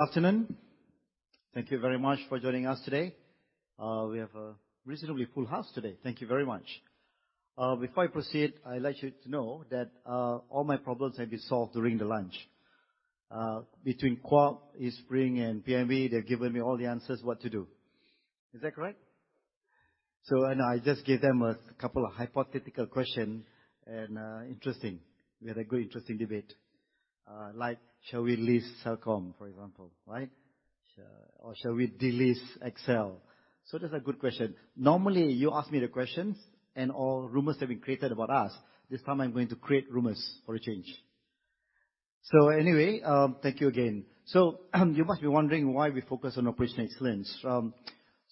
Afternoon. Thank you very much for joining us today. We have a reasonably full house today. Thank you very much. Before I proceed, I'd like you to know that all my problems have been solved during the lunch. Between KWAP, and PNB, they've given me all the answers what to do. Is that correct? So I just gave them a couple of hypothetical questions, and interesting. We had a good, interesting debate. Like, shall we list Celcom, for example, right? Or shall we delist XL? So that's a good question. Normally, you ask me the questions, and all rumors have been created about us. This time, I'm going to create rumors for a change. Anyway, thank you again. You must be wondering why we focus on excellence.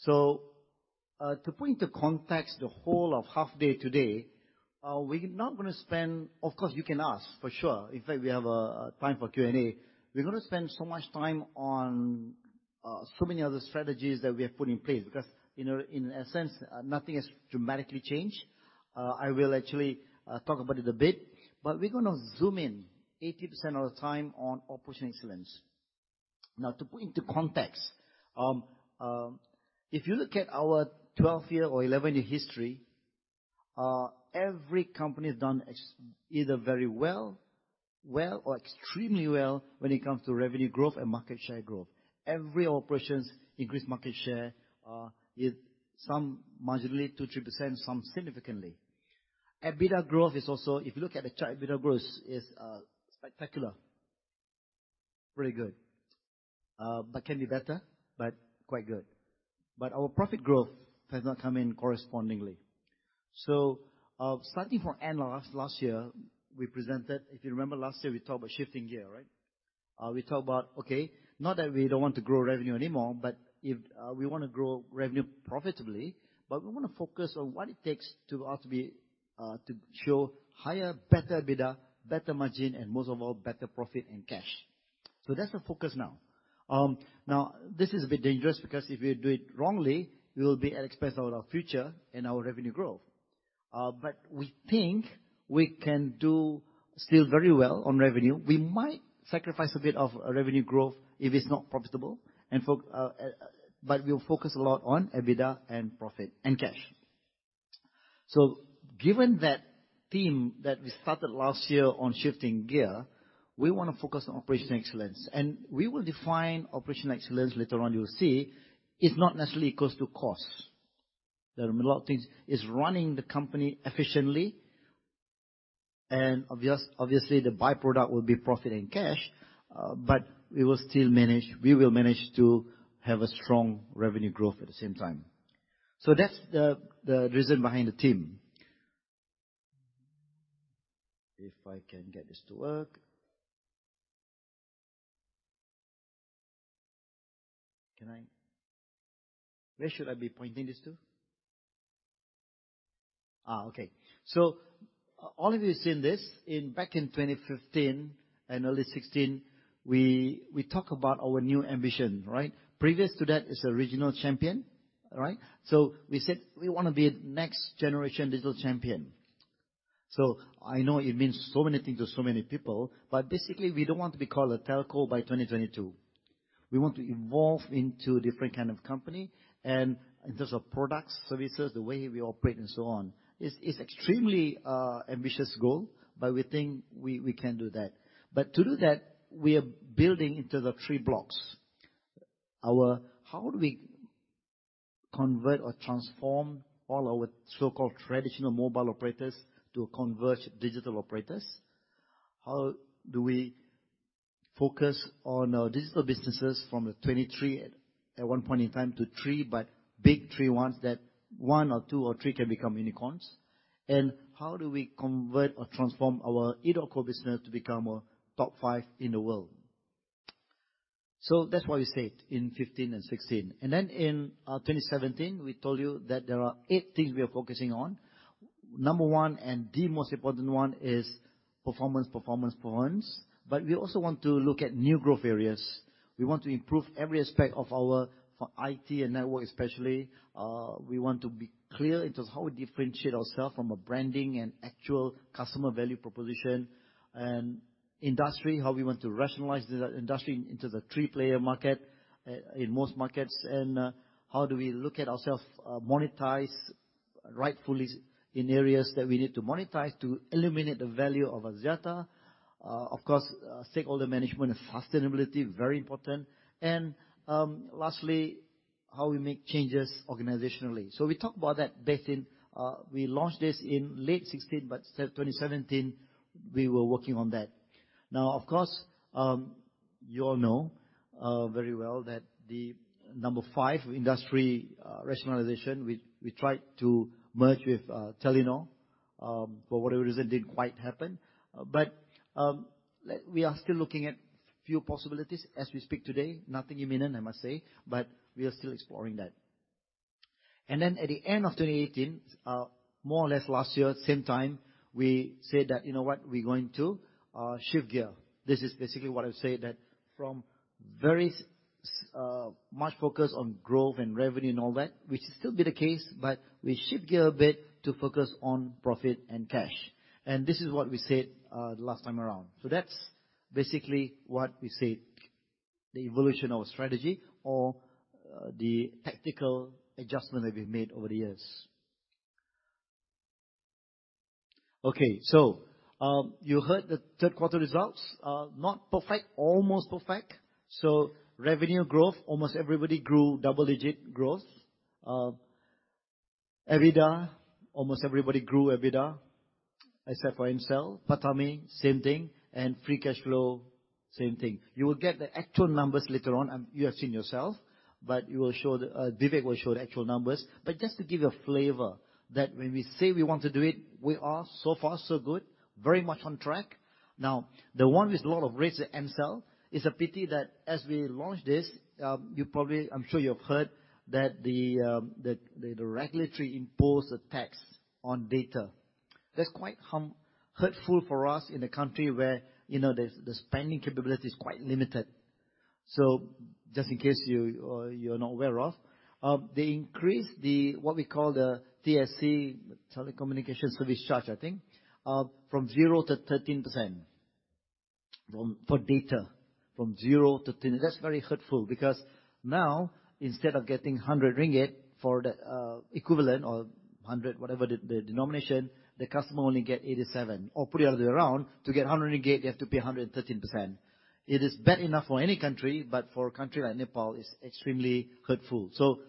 So to put into context the whole of half day today, we're not going to spend. Of course, you can ask, for sure. In fact, we have time for Q&A. We're going to spend so much time on so many other strategies that we have put in place because, in essence, nothing has dramatically changed. I will actually talk about it a bit. But we're going to zoom in 80% of the time on Operational Excellence. Now, to put into context, if you look at our 12-year or 11-year history, every company has done either very well or extremely well when it comes to revenue growth and market share growth. Every operation's increased market share is some marginally 2-3%, some significantly. EBITDA growth is also. If you look at the chart, EBITDA growth is spectacular. Pretty good. That can be better, but quite good. But our profit growth has not come in correspondingly. Starting from end of last year, we presented, if you remember last year, we talked about shifting gear, right? We talked about, okay, not that we don't want to grow revenue anymore, but we want to grow revenue profitably, but we want to focus on what it takes to show higher, better EBITDA, better margin, and most of all, better profit and cash. That's the focus now. Now, this is a bit dangerous because if we do it wrongly, we will be at expense of our future and our revenue growth. But we think we can do still very well on revenue. We might sacrifice a bit of revenue growth if it's not profitable, but we will focus a lot on EBITDA and profit and cash. Given that theme that we started last year on shifting gear, we want to focus on Operational Excellence. We will define Operational Excellence later on. You'll see it's not necessarily equal to cost. There are a lot of things. It's running the company efficiently, and obviously, the byproduct will be profit in cash, but we will still manage, we will manage to have a strong revenue growth at the same time. That's the reason behind the theme. If I can get this to work. Can I? Where should I be pointing this to? Okay. So all of you have seen this. Back in 2015 and early 2016, we talked about our new ambition, right? Previous to that is a regional champion, right? We said we want to be next generation digital champion. I know it means so many things to so many people, but basically, we don't want to be called a telco by 2022. We want to evolve into a different kind of company and in terms of products, services, the way we operate, and so on. It's an extremely ambitious goal, but we think we can do that. But to do that, we are building into the three blocks. How do we convert or transform all our so-called traditional mobile operators to converged digital operators? How do we focus on our digital businesses from the 23 at one point in time to three, but big three ones that one or two or three can become unicorns? And how do we convert or transform our Edotco business to become a top five in the world? That's why we said in 2015 and 2016. In 2017, we told you that there are eight things we are focusing on. Number one and the most important one is performance, performance, performance. But we also want to look at new growth areas. We want to improve every aspect of our IT and network, especially. We want to be clear into how we differentiate ourselves from a branding and actual customer value proposition and industry, how we want to rationalize the industry into the three-player market in most markets, and how do we look at ourselves monetize rightfully in areas that we need to monetize to eliminate the value of our data. Of course, stakeholder management and sustainability, very important. And lastly, how we make changes organizationally. We talked about that back in, we launched this in late 2016, but in 2017, we were working on that. Now, of course, you all know very well that the number five industry rationalization, we tried to merge with Telenor for whatever reason didn't quite happen. But we are still looking at a few possibilities as we speak today. Nothing imminent, I must say, but we are still exploring that. At the end of 2018, more or less last year, same time, we said that, you know what, we're going to shift gear. This is basically what I've said, that from very much focus on growth and revenue and all that, which has still been the case, but we shift gear a bit to focus on profit and cash. This is what we said the last time around. That's basically what we said, the evolution of our strategy or the tactical adjustment that we've made over the years. Okay. So you heard the third-quarter results. Not perfect, almost perfect so revenue growth, almost everybody grew double-digit growth. EBITDA, almost everybody grew EBITDA, except for himself. Smart, same thing, and free cash flow, same thing. You will get the actual numbers later on. You have seen yourself, but Vivek will show the actual numbers but just to give you a flavor that when we say we want to do it, we are so far, so good, very much on track. Now, the one with a lot of rates, the Ncell, it's a pity that as we launched this, you probably, I'm sure you've heard that the regulator imposed a tax on data. That's quite hurtful for us in a country where the spending capability is quite limited so just in case you're not aware of, they increased what we call the TSC, Telecommunication Service Charge, I think, from 0% to 13% for data, from 0% to 13%. That's very hurtful because now, instead of getting 100 ringgit for the equivalent or 100, whatever the denomination, the customer only gets 87. Or put it the other way around, to get 100 ringgit, they have to pay 113%. It is bad enough for any country, but for a country like Nepal, it's extremely hurtful. So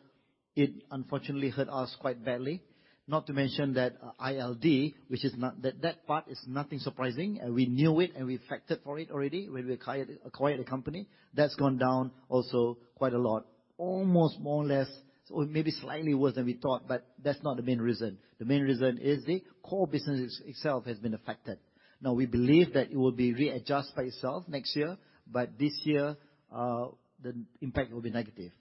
it unfortunately hurt us quite badly. Not to mention that ILD, which is not, that part is nothing surprising. We knew it, and we factored for it already when we acquired the company. That's gone down also quite a lot. Almost more or less, maybe slightly worse than we thought, but that's not the main reason. The main reason is the core business itself has been affected. Now, we believe that it will be readjusted by itself next year, but this year, the impact will be negative.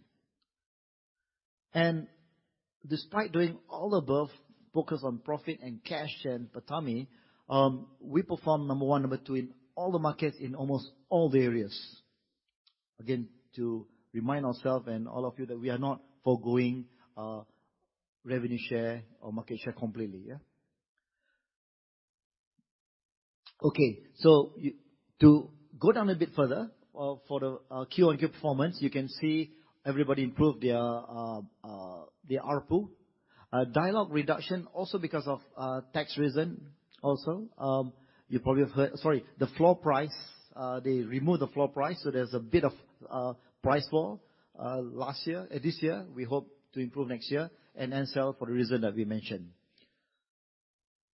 Despite doing all the above, focus on profit and cash and PATAMI, we perform number one, number two in all the markets in almost all the areas. Again, to remind ourselves and all of you that we are not forgoing revenue share or market share completely. Okay. To go down a bit further for the Q on Q performance, you can see everybody improved their ARPU. Dialog reduction also because of tax reasons also. You probably have heard. Sorry, the floor price. They removed the floor price, so there's a bit of price fall last year. This year, we hope to improve next year and Ncell for the reason that we mentioned.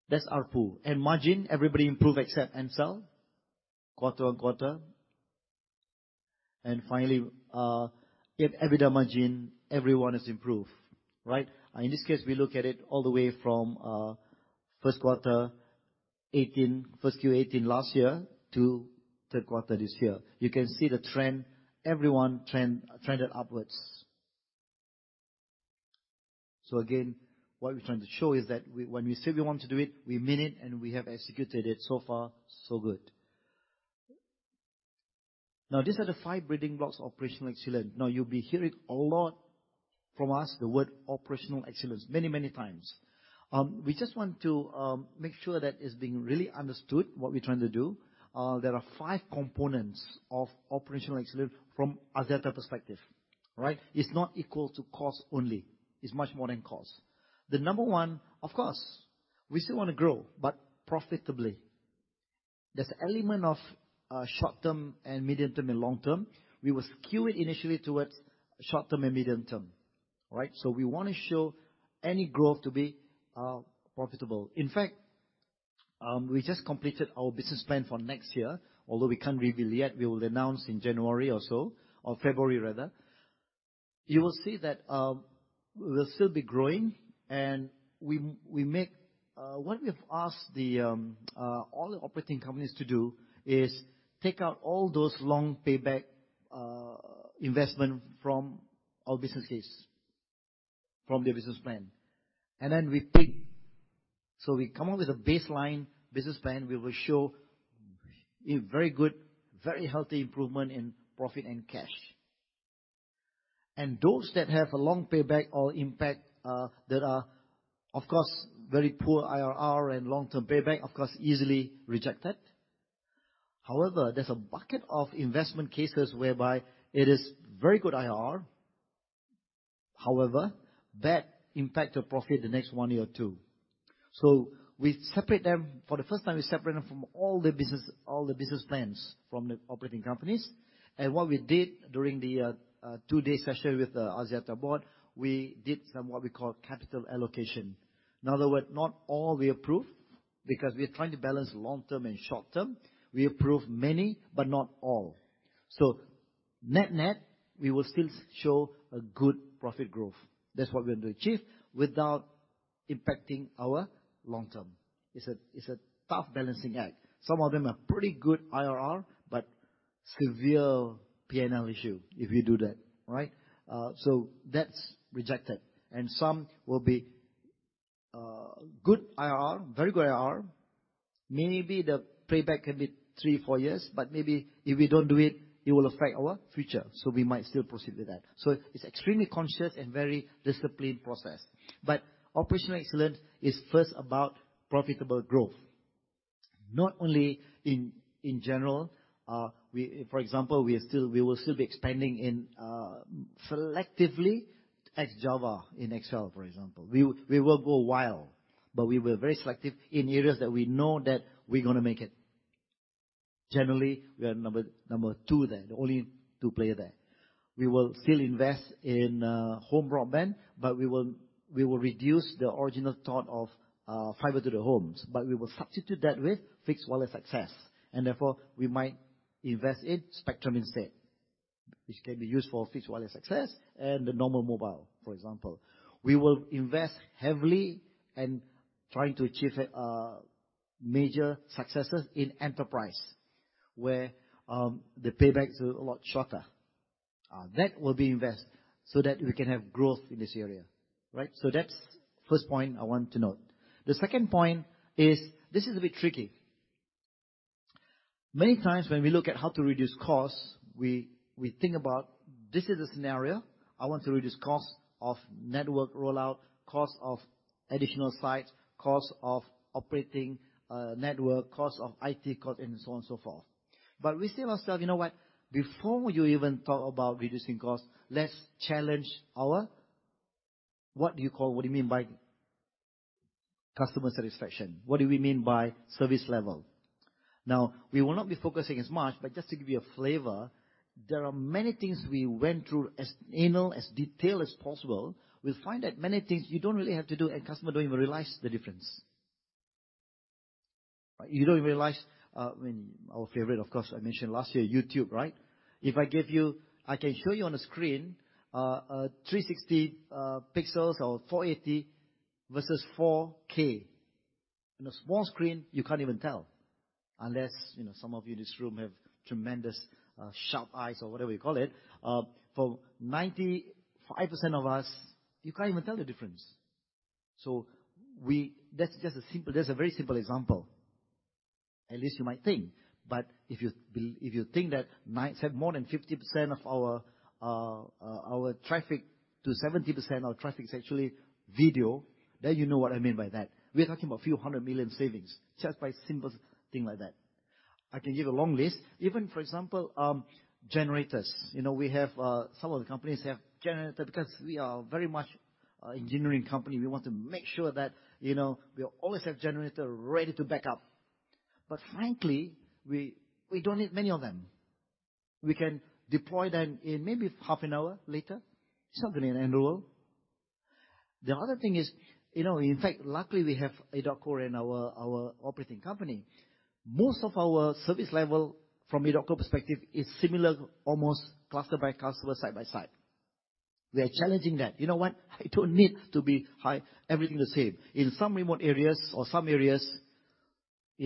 That's ARPU. And margin, everybody improved except Ncell. Quarter on quarter. Finally, EBITDA margin, everyone has improved, right? In this case, we look at it all the way from first quarter 2018, first Q 2018 last year to third quarter this year. You can see the trend. Everyone trended upwards. So again, what we're trying to show is that when we say we want to do it, we mean it, and we have executed it so far, so good. Now, these are the five building blocks of Operational Excellence. Now, you'll be hearing a lot from us, the word Operational Excellence, many, many times. We just want to make sure that it's being really understood what we're trying to do. There are five components of Operational Excellence from Axiata perspective, right? It's not equal to cost only. It's much more than cost. The number one, of course, we still want to grow, but profitably. There's an element of short-term and medium-term and long-term. We will skew it initially towards short-term and medium-term, right? We want to show any growth to be profitable. In fact, we just completed our business plan for next year, although we can't reveal yet. We will announce in January or so, or February rather. You will see that we will still be growing, and we make what we have asked all the operating companies to do is take out all those long payback investments from our business case, from their business plan, and then we pick. So we come up with a baseline business plan. We will show very good, very healthy improvement in profit and cash, and those that have a long payback or impact that are, of course, very poor IRR and long-term payback, of course, easily rejected. However, there's a bucket of investment cases whereby it is very good IRR, however, bad impact to profit the next one year or two. We separate them for the first time. We separate them from all the business plans from the operating companies. What we did during the two-day session with the Axiata Board, we did some what we call capital allocation. In other words, not all we approved because we're trying to balance long-term and short-term. We approved many, but not all. So net-net, we will still show a good profit growth. That's what we want to achieve without impacting our long-term. It's a tough balancing act. Some of them are pretty good IRR, but severe P&L issue if you do that, right? So that's rejected. Some will be good IRR, very good IRR. Maybe the payback can be three, four years, but maybe if we don't do it, it will affect our future. So we might still proceed with that. It's an extremely conscious and very disciplined process, but Operational Excellence is first about profitable growth, not only in general. For example, we will still be expanding selectively to Ex-Java in XL, for example. We will go wide, but we will be very selective in areas that we know that we're going to make it. Generally, we are number two there, the only two players there. We will still invest in home broadband, but we will reduce the original thought of fiber to the homes, but we will substitute that with fixed wireless access. And therefore, we might invest in spectrum instead, which can be used for fixed wireless access and the normal mobile, for example. We will invest heavily and try to achieve major successes in enterprise where the payback is a lot shorter. That will be invested so that we can have growth in this area, right? That's the first point I want to note. The second point is this is a bit tricky. Many times when we look at how to reduce costs, we think about this is a scenario. I want to reduce cost of network rollout, cost of additional sites, cost of operating network, cost of IT, cost, and so on and so forth. But we say to ourselves, you know what? Before you even talk about reducing costs, let's challenge our—what do you call—what do you mean by customer satisfaction? What do we mean by service level? Now, we will not be focusing as much, but just to give you a flavor, there are many things we went through as anally as detailed as possible. We'll find that many things you don't really have to do, and customers don't even realize the difference. You don't even realize our favorite, of course, I mentioned last year, YouTube, right? If I give you—I can show you on the screen 360 pixels or 480 versus 4K. On a small screen, you can't even tell unless some of you in this room have tremendous sharp eyes or whatever you call it. For 95% of us, you can't even tell the difference. That's just a simple—that's a very simple example. At least you might think. But if you think that more than 50% of our traffic to 70% of our traffic is actually video, then you know what I mean by that. We are talking about a few hundred million savings just by simple things like that. I can give a long list. Even, for example, generators. We have some of the companies have generators because we are a very much engineering company. We want to make sure that we always have generators ready to back up. But frankly, we don't need many of them. We can deploy them in maybe half an hour later. It's not going to end the world. The other thing is, in fact, luckily we have EDOTCO in our operating company. Most of our service level from EDOTCO perspective is similar, almost clustered by customers side by side. We are challenging that. You know what? I don't need to be everything the same. In some remote areas or some areas,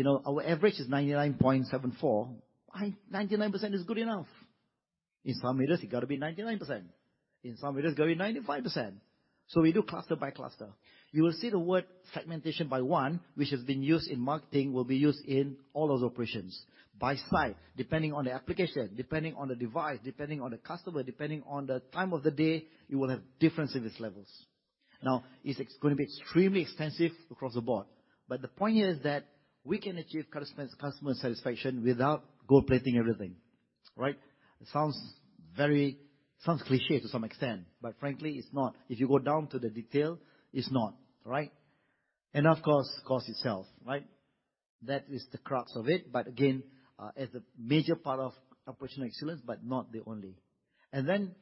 our average is 99.74%. 99% is good enough. In some areas, it's got to be 99%. In some areas, it's got to be 95%. So we do cluster by cluster. You will see the word fragmentation by one, which has been used in marketing, will be used in all those operations. By site, depending on the application, depending on the device, depending on the customer, depending on the time of the day, you will have different service levels. Now, it's going to be extremely extensive across the board. But the point here is that we can achieve customer satisfaction without gold plating everything, right? Sounds cliché to some extent, but frankly, it's not. If you go down to the detail, it's not, right? And of course, cost itself, right? That is the crux of it. But again, as the major part of Operational Excellence, but not the only. And then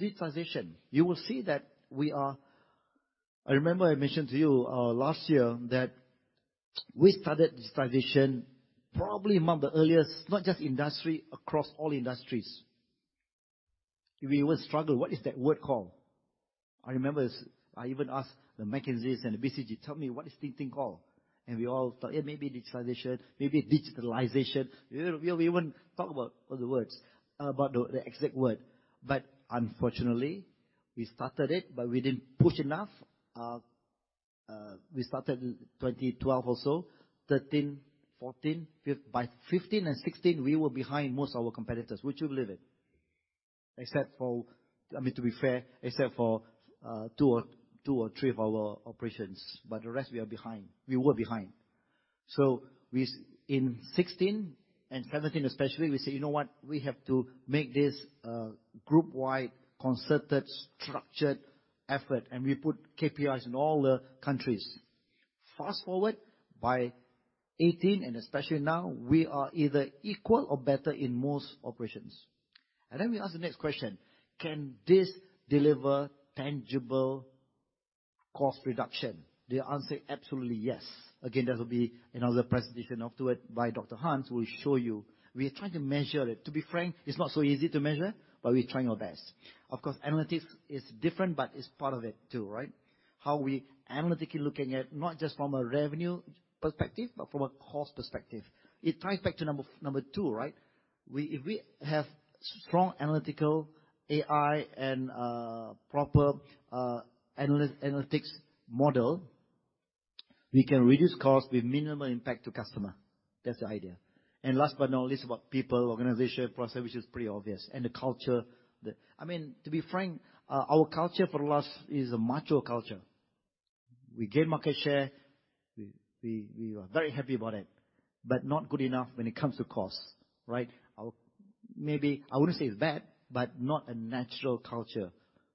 digitization, you will see that we are. I remember I mentioned to you last year that we started digitization probably among the earliest, not just industry, across all industries. We were struggling. What is that word called? I remember I even asked the McKinsey and the BCG, "Tell me, what is this thing called?" And we all thought, "Yeah, maybe digitization, maybe digitalization." We won't talk about the words, about the exact word. But unfortunately, we started it, but we didn't push enough. We started in 2012 or so, 2013, 2014, by 2015, and 2016, we were behind most of our competitors, which we believe in. Except for, I mean, to be fair, except for two or three of our operations. But the rest, we were behind. We were behind. In 2016 and 2017, especially, we said, "You know what? We have to make this group-wide concerted structured effort." And we put KPIs in all the countries. Fast forward, by 2018 and especially now, we are either equal or better in most operations. And then we asked the next question, "Can this deliver tangible cost reduction?" The answer, absolutely yes. Again, that will be another presentation afterward by Dr. Hans, who will show you. We are trying to measure it. To be frank, it's not so easy to measure, but we're trying our best. Of course, analytics is different, but it's part of it too, right? How we analytically looking at not just from a revenue perspective, but from a cost perspective. It ties back to number two, right? If we have strong analytical AI and proper analytics model, we can reduce cost with minimal impact to customer. That's the idea. And last but not least, about people, organization, process, which is pretty obvious. And the culture. I mean, to be frank, our culture for the last is a macho culture. We gain market share. We are very happy about it, but not good enough when it comes to cost, right? Maybe I wouldn't say it's bad, but not a natural culture.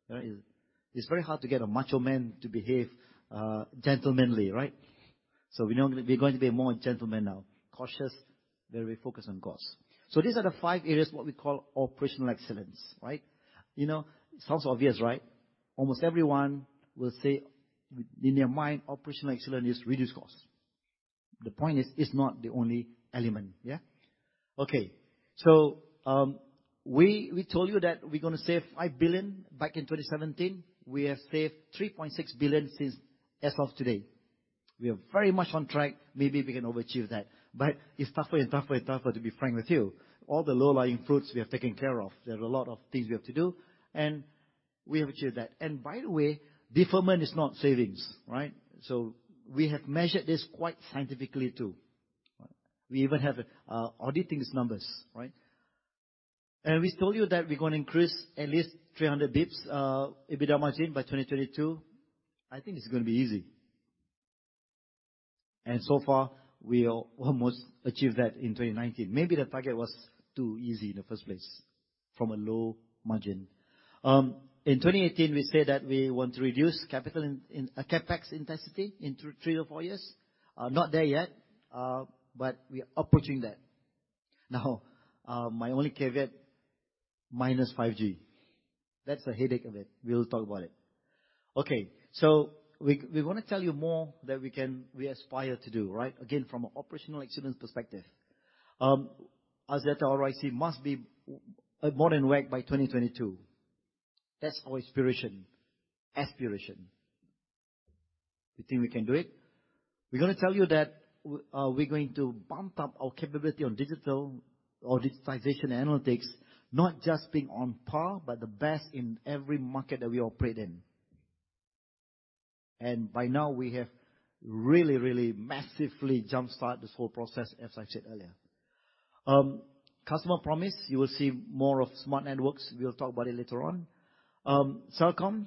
It's very hard to get a macho man to behave gentlemanly, right? So we're going to be more gentlemen now. Cautious, very focused on cost. So these are the five areas what we call Operational Excellence, right? Sounds obvious, right? Almost everyone will say in their mind, Operational Excellence is reduced cost. The point is it's not the only element, yeah? Okay. So we told you that we're going to save 5 billion back in 2017. We have saved 3.6 billion since as of today. We are very much on track. Maybe we can overachieve that. But it's tougher and tougher and tougher, to be frank with you. All the low-hanging fruits we have taken care of. There are a lot of things we have to do, and we have achieved that. And by the way, deferment is not savings, right? So we have measured this quite scientifically too. We even have audited these numbers, right? We told you that we're going to increase at least 300 basis points EBITDA margin by 2022. I think it's going to be easy. So far, we almost achieved that in 2019. Maybe the target was too easy in the first place from a low margin. In 2018, we said that we want to reduce capital and CapEx intensity in three to four years. Not there yet, but we are approaching that. Now, my only caveat, -5G. That's a headache of it. We'll talk about it. Okay. We want to tell you more that we aspire to do, right? Again, from an Operational Excellence perspective, Axiata ROIC must be more than WACC by 2022. That's our aspiration. We think we can do it? We're going to tell you that we're going to bump up our capability on digital or digitization analytics, not just being on par, but the best in every market that we operate in. By now, we have really, really massively jump-started this whole process, as I said earlier. Customer promise, you will see more of smart networks. We'll talk about it later on. Celcom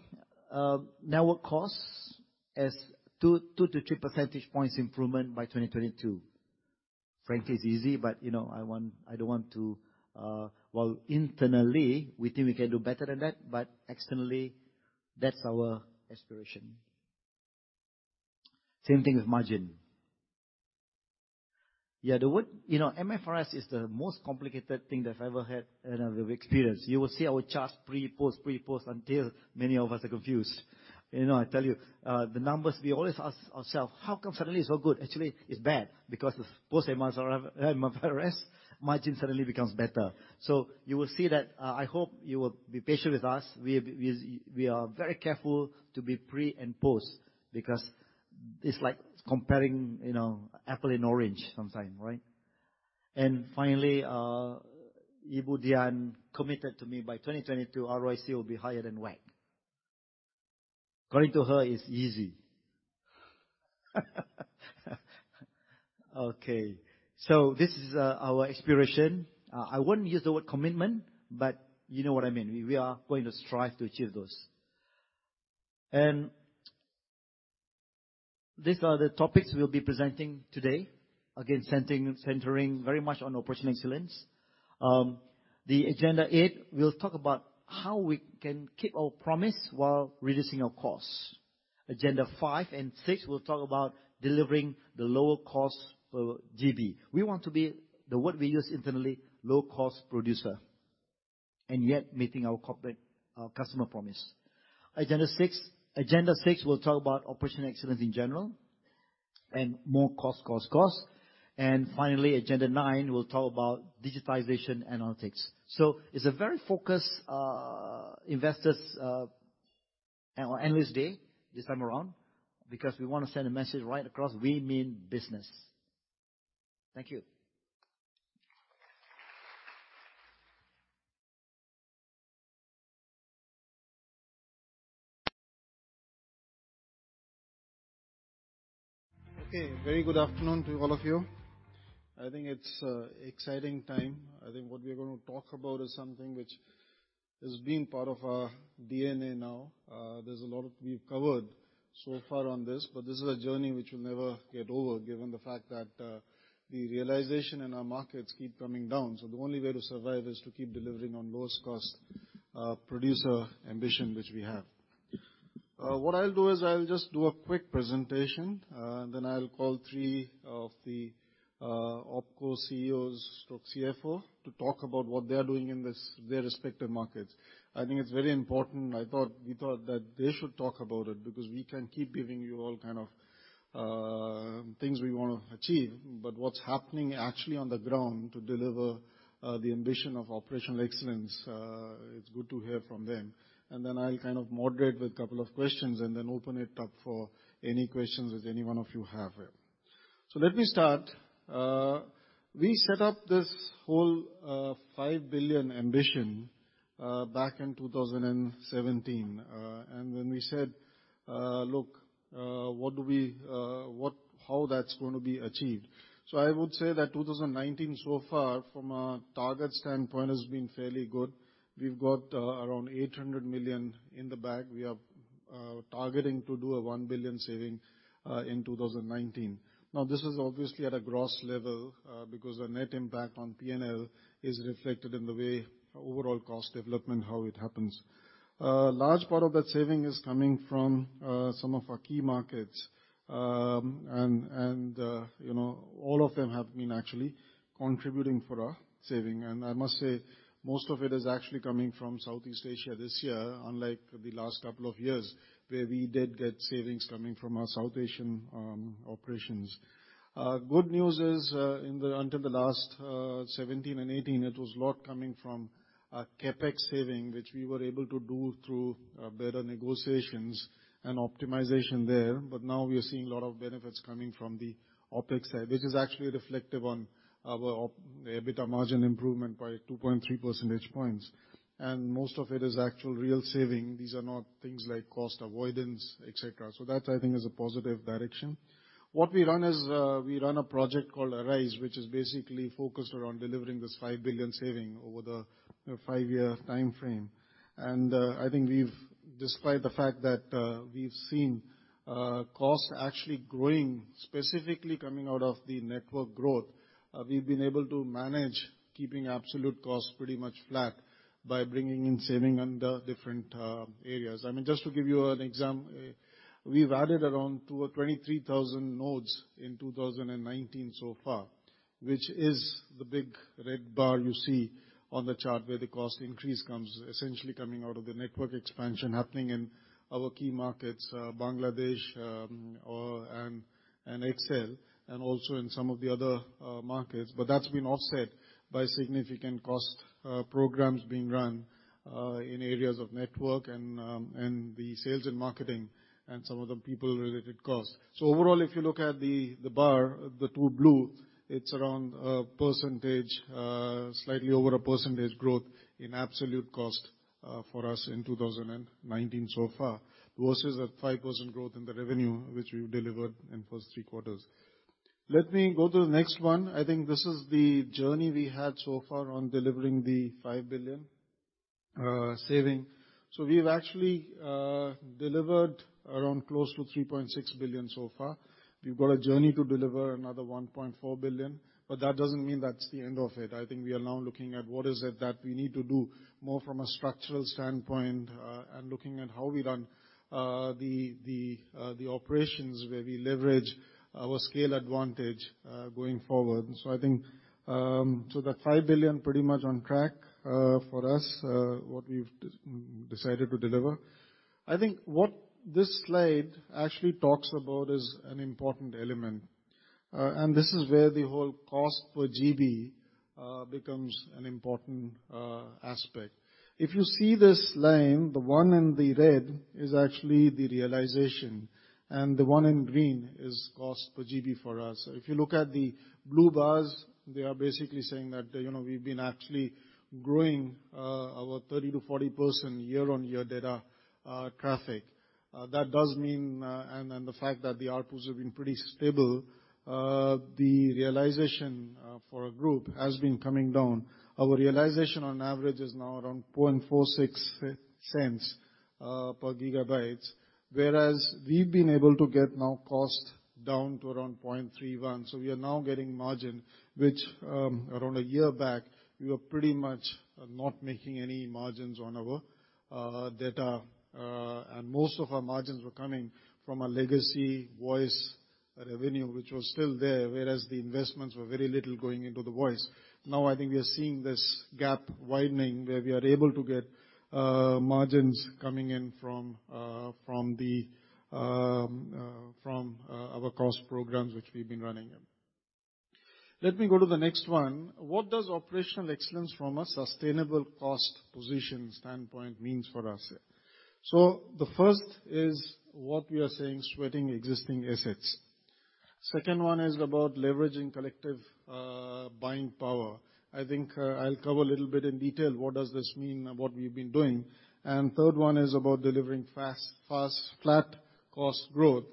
network costs as 2-3 percentage points improvement by 2022. Frankly, it's easy, but I don't want to, well, internally, we think we can do better than that, but externally, that's our aspiration. Same thing with margin. Yeah, the word MFRS is the most complicated thing that I've ever had and I've ever experienced. You will see our charts, pre-post, pre-post until many of us are confused. I tell you, the numbers, we always ask ourselves, how come suddenly it's so good? Actually, it's bad because the post-MFRS margin suddenly becomes better. So you will see that. I hope you will be patient with us. We are very careful to be pre and post because it's like comparing apple and orange sometimes, right? Finally, Ibu Dian committed to me by 2022, ROIC will be higher than WACC. According to her, it's easy. Okay. So this is our aspiration. I wouldn't use the word commitment, but you know what I mean. We are going to strive to achieve those. These are the topics we'll be presenting today. Again, centering very much on Operational Excellence. Agenda 8, we'll talk about how we can keep our promise while reducing our costs. Agenda 5 and 6, we'll talk about delivering the lower cost per GB. We want to be the word we use internally, low-cost producer, and yet meeting our customer promise. Agenda 6, we'll talk about Operational Excellence in general and more cost, cost, cost. Finally, agenda 9, we'll talk about digitization analytics. It's a very focused investors' analyst day this time around because we want to send a message right across. We mean business. Thank you. Okay. Very good afternoon to all of you. I think it's an exciting time. I think what we are going to talk about is something which has been part of our DNA now. There's a lot we've covered so far on this, but this is a journey which we'll never get over given the fact that the realization in our markets keep coming down. So the only way to survive is to keep delivering on lowest cost producer ambition, which we have. What I'll do is I'll just do a quick presentation, and then I'll call three of the OPCO CEOs/CFO to talk about what they are doing in their respective markets. I think it's very important. I thought we thought that they should talk about it because we can keep giving you all kind of things we want to achieve, but what's happening actually on the ground to deliver the ambition of Operational Excellence, it's good to hear from them. Then I'll kind of moderate with a couple of questions and then open it up for any questions that any one of you have here. So let me start. We set up this whole 5 billion ambition back in 2017. And when we said, "Look, what do we know how that's going to be achieved?" So I would say that 2019 so far, from a target standpoint, has been fairly good. We've got around 800 million in the bag. We are targeting to do a 1 billion saving in 2019. Now, this is obviously at a gross level because the net impact on P&L is reflected in the way overall cost development, how it happens. A large part of that saving is coming from some of our key markets. All of them have been actually contributing for our saving. I must say, most of it is actually coming from Southeast Asia this year, unlike the last couple of years where we did get savings coming from our South Asian operations. Good news is, until the last 2017 and 2018, it was a lot coming from CapEx saving, which we were able to do through better negotiations and optimization there. But now we are seeing a lot of benefits coming from the OpEx side, which is actually reflective on our EBITDA margin improvement by 2.3 percentage points. And most of it is actual real saving. These are not things like cost avoidance, etc. So that, I think, is a positive direction. What we run is we run a project called ARISE, which is basically focused around delivering this 5 billion saving over the five-year time frame. I think, despite the fact that we've seen cost actually growing, specifically coming out of the network growth, we've been able to manage keeping absolute costs pretty much flat by bringing in saving under different areas. I mean, just to give you an example, we've added around 23,000 nodes in 2019 so far, which is the big red bar you see on the chart where the cost increase comes essentially out of the network expansion happening in our key markets, Bangladesh and XL, and also in some of the other markets. But that's been offset by significant cost programs being run in areas of network and the sales and marketing and some of the people-related costs. Overall, if you look at the bar, the two blue, it's around 1%, slightly over 1% growth in absolute cost for us in 2019 so far, versus a 5% growth in the revenue, which we've delivered in the first three quarters. Let me go to the next one. I think this is the journey we had so far on delivering the 5 billion savings. We've actually delivered around close to 3.6 billion so far. We've got a journey to deliver another 1.4 billion. But that doesn't mean that's the end of it. I think we are now looking at what is it that we need to do more from a structural standpoint and looking at how we run the operations where we leverage our scale advantage going forward. So I think that 5 billion pretty much on track for us, what we've decided to deliver. I think what this slide actually talks about is an important element. This is where the whole cost per GB becomes an important aspect. If you see this line, the one in the red is actually the realization, and the one in green is cost per GB for us. If you look at the blue bars, they are basically saying that we've been actually growing our 30%-40% year-on-year data traffic. That does mean, and the fact that the outputs have been pretty stable, the realization for our group has been coming down. Our realization on average is now around $0.0046 per GB, whereas we've been able to get our cost down to around $0.0031. We are now getting margin, which around a year back, we were pretty much not making any margins on our data. Most of our margins were coming from our legacy voice revenue, which was still there, whereas the investments were very little going into the voice. Now, I think we are seeing this gap widening where we are able to get margins coming in from our cost programs, which we've been running. Let me go to the next one. What does Operational Excellence from a sustainable cost position standpoint mean for us? So the first is what we are saying, sweating existing assets. Second one is about leveraging collective buying power. I think I'll cover a little bit in detail what does this mean, what we've been doing. And third one is about delivering fast, flat cost growth,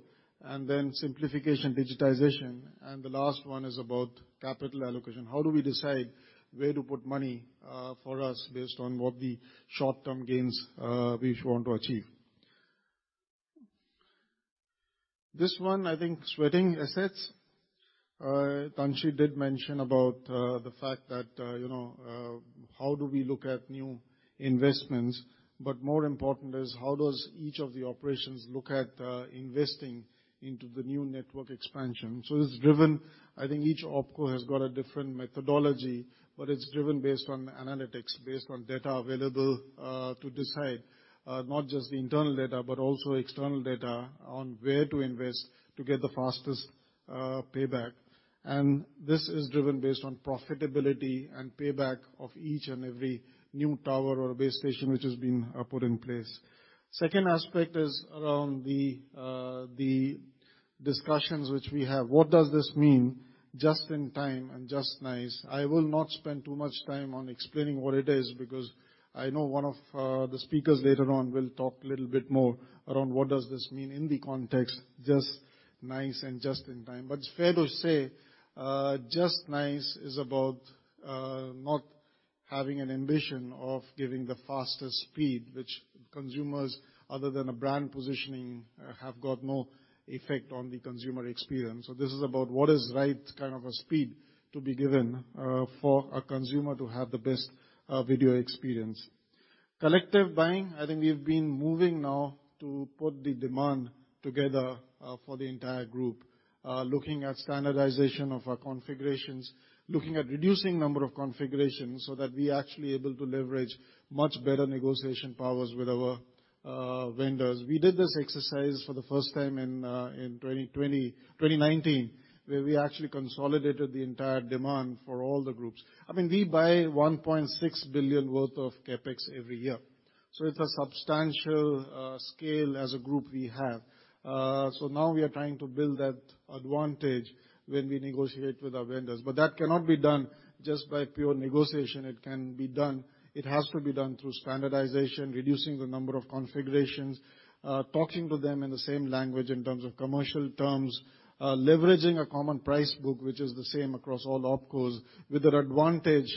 and then simplification, digitization. And the last one is about capital allocation. How do we decide where to put money for us based on what the short-term gains we want to achieve? This one, I think, sweating assets. Tan Sri did mention about the fact that how do we look at new investments, but more important is how does each of the operations look at investing into the new network expansion. So it's driven. I think each OPCO has got a different methodology, but it's driven based on analytics, based on data available to decide, not just the internal data, but also external data on where to invest to get the fastest payback. This is driven based on profitability and payback of each and every new tower or base station which has been put in place. Second aspect is around the discussions which we have. What does this mean? Just in time and just nice. I will not spend too much time on explaining what it is because I know one of the speakers later on will talk a little bit more around what does this mean in the context, just nice and just in time. But it's fair to say just nice is about not having an ambition of giving the fastest speed, which consumers, other than a brand positioning, have got no effect on the consumer experience. This is about what is right kind of a speed to be given for a consumer to have the best video experience. Collective buying, I think we've been moving now to put the demand together for the entire group, looking at standardization of our configurations, looking at reducing number of configurations so that we are actually able to leverage much better negotiation powers with our vendors. We did this exercise for the first time in 2019, where we actually consolidated the entire demand for all the groups. I mean, we buy 1.6 billion worth of CapEx every year, so it's a substantial scale as a group we have. Now we are trying to build that advantage when we negotiate with our vendors, but that cannot be done just by pure negotiation. It can be done. It has to be done through standardization, reducing the number of configurations, talking to them in the same language in terms of commercial terms, leveraging a common price book, which is the same across all OpCos, with an advantage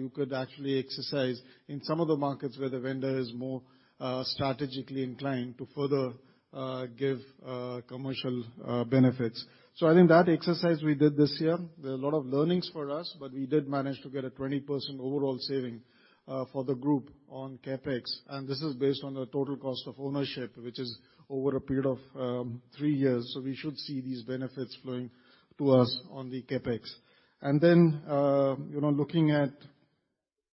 you could actually exercise in some of the markets where the vendor is more strategically inclined to further give commercial benefits. I think that exercise we did this year, there are a lot of learnings for us, but we did manage to get a 20% overall saving for the group on CapEx. This is based on the total cost of ownership, which is over a period of three years. So we should see these benefits flowing to us on the CapEx. And then looking at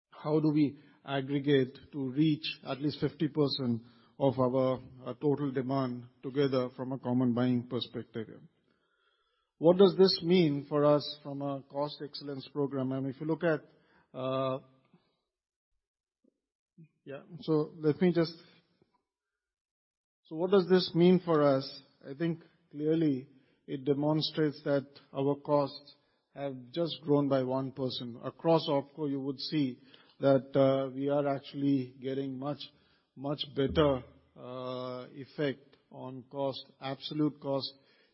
how do we aggregate to reach at least 50% of our total demand together from a common buying perspective? What does this mean for us from a cost excellence program? And if you look at what does this mean for us? I think clearly it demonstrates that our costs have just grown by 1%. Across OPCO, you would see that we are actually getting much, much better effect on cost. Absolute cost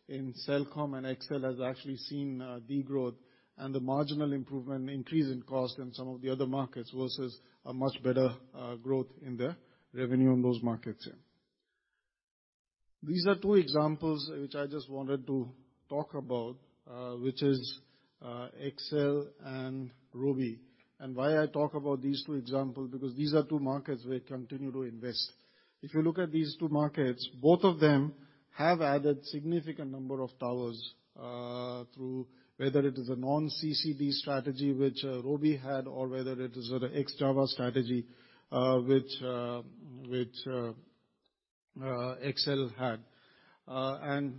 in Celcom and XL has actually seen the growth and the marginal improvement, increase in cost in some of the other markets versus a much better growth in the revenue in those markets. These are two examples which I just wanted to talk about, which is XL and Robi. And why I talk about these two examples? Because these are two markets where we continue to invest. If you look at these two markets, both of them have added significant number of towers through whether it is a strategy, which Robi had, or whether it is an Ex-Java strategy, which XL had.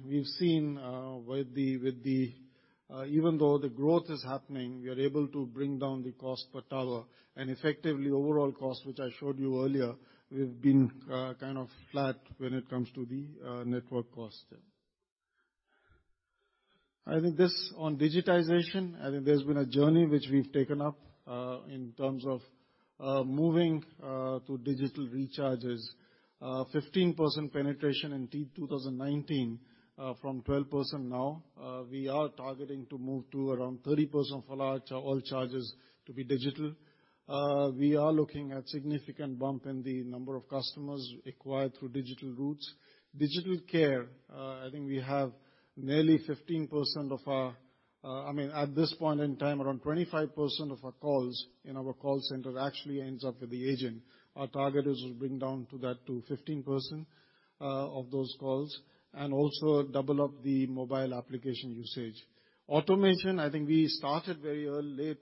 We've seen that even though the growth is happening, we are able to bring down the cost per tower. Effectively, overall cost, which I showed you earlier, we've been kind of flat when it comes to the network cost. I think this on digitization, I think there's been a journey which we've taken up in terms of moving to digital recharges. 15% penetration in 2019 from 12% now. We are targeting to move to around 30% of all charges to be digital. We are looking at significant bump in the number of customers acquired through digital routes. Digital care, I think we have nearly 15% of our I mean, at this point in time, around 25% of our calls in our call center actually ends up with the agent. Our target is to bring down to that to 15% of those calls and also double up the mobile application usage. Automation, I think we started very early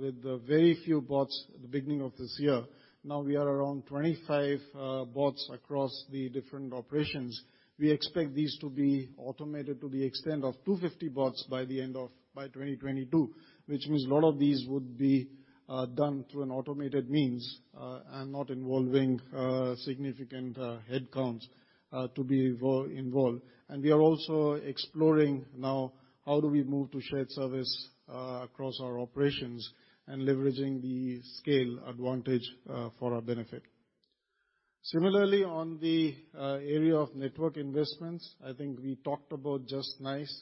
with very few bots at the beginning of this year. Now we are around 25 bots across the different operations. We expect these to be automated to the extent of 250 bots by the end of 2022, which means a lot of these would be done through an automated means and not involving significant headcounts to be involved. We are also exploring now how do we move to shared service across our operations and leveraging the scale advantage for our benefit? Similarly, on the area of network investments, I think we talked about just nice.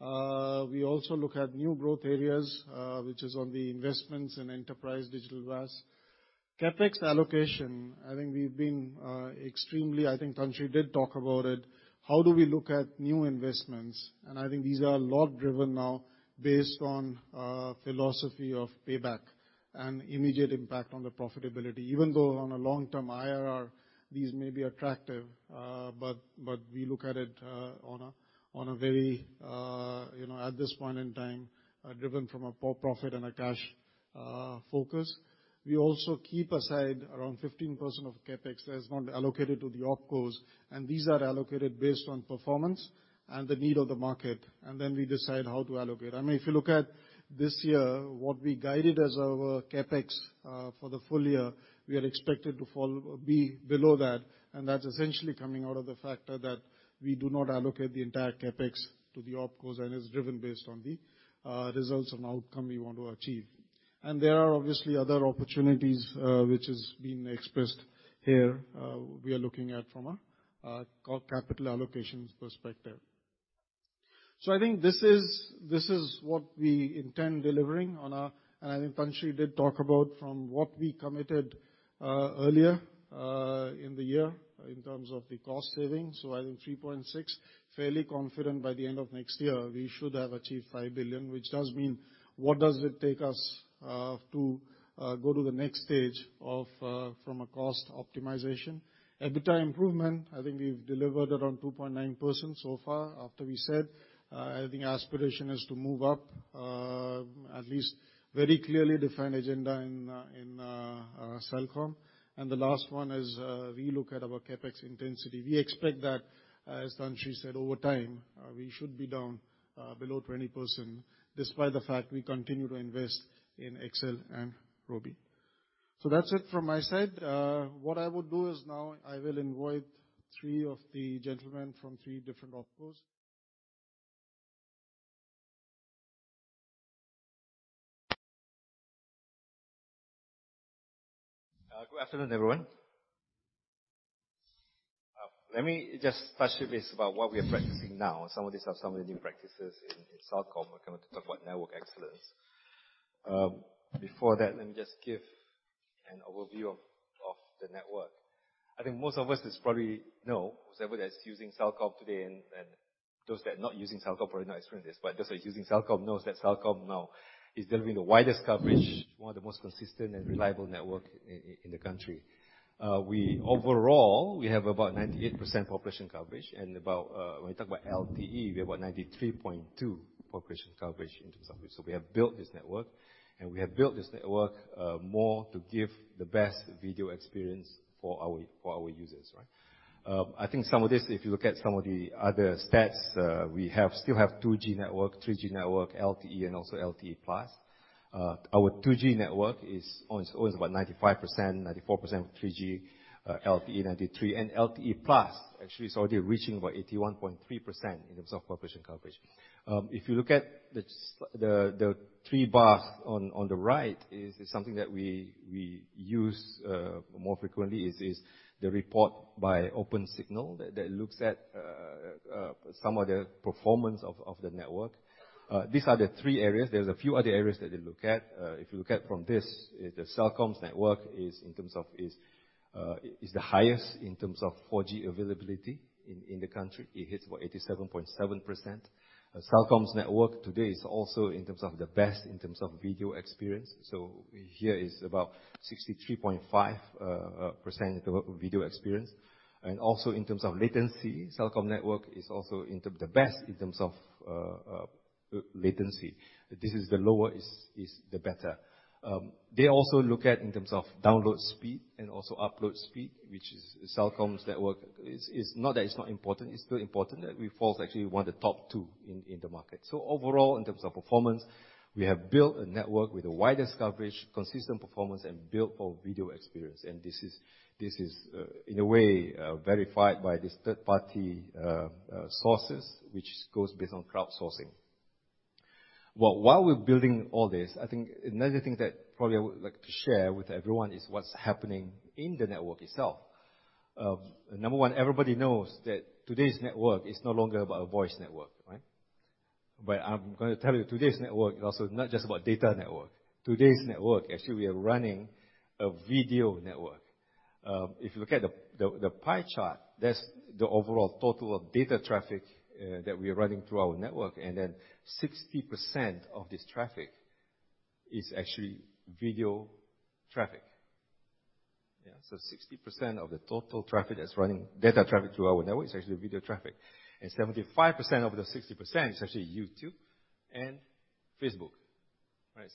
We also look at new growth areas, which is on the investments in enterprise digital VAS. CapEx allocation, I think we've been extremely. I think Tan Sri did talk about it. How do we look at new investments? I think these are a lot driven now based on philosophy of payback and immediate impact on the profitability. Even though on a long-term IRR, these may be attractive, but we look at it on a very short-term basis at this point in time, driven from a profit and a cash focus. We also keep aside around 15% of CapEx that is not allocated to the OpCos. These are allocated based on performance and the need of the market. Then we decide how to allocate. I mean, if you look at this year, what we guided as our CapEx for the full year, we are expected to be below that. That's essentially coming out of the fact that we do not allocate the entire CapEx to the OpCos and is driven based on the results and outcome we want to achieve. There are obviously other opportunities, which has been expressed here, we are looking at from a capital allocations perspective. I think this is what we intend delivering on our end, and I think Tan Sri did talk about from what we committed earlier in the year in terms of the cost savings. I think 3.6 billion, fairly confident by the end of next year, we should have achieved 5 billion, which does mean what does it take us to go to the next stage from a cost optimization? EBITDA improvement, I think we've delivered around 2.9% so far after we said. I think aspiration is to move up, at least very clearly define agenda in Celcom. The last one is we look at our CapEx intensity. We expect that, as Tan Sri said, over time, we should be down below 20% despite the fact we continue to invest in XL and Robi. That's it from my side. What I will do is now I will invite three of the gentlemen from three different OpCos. Good afternoon, everyone. Let me just touch a bit about what we are practicing now. Some of these are some of the new practices in Celcom. We're going to talk about network excellence. Before that, let me just give an overview of the network. I think most of us probably know, whoever that's using Celcom today and those that are not using Celcom probably not experienced this, but those that are using Celcom know that Celcom now is delivering the widest coverage, one of the most consistent and reliable networks in the country. Overall, we have about 98% population coverage, and when we talk about LTE, we have about 93.2% population coverage in terms of it. We have built this network, and we have built this network more to give the best video experience for our users. I think some of this, if you look at some of the other stats, we still have 2G network, 3G network, LTE, and also LTE+. Our 2G network is always about 95%, 94% of 3G, LTE 93%. And LTE+, actually, is already reaching about 81.3% in terms of population coverage. If you look at the three bars on the right, it's something that we use more frequently, is the report by Opensignal that looks at some of the performance of the network. These are the three areas. There's a few other areas that they look at. If you look at from this, the Celcom's network is the highest in terms of 4G availability in the country. It hits about 87.7%. Celcom's network today is also in terms of the best in terms of video experience. Here is about 63.5% video experience. Also in terms of latency, Celcom network is also the best in terms of latency. This is the lower the better. They also look at in terms of download speed and also upload speed, which is Celcom's network. It's not that it's not important. It's still important that we fall actually one of the top two in the market. Overall, in terms of performance, we have built a network with the widest coverage, consistent performance, and built for video experience. This is, in a way, verified by these third-party sources, which is based on crowdsourcing. While we're building all this, I think another thing that probably I would like to share with everyone is what's happening in the network itself. Number one, everybody knows that today's network is no longer about a voice network, but I'm going to tell you, today's network is also not just about data network. Today's network, actually, we are running a video network. If you look at the pie chart, that's the overall total of data traffic that we are running through our network, and then 60% of this traffic is actually video traffic. So 60% of the total traffic that's running data traffic through our network is actually video traffic, and 75% of the 60% is actually YouTube and Facebook.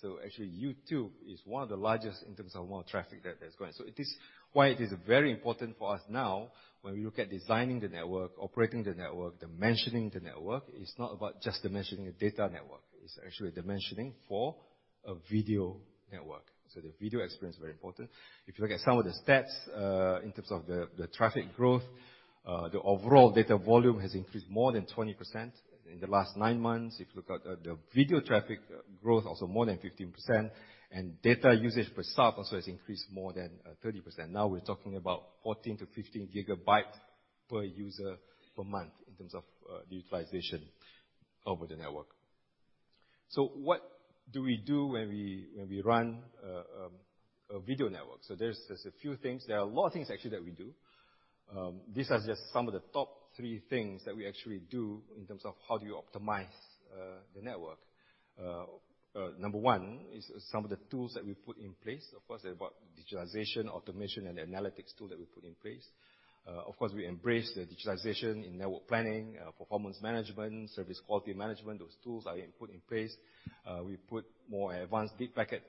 So actually, YouTube is one of the largest in terms of more traffic that's going. So this is why it is very important for us now when we look at designing the network, operating the network, dimensioning the network. It's not about just dimensioning a data network. It's actually dimensioning for a video network. The video experience is very important. If you look at some of the stats in terms of the traffic growth, the overall data volume has increased more than 20% in the last nine months. If you look at the video traffic growth, also more than 15%. And data usage per sub also has increased more than 30%. Now we're talking about 14-15 GBs per user per month in terms of the utilization over the network. So what do we do when we run a video network? There's a few things. There are a lot of things, actually, that we do. These are just some of the top three things that we actually do in terms of how do you optimize the network. Number one is some of the tools that we put in place. Of course, they're about digitalization, automation, and analytics tool that we put in place. Of course, we embrace the digitalization in network planning, performance management, service quality management. Those tools are put in place. We put more advanced deep packet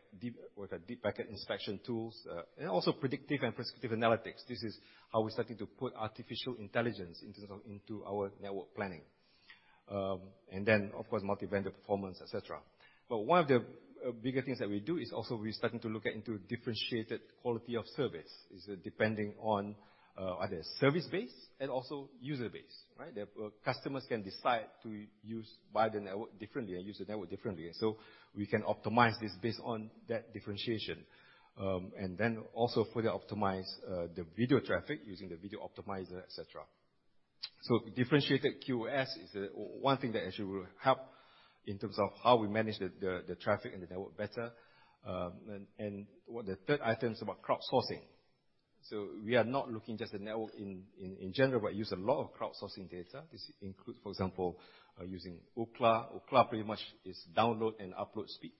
inspection tools and also predictive and prescriptive analytics. This is how we're starting to put artificial intelligence into our network planning. And then, of course, multi-vendor performance, etc. But one of the bigger things that we do is also we're starting to look at into differentiated quality of service is depending on either service-based and also user-based. Customers can decide to use by the network differently and use the network differently. So we can optimize this based on that differentiation. And then also further optimize the video traffic using the video optimizer, etc. So differentiated QoS is one thing that actually will help in terms of how we manage the traffic and the network better. The third item is about crowdsourcing. We are not looking just at network in general, but use a lot of crowdsourcing data. This includes, for example, using Ookla. Ookla pretty much is download and upload speed.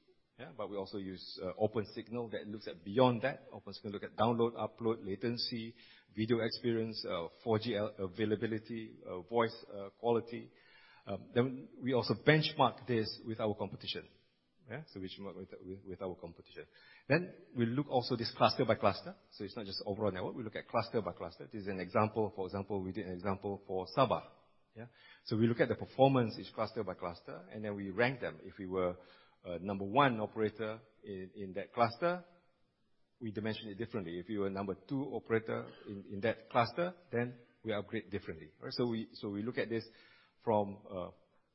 But we also use Opensignal that looks at beyond that. Opensignal look at download, upload, latency, video experience, 4G availability, voice quality. Then we also benchmark this with our competition, which we work with our competition. Then we look also this cluster by cluster. It's not just overall network. We look at cluster by cluster. This is an example. For example, we did an example for Sabah. We look at the performance each cluster by cluster, and then we rank them. If we were number one operator in that cluster, we dimension it differently. If you were number two operator in that cluster, then we upgrade differently. So we look at this from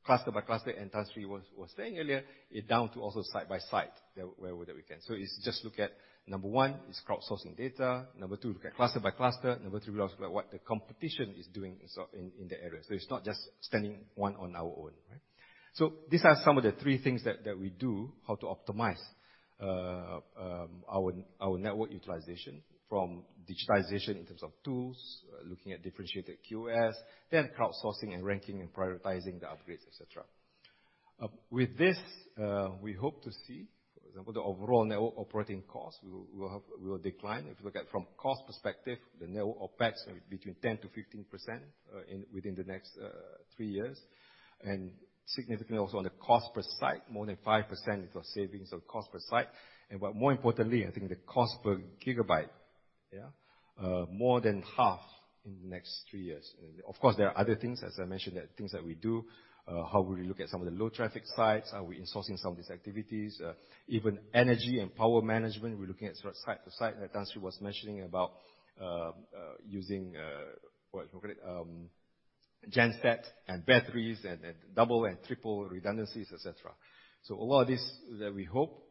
cluster by cluster, and Tan Sri was saying earlier, it's down to also side by side where we can. So it's just, look at number one is crowdsourcing data. Number two, look at cluster by cluster. Number three, we also look at what the competition is doing in the area. It's not just standing on our own. These are some of the three things that we do, how to optimize our network utilization from digitization in terms of tools, looking at differentiated QoS, then crowdsourcing and ranking and prioritizing the upgrades, etc. With this, we hope to see, for example, the overall network operating costs will decline. If you look at from cost perspective, the network OpEx may be between 10% to 15% within the next three years. Significantly also on the cost per site, more than 5% into our savings on cost per site. More importantly, I think the cost per GB, more than half in the next three years. Of course, there are other things, as I mentioned, that we do, how we look at some of the low traffic sites, how we're insourcing some of these activities, even energy and power management, we're looking at site to site. Tan Sri was mentioning about using gensets and batteries and double and triple redundancies, etc. A lot of this that we hope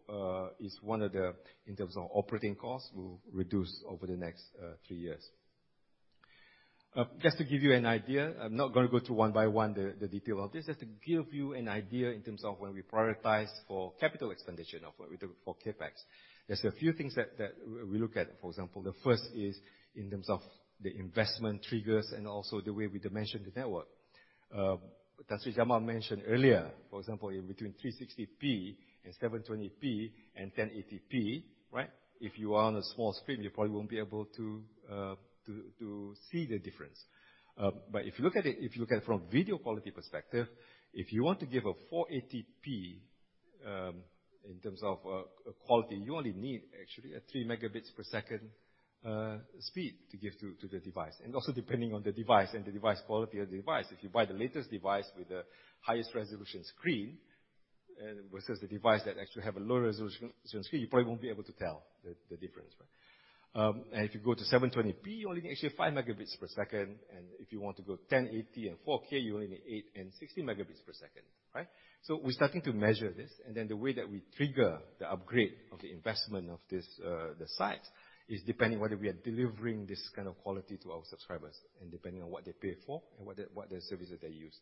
is one of the in terms of operating costs will reduce over the next three years. Just to give you an idea, I'm not going to go through one by one the detail of this. Just to give you an idea in terms of when we prioritize for capital expenditure for CapEx. There's a few things that we look at. For example, the first is in terms of the investment triggers and also the way we dimension the network. Tan Sri Jamal mentioned earlier, for example, in between 360p and 720p and 1080p, if you are on a small screen, you probably won't be able to see the difference. But if you look at it, if you look at it from a video quality perspective, if you want to give a 480p in terms of quality, you only need actually a three megabits per second speed to give to the device. And also depending on the device and the device quality of the device. If you buy the latest device with the highest resolution screen versus the device that actually has a low resolution screen, you probably won't be able to tell the difference. If you go to 720p, you only need actually 5 megabits per second. And if you want to go 1080 and 4K, you only need 8 and 16 megabits per second. So we're starting to measure this. And then the way that we trigger the upgrade of the investment of the sites is depending on whether we are delivering this kind of quality to our subscribers and depending on what they pay for and what the services they use.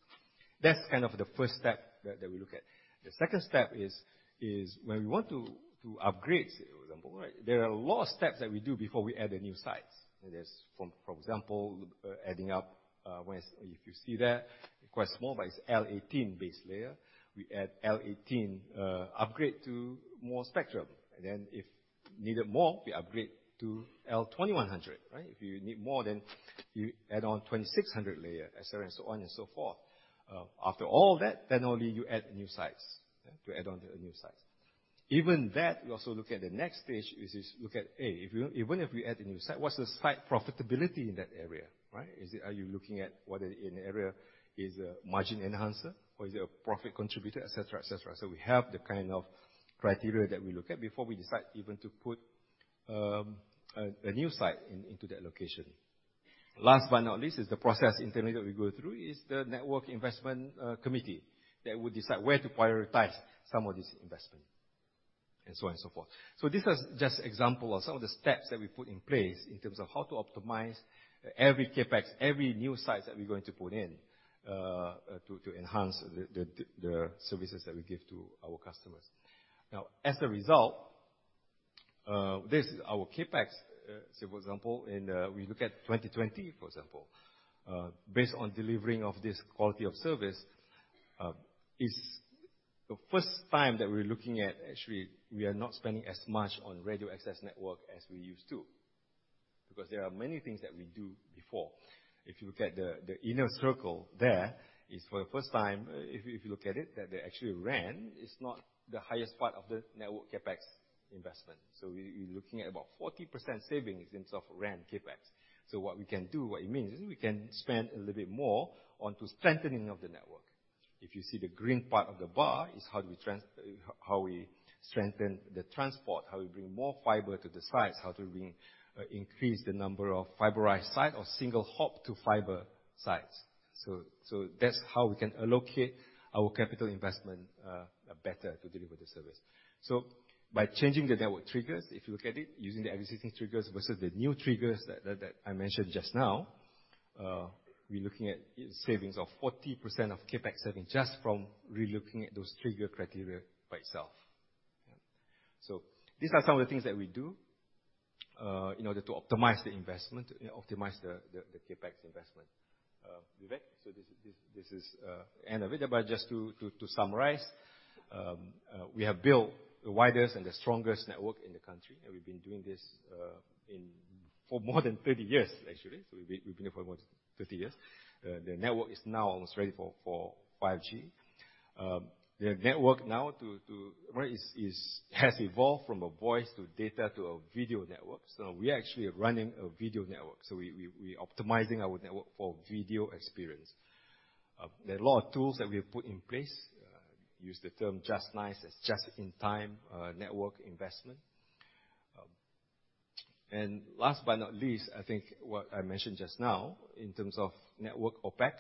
That's kind of the first step that we look at. The second step is when we want to upgrade, for example, there are a lot of steps that we do before we add the new sites. There's, for example, adding up. If you see there, quite small, but it's L18 base layer. We add L18 upgrade to more spectrum. And then if needed more, we upgrade to L2100. If you need more, then you add on 2600 layer, etc., and so on and so forth. After all that, then only you add new sites to add on to the new sites. Even that, we also look at the next stage, which is look at, hey, even if we add a new site, what's the site profitability in that area? Are you looking at whether in the area is a margin enhancer or is it a profit contributor, etc., etc. So we have the kind of criteria that we look at before we decide even to put a new site into that location. Last but not least is the process internally that we go through is the Network Investment Committee that will decide where to prioritize some of these investments and so on and so forth. This is just an example of some of the steps that we put in place in terms of how to optimize every CapEx, every new site that we're going to put in to enhance the services that we give to our customers. Now, as a result, this is our CapEx. So, for example, we look at 2020, for example, based on delivering of this quality of service, it's the first time that we're looking at actually we are not spending as much on Radio Access Network as we used to. Because there are many things that we do before. If you look at the inner circle there, it's for the first time, if you look at it, that the actual RAN is not the highest part of the network CapEx investment. So we're looking at about 40% savings in terms of RAN CapEx. So what we can do, what it means is we can spend a little bit more on strengthening of the network. If you see the green part of the bar is how we strengthen the transport, how we bring more fiber to the sites, how to increase the number of fiberized sites or single hop to fiber sites. That's how we can allocate our capital investment better to deliver the service. By changing the network triggers, if you look at it using the existing triggers versus the new triggers that I mentioned just now, we're looking at savings of 40% of CapEx savings just from relooking at those trigger criteria by itself. These are some of the things that we do in order to optimize the investment, optimize the CapEx investment. Vivek, so this is the end of it. But just to summarize, we have built the widest and the strongest network in the country. We've been doing this for more than 30 years, actually. We've been here for more than 30 years. The network is now almost ready for 5G. The network now has evolved from a voice to data to a video network. We're actually running a video network. We're optimizing our network for video experience. There are a lot of tools that we've put in place. We use the term just-in-time as just-in-time network investment. Last but not least, I think what I mentioned just now in terms of network OpEx,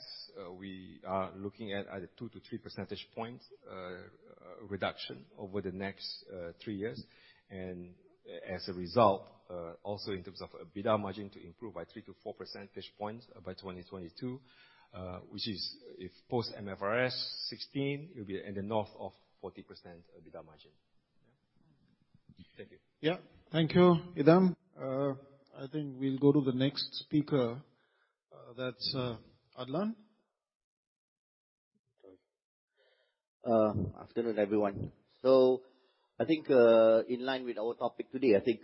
we are looking at either 2-3 percentage points reduction over the next three years. As a result, also in terms of EBITDA margin to improve by 3-4 percentage points by 2022, which is if post-MFRS 16, it will be in the north of 40% EBITDA margin. Thank you. Yeah, thank you, Idham. I think we'll go to the next speaker. That's Adlan. Afternoon, everyone. I think in line with our topic today, I think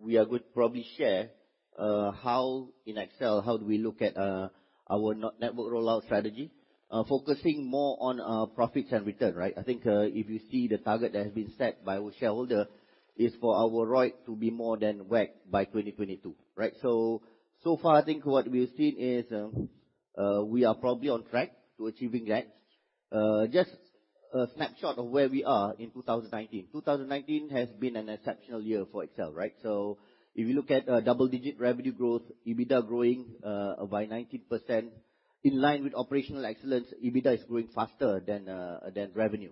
we are going to probably share how in XL, how do we look at our network rollout strategy, focusing more on profits and returns. I think if you see the target that has been set by our shareholder, it's for our ROI to be more than WACC by 2022. So far, I think what we've seen is we are probably on track to achieving that. Just a snapshot of where we are in 2019. 2019 has been an exceptional year for XL. So if you look at double-digit revenue growth, EBITDA growing by 19% in line with Operational Excellence, EBITDA is growing faster than revenue.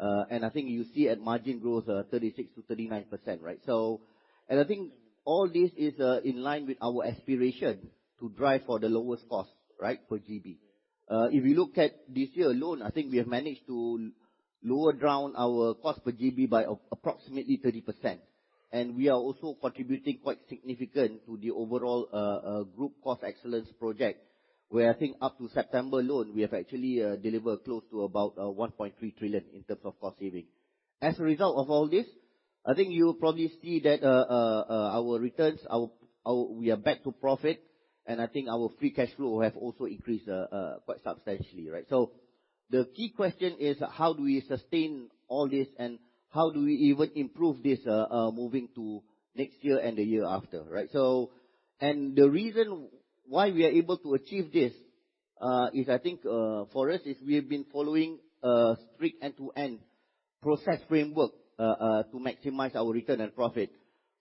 I think you see at margin growth 36%-39%. And I think all this is in line with our aspiration to drive for the lowest cost per GB. If you look at this year alone, I think we have managed to lower down our cost per GB by approximately 30%. We are also contributing quite significantly to the overall Group Cost Excellence Project, where I think up to September alone, we have actually delivered close to about 1.3 trillion in terms of cost saving. As a result of all this, I think you will probably see that our returns. We are back to profit, and I think our free cash flow has also increased quite substantially. The key question is how do we sustain all this and how do we even improve this moving to next year and the year after? The reason why we are able to achieve this is, I think, for us, we have been following a strict end-to-end process framework to maximize our return and profit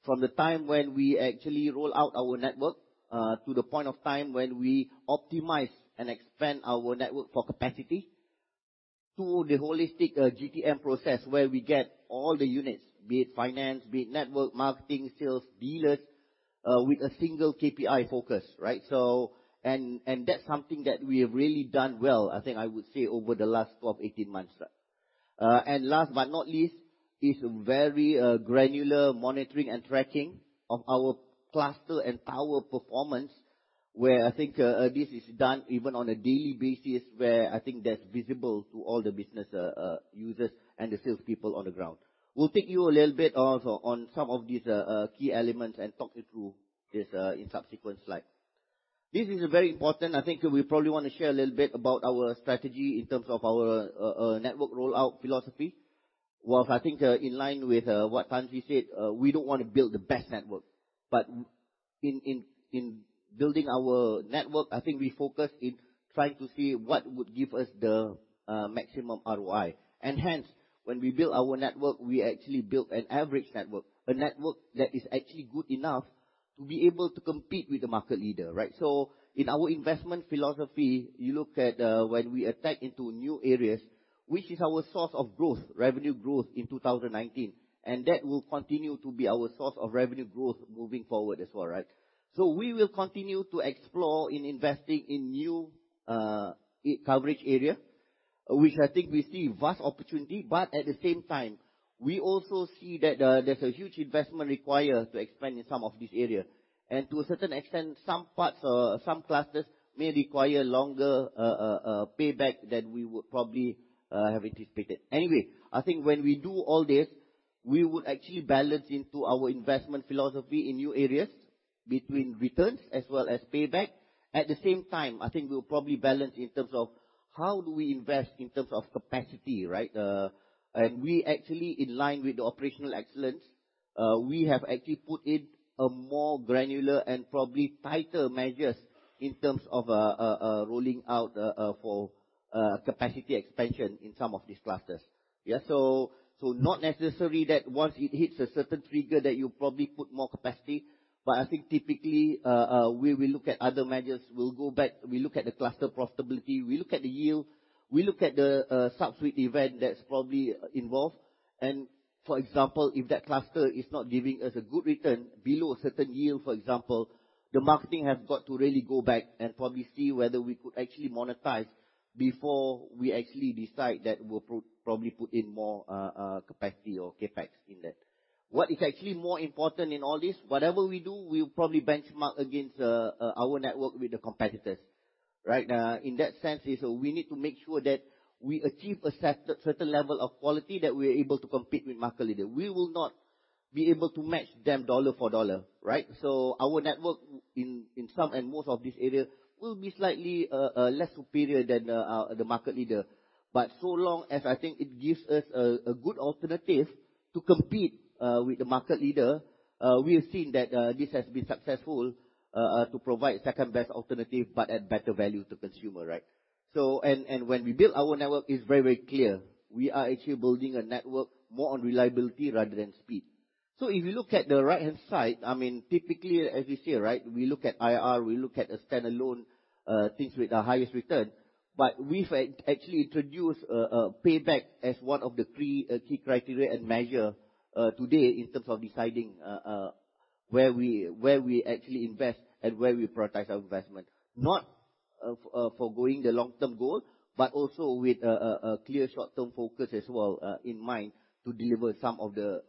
from the time when we actually roll out our network to the point of time when we optimize and expand our network for capacity to the holistic GTM process where we get all the units, be it finance, be it network, marketing, sales, dealers with a single KPI focus. That's something that we have really done well, I think I would say over the last 12-18 months. Last but not least is a very granular monitoring and tracking of our cluster and power performance, where I think this is done even on a daily basis where I think that's visible to all the business users and the salespeople on the ground. We'll take you a little bit on some of these key elements and talk you through this in subsequent slides. This is very important. I think we probably want to share a little bit about our strategy in terms of our network rollout philosophy. While I think in line with what Tan Sri said, we don't want to build the best network. But in building our network, I think we focus in trying to see what would give us the maximum ROI. Hence, when we build our network, we actually build an average network, a network that is actually good enough to be able to compete with the market leader. In our investment philosophy, you look at when we attack into new areas, which is our source of growth, revenue growth in 2019. That will continue to be our source of revenue growth moving forward as well. We will continue to explore in investing in new coverage area, which I think we see vast opportunity. But at the same time, we also see that there's a huge investment required to expand in some of these areas. And to a certain extent, some parts, some clusters may require longer payback than we would probably have anticipated. Anyway, I think when we do all this, we would actually balance into our investment philosophy in new areas between returns as well as payback. At the same time, I think we will probably balance in terms of how do we invest in terms of capacity. We actually, in line with the Operational Excellence, we have actually put in a more granular and probably tighter measures in terms of rolling out for capacity expansion in some of these clusters. It's not necessary that once it hits a certain trigger that you probably put more capacity. But I think typically we will look at other measures. We'll go back, we look at the cluster profitability, we look at the yield, we look at the subsequent event that's probably involved. For example, if that cluster is not giving us a good return below a certain yield, for example, the marketing has got to really go back and probably see whether we could actually monetize before we actually decide that we'll probably put in more capacity or CapEx in that. What is actually more important in all this, whatever we do, we will probably benchmark against our network with the competitors. In that sense, we need to make sure that we achieve a certain level of quality that we are able to compete with market leaders. We will not be able to match them dollar for dollar. So our network in some and most of these areas will be slightly less superior than the market leader, but so long as I think it gives us a good alternative to compete with the market leader, we have seen that this has been successful to provide second-best alternative but at better value to consumer. When we build our network, it's very, very clear, we are actually building a network more on reliability rather than speed. So if you look at the right-hand side, I mean, typically, as you see, we look at IRR, we look at standalone things with the highest return, but we've actually introduced payback as one of the key criteria and measures today in terms of deciding where we actually invest and where we prioritize our investment. Not forgoing the long-term goal, but also with a clear short-term focus as well in mind to deliver some of the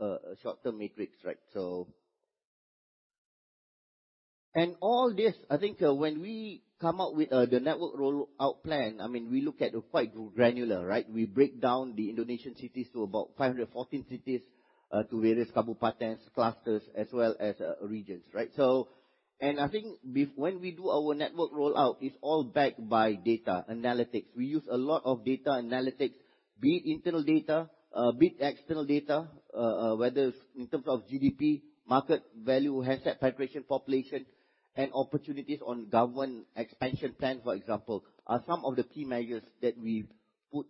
short-term metrics. All this, I think, when we come up with the network rollout plan, I mean, we look at it quite granular. We break down the Indonesian cities to about 514 cities to various kabupaten, clusters, as well as regions. I think when we do our network rollout, it's all backed by data analytics. We use a lot of data analytics, be it internal data, be it external data, whether it's in terms of GDP, market value, ARPU penetration, population, and opportunities on government expansion plan, for example, are some of the key measures that we put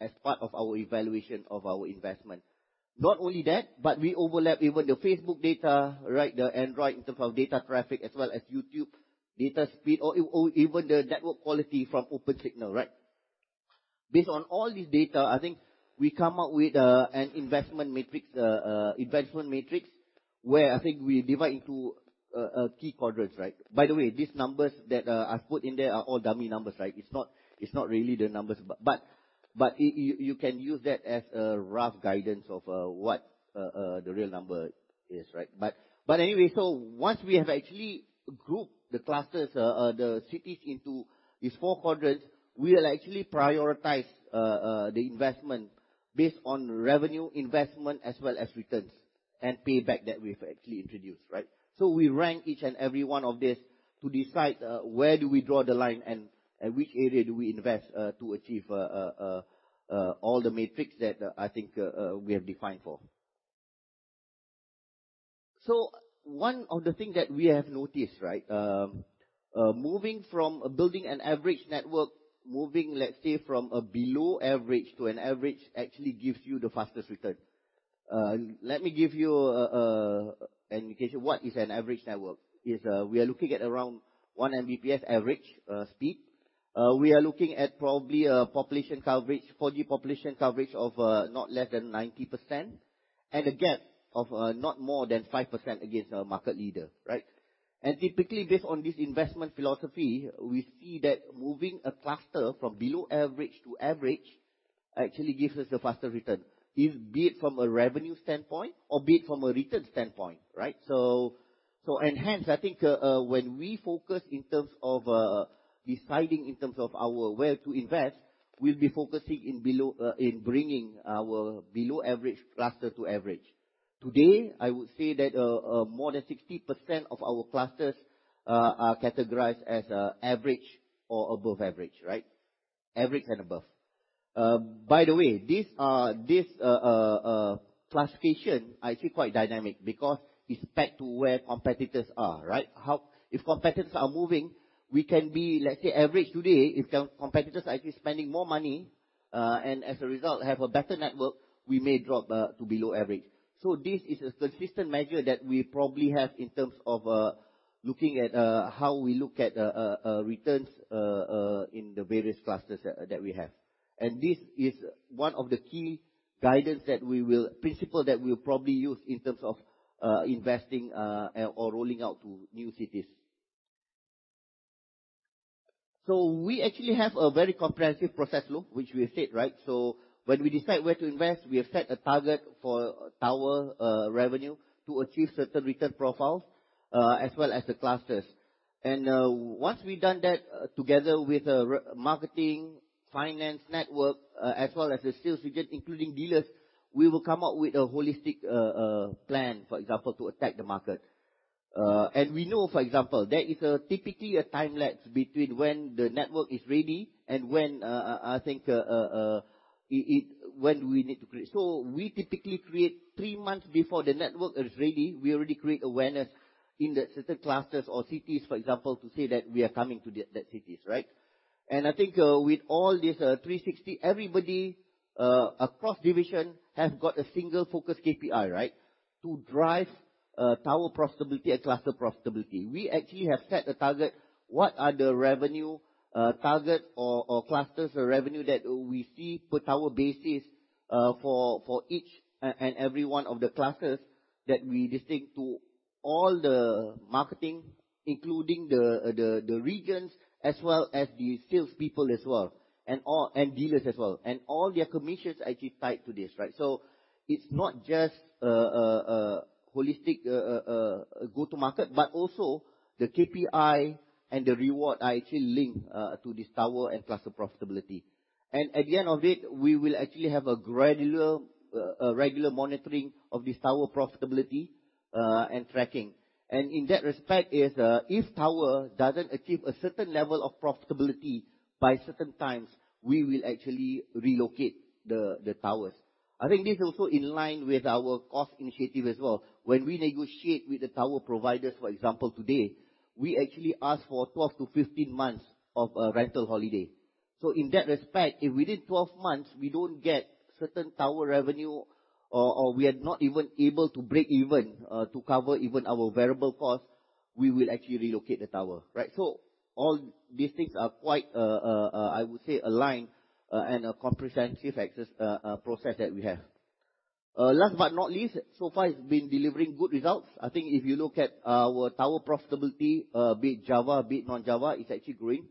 as part of our evaluation of our investment. Not only that, but we overlap even the Facebook data, the Android in terms of data traffic, as well as YouTube data speed, or even the network quality from Opensignal. Based on all this data, I think we come up with an investment matrix, investment matrix, where I think we divide into key quadrants. By the way, these numbers that I've put in there are all dummy numbers. It's not really the numbers. But you can use that as a rough guidance of what the real number is. But anyway, so once we have actually grouped the clusters, the cities into these four quadrants, we will actually prioritize the investment based on revenue, investment, as well as returns and payback that we've actually introduced. So we rank each and every one of these to decide where do we draw the line and which area do we invest to achieve all the metrics that I think we have defined for. So one of the things that we have noticed, moving from building an average network, moving, let's say, from a below average to an average actually gives you the fastest return. Let me give you an indication of what is an average network. We are looking at around 1 Mbps average speed. We are looking at probably a population coverage, 4G population coverage of not less than 90%, and a gap of not more than 5% against a market leader. Typically, based on this investment philosophy, we see that moving a cluster from below average to average actually gives us a faster return, be it from a revenue standpoint or be it from a return standpoint. Hence, I think when we focus in terms of deciding in terms of our where to invest, we'll be focusing in bringing our below average cluster to average. Today, I would say that more than 60% of our clusters are categorized as average or above average, average and above. By the way, this classification is actually quite dynamic because it's pegged to where competitors are. If competitors are moving, we can be, let's say, average today. If competitors are actually spending more money and as a result have a better network, we may drop to below average. This is a consistent measure that we probably have in terms of looking at how we look at returns in the various clusters that we have. This is one of the key guidance that we will, principle that we will probably use in terms of investing or rolling out to new cities. We actually have a very comprehensive process, which we have set. When we decide where to invest, we have set a target for our revenue to achieve certain return profiles as well as the clusters. Once we've done that together with marketing, finance, network, as well as the sales region, including dealers, we will come up with a holistic plan, for example, to attack the market. We know, for example, there is typically a time lapse between when the network is ready and when I think when we need to create. So we typically create three months before the network is ready. We already create awareness in certain clusters or cities, for example, to say that we are coming to those cities. And I think with all this 360, everybody across divisions has got a single focus KPI to drive tower profitability and cluster profitability. We actually have set a target what are the revenue targets or clusters or revenue that we see per tower basis for each and every one of the clusters that we distribute to all the marketing, including the regions, as well as the salespeople as well and dealers as well. And all their commissions are actually tied to this. It's not just holistic go-to-market, but also the KPI and the reward are actually linked to this tower and cluster profitability. At the end of it, we will actually have a regular monitoring of this tower profitability and tracking. In that respect, if tower doesn't achieve a certain level of profitability by certain times, we will actually relocate the towers. I think this is also in line with our cost initiative as well. When we negotiate with the tower providers, for example, today, we actually ask for 12-15 months of rental holiday. In that respect, if within 12 months we don't get certain tower revenue or we are not even able to break even to cover even our variable costs, we will actually relocate the tower. All these things are quite, I would say, aligned and a comprehensive process that we have. Last but not least, so far it's been delivering good results. I think if you look at our tower profitability, be it Java, be it non-Java, it's actually growing.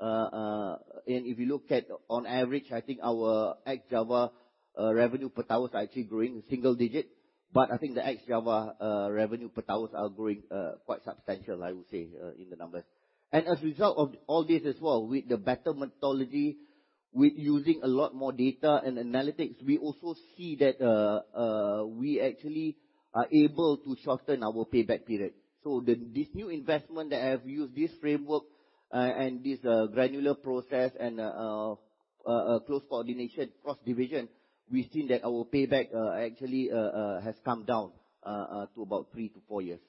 And if you look at on average, I think our Ex-Java revenue per towers are actually growing single digit. But I think the Ex-Java revenue per towers are growing quite substantial, I would say, in the numbers. As a result of all this as well, with the better methodology, with using a lot more data and analytics, we also see that we actually are able to shorten our payback period. So this new investment that I have used, this framework and this granular process and close coordination across division, we've seen that our payback actually has come down to about three-to-four years.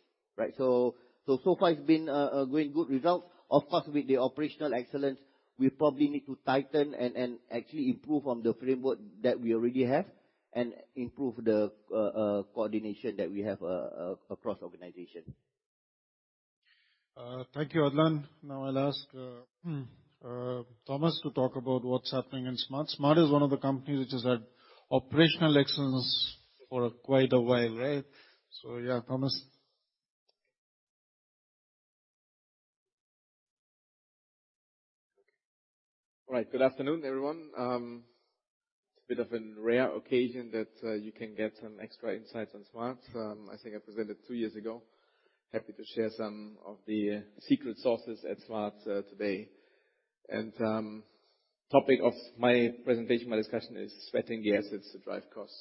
So so far it's been going good results. Of course, with the Operational Excellence, we probably need to tighten and actually improve on the framework that we already have and improve the coordination that we have across organization. Thank you, Adlan. Now I'll ask Thomas to talk about what's happening in Smart. Smart is one of the companies which has had Operational Excellence for quite a while. So yeah, Thomas. Right. Good afternoon, everyone. It's a bit of a rare occasion that you can get some extra insights on Smart. I think I presented two years ago. Happy to share some of the success stories at Smart today. Topic of my presentation, my discussion is sweating assets to drive cost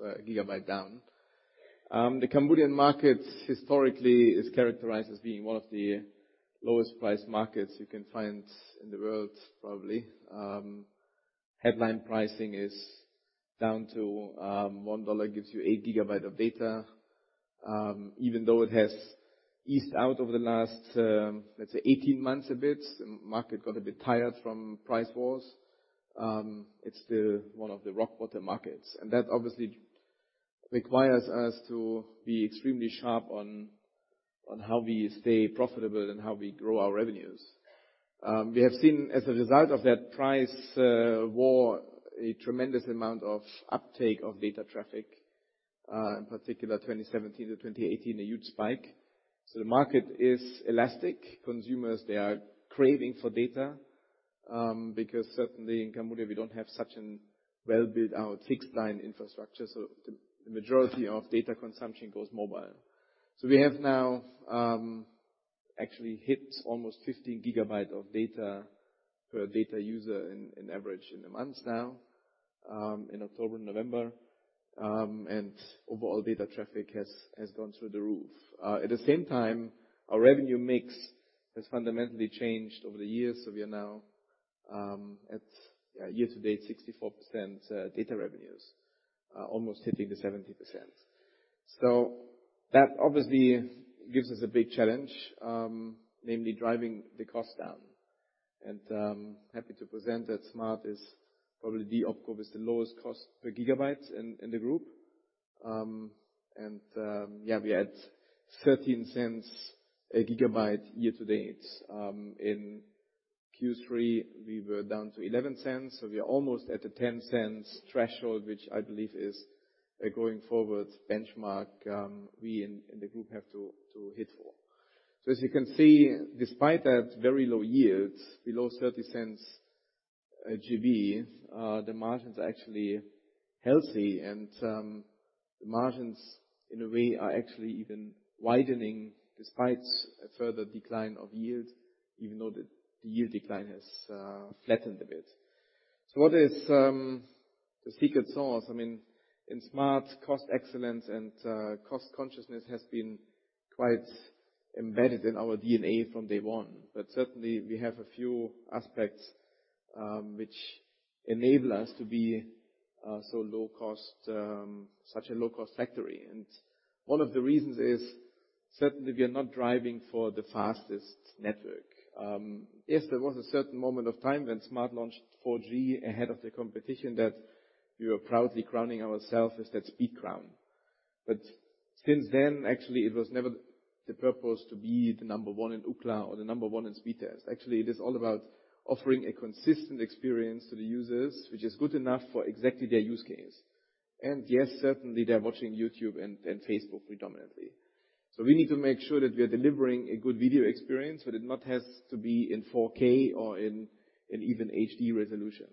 per 1GB down. The Cambodian market historically is characterized as being one of the lowest priced markets you can find in the world, probably. Headline pricing is down to $1 gives you 8GB of data. Even though it has eased out over the last, let's say, 18 months a bit, the market got a bit tired from price wars. It's still one of the rock-bottom markets, and that obviously requires us to be extremely sharp on how we stay profitable and how we grow our revenues. We have seen, as a result of that price war, a tremendous amount of uptake of data traffic, in particular 2017 to 2018, a huge spike, so the market is elastic. Consumers, they are craving for data because certainly in Cambodia, we don't have such a well-built-out fixed-line infrastructure. So the majority of data consumption goes mobile. We have now actually hit almost 15GBs of data per data user on average in the months now, in October and November. Overall data traffic has gone through the roof. At the same time, our revenue mix has fundamentally changed over the years, so we are now at year-to-date 64% data revenues, almost hitting the 70%. That obviously gives us a big challenge, namely driving the cost down, and happy to present that Smart is probably the OpCo, is the lowest cost per 1GB in the group, and yeah, we had $0.13 a GB year-to-date. In Q3, we were down to $0.11. So we are almost at the $0.10 threshold, which I believe is a going-forward benchmark we in the group have to hit for, so as you can see, despite that very low yield, below $0.30GBs, the margins are actually healthy, and the margins, in a way, are actually even widening despite a further decline of yield, even though the yield decline has flattened a bit. So what is the secret sauce? I mean, in Smart, cost excellence and cost consciousness has been quite embedded in our DNA from day one, but certainly, we have a few aspects which enable us to be such a low-cost factory, and one of the reasons is certainly we are not driving for the fastest network. Yes, there was a certain moment of time when Smart launched 4G ahead of the competition that we were proudly crowning ourselves as that speed crown, but since then, actually, it was never the purpose to be the number one in Ookla or the number one in Speedtest. Actually, it is all about offering a consistent experience to the users, which is good enough for exactly their use case, and yes, certainly, they're watching YouTube and Facebook predominantly. We need to make sure that we are delivering a good video experience, but it not has to be in 4K or in even HD resolution.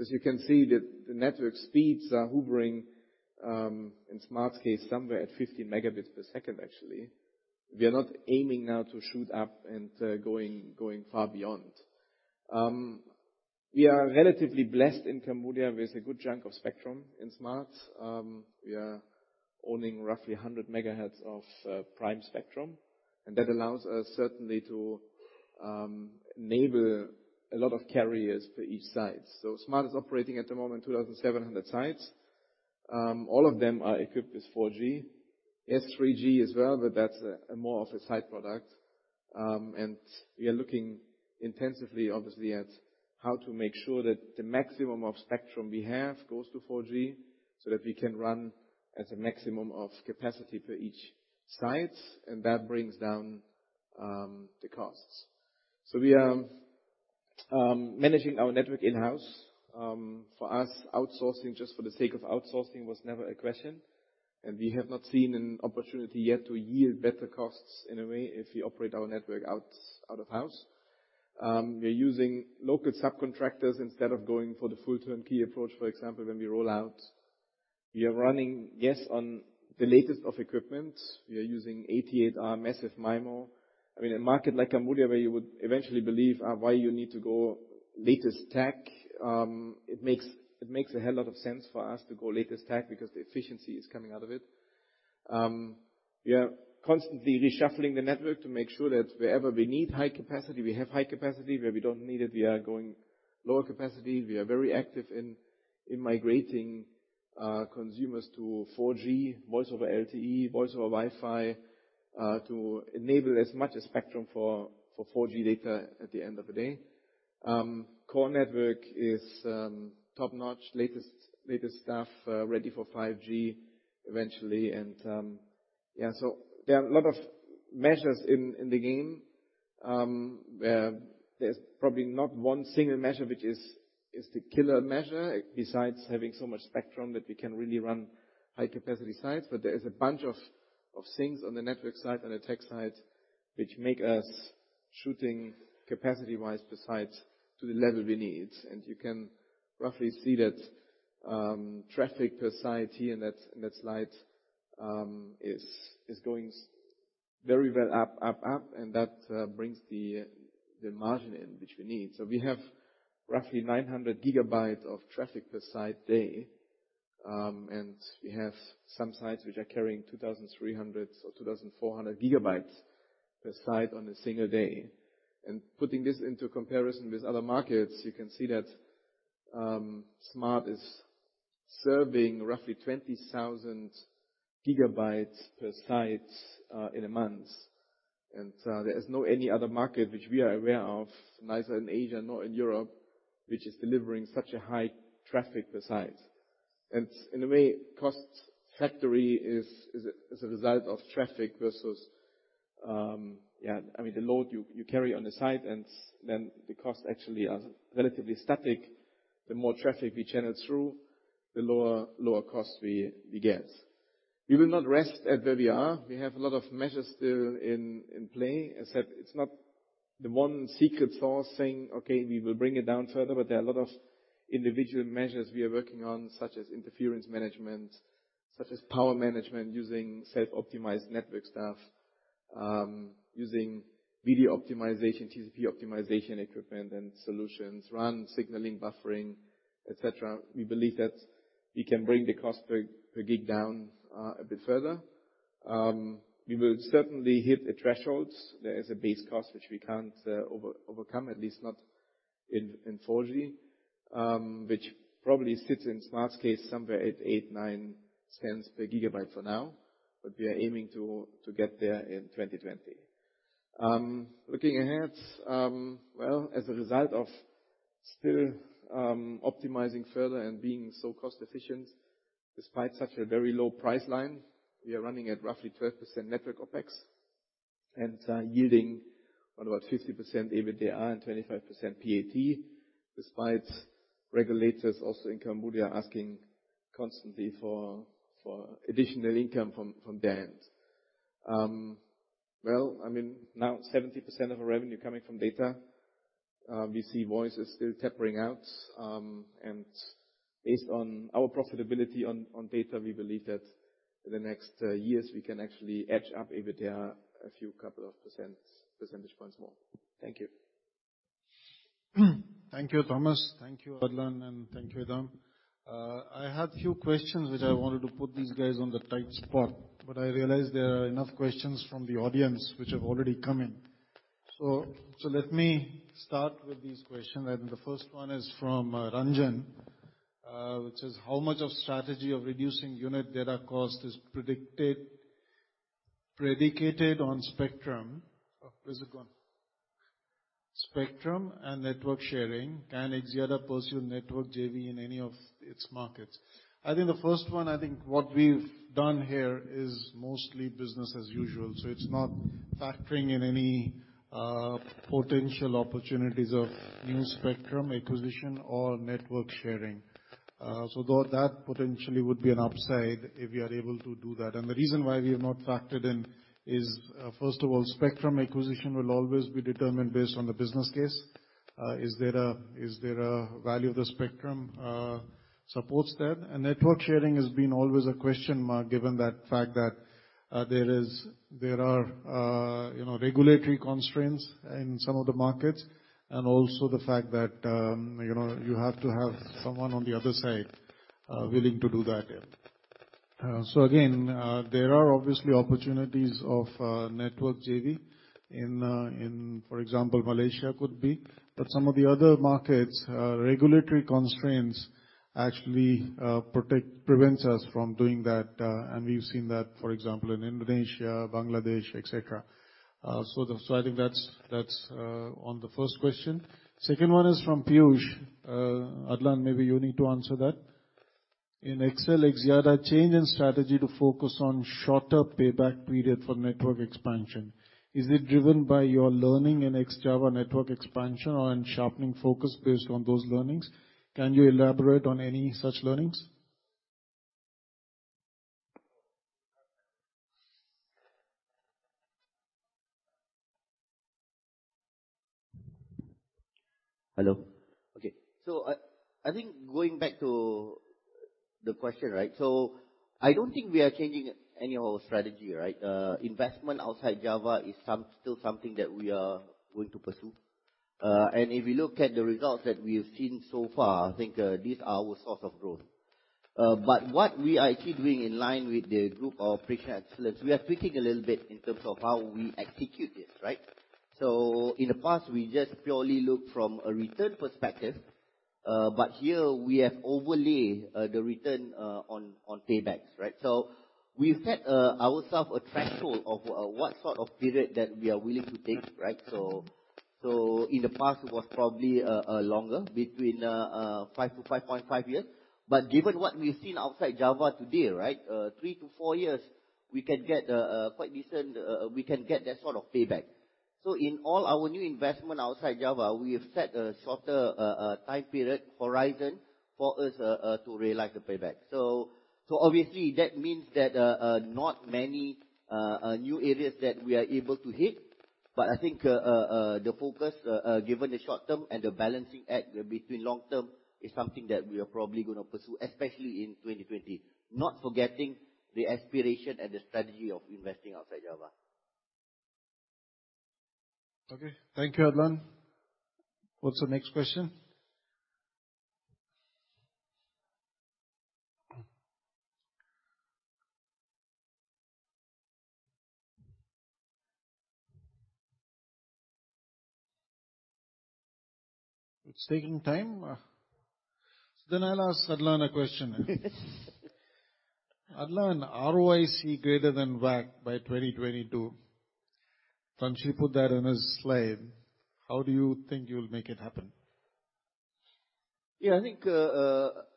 As you can see, the network speeds are hovering in Smart's case somewhere at 15Mbps per second, actually. We are not aiming now to shoot up and going far beyond. We are relatively blessed in Cambodia with a good chunk of spectrum in Smart. We are owning roughly 100 megahertz of prime spectrum. That allows us certainly to enable a lot of carriers for each site. Smart is operating at the moment 2,700 sites. All of them are equipped with 4G. Yes, 3G as well, but that's more of a side product. We are looking intensively, obviously, at how to make sure that the maximum of spectrum we have goes to 4G so that we can run at a maximum of capacity per each site. That brings down the costs. We are managing our network in-house. For us, outsourcing just for the sake of outsourcing was never a question. We have not seen an opportunity yet to yield better costs in a way if we operate our network out of house. We are using local subcontractors instead of going for the full turnkey approach, for example, when we roll out. We are running, yes, on the latest of equipment. We are using 8T8R Massive MIMO. I mean, in a market like Cambodia, where you would eventually believe, "Why do you need to go latest tech?" It makes a hell lot of sense for us to go latest tech because the efficiency is coming out of it. We are constantly reshuffling the network to make sure that wherever we need high capacity, we have high capacity. Where we don't need it, we are going lower capacity. We are very active in migrating consumers to 4G, Voice over LTE, Voice over Wi-Fi to enable as much as spectrum for 4G data at the end of the day. Core network is top-notch, latest stuff, ready for 5G eventually. And yeah, so there are a lot of measures in the game where there's probably not one single measure which is the killer measure besides having so much spectrum that we can really run high-capacity sites. There is a bunch of things on the network side and the tech side which make us shooting capacity-wise per site to the level we need. You can roughly see that traffic per site here in that slide is going very well up, up, up. That brings the margin in which we need. So we have roughly 900GBs of traffic per site day. We have some sites which are carrying 2,300GBs or 2,400GBs per site on a single day. Putting this into comparison with other markets, you can see that Smart is serving roughly 20,000GBs per site in a month. There is no any other market which we are aware of, Ncell in Asia, not in Europe, which is delivering such a high traffic per site. In a way, cost factor is a result of traffic versus, yeah, I mean, the load you carry on the site. Then the costs actually are relatively static. The more traffic we channel through, the lower cost we get. We will not rest at where we are. We have a lot of measures still in play. As I said, it's not the one secret source saying, "Okay, we will bring it down further." There are a lot of individual measures we are working on, such as interference management, such as power management using self-optimized network stuff, using video optimization, TCP optimization equipment and solutions, RAN signaling, buffering, etc. We believe that we can bring the cost per gig down a bit further. We will certainly hit a threshold. There is a base cost which we can't overcome, at least not in 4G, which probably sits in Smart's case somewhere at $0.08-$0.09 per 1GB for now, but we are aiming to get there in 2020. Looking ahead, well, as a result of still optimizing further and being so cost-efficient, despite such a very low price line, we are running at roughly 12% network OpEx and yielding on about 50% EBITDA and 25% PAT, despite regulators also in Cambodia asking constantly for additional income from their end, well, I mean, now 70% of our revenue coming from data. We see voice is still tapering out, and based on our profitability on data, we believe that in the next years, we can actually edge up EBITDA a few couple of percentage points more. Thank you. Thank you, Thomas. Thank you, Adlan, and thank you, Idham. I had a few questions which I wanted to put these guys on the tight spot, but I realized there are enough questions from the audience which have already come in. So let me start with these questions, and the first one is from Ranjan, which says, "How much of strategy of reducing unit data cost is predicated on spectrum? Where's it gone? Spectrum and network sharing. Can XL Axiata pursue network JV in any of its markets?" I think the first one, I think what we've done here is mostly business as usual, so it's not factoring in any potential opportunities of new spectrum acquisition or network sharing, so that potentially would be an upside if we are able to do that, and the reason why we have not factored in is, first of all, spectrum acquisition will always be determined based on the business case. Is there a value of the spectrum supports that? Network sharing has been always a question mark given that fact that there are regulatory constraints in some of the markets and also the fact that you have to have someone on the other side willing to do that. So again, there are obviously opportunities of network JV in, for example, Malaysia could be. But some of the other markets, regulatory constraints actually prevent us from doing that. And we've seen that, for example, in Indonesia, Bangladesh, etc. I think that's on the first question. Second one is from Piyush. Adlan, maybe you need to answer that. "In XL, XL Axiata changed in strategy to focus on shorter payback period for network expansion. Is it driven by your learning in Ex-Java network expansion or in sharpening focus based on those learnings? Can you elaborate on any such learnings?" Hello. Okay. So I think going back to the question, right? So I don't think we are changing any of our strategy, right? Investment outside Java is still something that we are going to pursue. If we look at the results that we have seen so far, I think these are our source of growth. But what we are actually doing in line with the Group's Operational Excellence, we are tweaking a little bit in terms of how we execute this, right? In the past, we just purely looked from a return perspective. But here, we have overlaid the return on paybacks, right? We've set ourselves a threshold of what sort of period that we are willing to take, right? In the past, it was probably longer, between 5 to 5.5 years. But given what we've seen outside Java today, right, 3 to 4 years, we can get quite decent. We can get that sort of payback. In all our new investment outside Java, we have set a shorter time period horizon for us to realize the payback. Obviously, that means that not many new areas that we are able to hit. But I think the focus, given the short term and the balancing act between long term, is something that we are probably going to pursue, especially in 2020, not forgetting the aspiration and the strategy of investing outside Java. Okay. Thank you, Adlan. What's the next question? It's taking time. So then I'll ask Adlan a question. Adlan, ROIC greater than WACC by 2022. Once you put that on a slide, how do you think you will make it happen? Yeah, I think,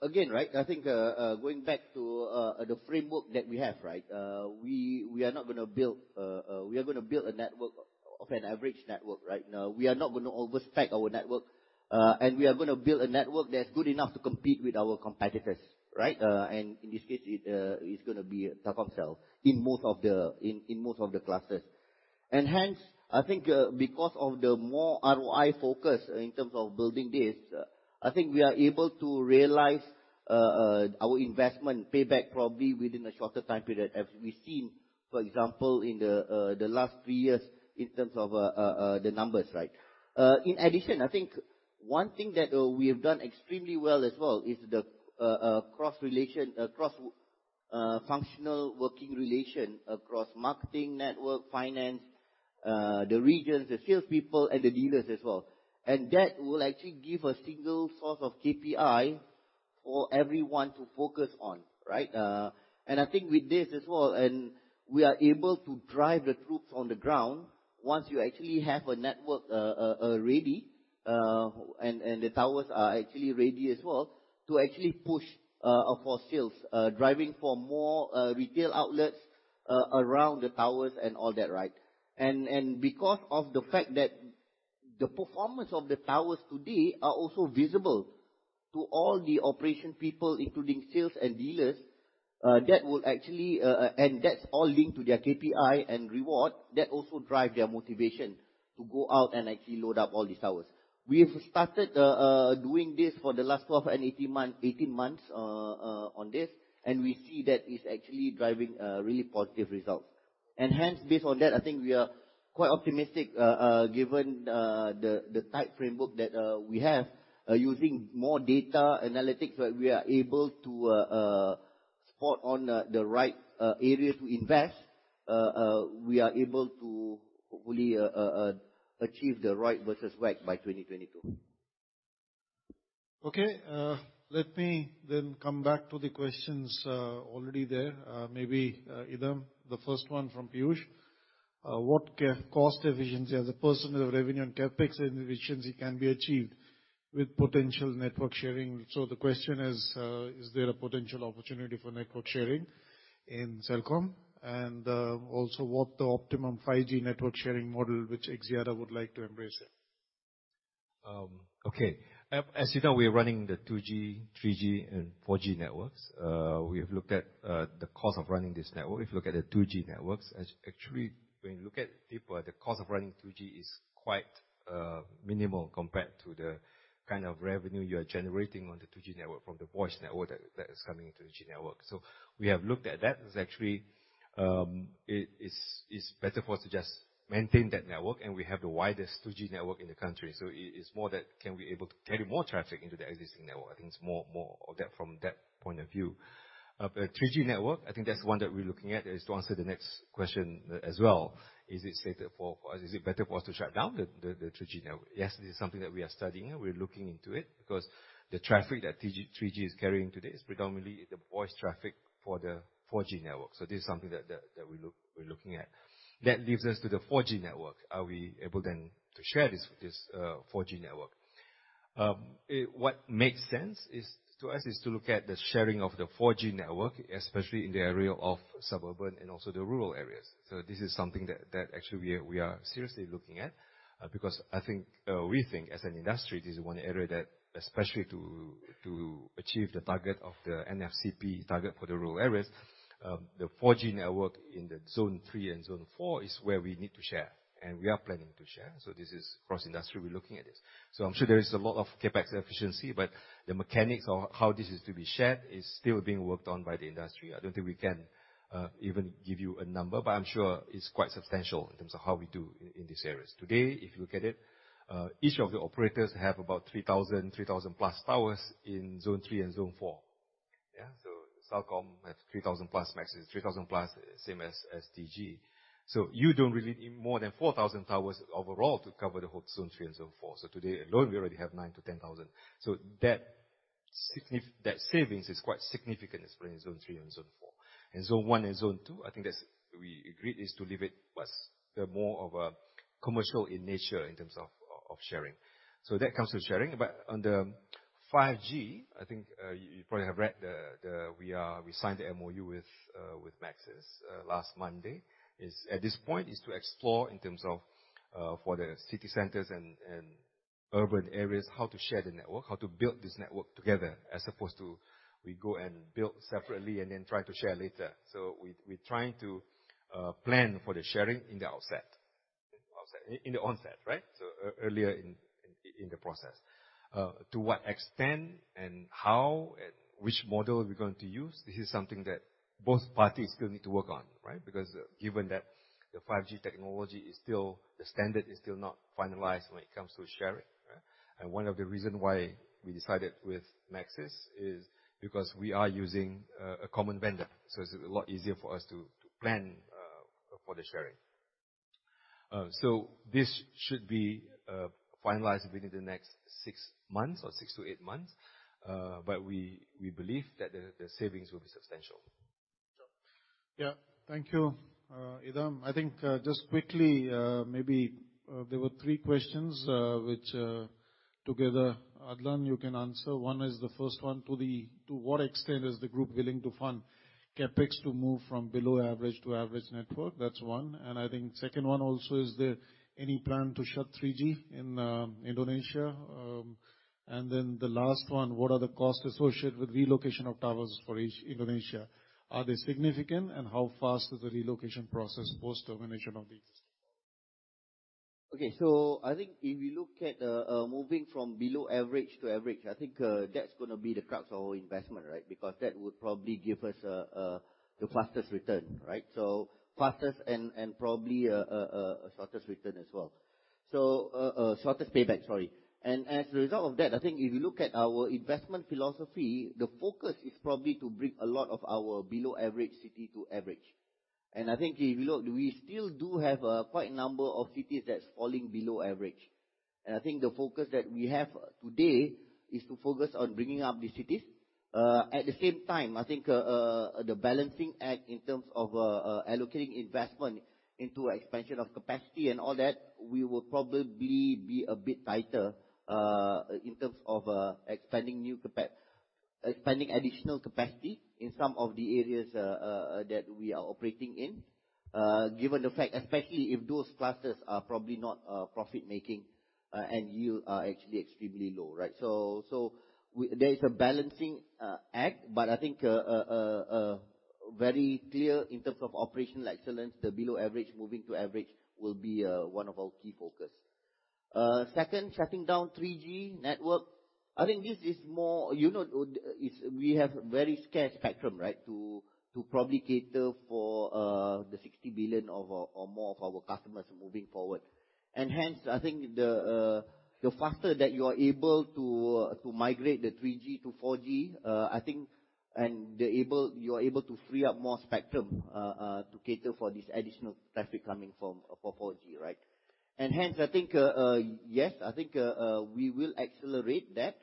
again, right, I think going back to the framework that we have, right, we are not going to build. We are going to build a network of an average network, right? We are not going to overspec our network. We are going to build a network that's good enough to compete with our competitors, right? In this case, it's going to be Telkomsel in most of the clusters. Hence, I think because of the more ROI focus in terms of building this, I think we are able to realize our investment payback probably within a shorter time period as we've seen, for example, in the last three years in terms of the numbers, right? In addition, I think one thing that we have done extremely well as well is the cross-functional working relation across marketing, network, finance, the regions, the salespeople, and the dealers as well. That will actually give a single source of KPI for everyone to focus on, right? I think with this as well, and we are able to drive the troops on the ground once you actually have a network ready and the towers are actually ready as well to actually push for sales, driving for more retail outlets around the towers and all that, right? Because of the fact that the performance of the towers today are also visible to all the operation people, including sales and dealers, that will actually, and that's all linked to their KPI and reward, that also drives their motivation to go out and actually load up all these towers. We have started doing this for the last 12 and 18 months on this, and we see that it's actually driving really positive results. Hence, based on that, I think we are quite optimistic given the tight framework that we have. Using more data analytics, we are able to spot on the right area to invest. We are able to hopefully achieve the right versus WACC by 2022. Okay. Let me then come back to the questions already there. Maybe Idham, the first one from Piyush. What cost efficiency as a percent of revenue and CapEx efficiency can be achieved with potential network sharing? The question is, is there a potential opportunity for network sharing in Celcom? And also, what's the optimum 5G network sharing model which Axiata would like to embrace? Okay. As you know, we are running the 2G, 3G, and 4G networks. We have looked at the cost of running this network. If you look at the 2G networks, actually, when you look at it deeper, the cost of running 2G is quite minimal compared to the kind of revenue you are generating on the 2G network from the voice network that is coming into the 2G network. So we have looked at that. It's actually better for us to just maintain that network and we have the widest 2G network in the country, so it's more that can we be able to carry more traffic into the existing network. I think it's more of that from that point of view. But 3G network, I think that's the one that we're looking at is to answer the next question as well. Is it better for us to shut down the 2G network? Yes, this is something that we are studying. We're looking into it because the traffic that 3G is carrying today is predominantly the voice traffic for the 4G network. This is something that we're looking at. That leads us to the 4G network. Are we able then to share this 4G network? What makes sense to us is to look at the sharing of the 4G network, especially in the area of suburban and also the rural areas. This is something that actually we are seriously looking at because I think we think as an industry, this is one area that especially to achieve the target of the NFCP target for the rural areas, the 4G network in the Zone 3 and Zone 4 is where we need to share. We are planning to share. So this is cross-industry. We're looking at this. I'm sure there is a lot of CapEx efficiency, but the mechanics of how this is to be shared is still being worked on by the industry. I don't think we can even give you a number, but I'm sure it's quite substantial in terms of how we do in these areas. Today, if you look at it, each of the operators have about 3,000-plus towers in Zone 3 and Zone 4. Yeah? So Celcom has 3,000-plus, Maxis is 3,000-plus, same as Digi. So you don't really need more than 4,000 towers overall to cover the whole Zone 3 and Zone 4. So today alone, we already have 9,000-10,000. That savings is quite significant in Zone 3 and Zone 4. Zone 1 and Zone 2, I think that's we agreed is to leave it more of a commercial in nature in terms of sharing. That comes to sharing. On the 5G, I think you probably have read that we signed the MoU with Maxis last Monday. At this point, it is to explore in terms of for the city centers and urban areas how to share the network, how to build this network together as opposed to we go and build separately and then try to share later. We're trying to plan for the sharing in the outset, in the onset, right? Earlier in the process. To what extent and how and which model are we going to use? This is something that both parties still need to work on, right? Because given that the 5G technology is still, the standard is still not finalized when it comes to sharing. One of the reasons why we decided with Maxis is because we are using a common vendor. So it's a lot easier for us to plan for the sharing. So this should be finalized within the next six months or six to eight months. But we believe that the savings will be substantial. Yeah. Thank you, Idham. I think just quickly, maybe there were three questions which together, Adlan, you can answer. One is the first one, to what extent is the group willing to fund CapEx to move from below average to average network? That's one. And I think second one also is there any plan to shut 3G in Indonesia? And then the last one, what are the costs associated with relocation of towers for Indonesia? Are they significant? And how fast is the relocation process post-termination of the existing towers? Okay. I think if we look at moving from below average to average, I think that's going to be the crux of our investment, right? Because that would probably give us the fastest return, right? So fastest and probably a shortest return as well. Shortest payback, sorry. As a result of that, I think if you look at our investment philosophy, the focus is probably to bring a lot of our below average city to average. I think if you look, we still do have quite a number of cities that's falling below average. I think the focus that we have today is to focus on bringing up the cities. At the same time, I think the balancing act in terms of allocating investment into expansion of capacity and all that, we will probably be a bit tighter in terms of expanding additional capacity in some of the areas that we are operating in, given the fact, especially if those clusters are probably not profit-making and yields are actually extremely low, right? So there is a balancing act, but I think very clear in terms of Operational Excellence, the below average moving to average will be one of our key focus. Second, shutting down 3G network. I think this is more we have a very scarce spectrum, right, to probably cater for the 60 billion or more of our customers moving forward. Hence, I think the faster that you are able to migrate the 3G to 4G, I think you are able to free up more spectrum to cater for this additional traffic coming for 4G, right? Hence, I think, yes, I think we will accelerate that,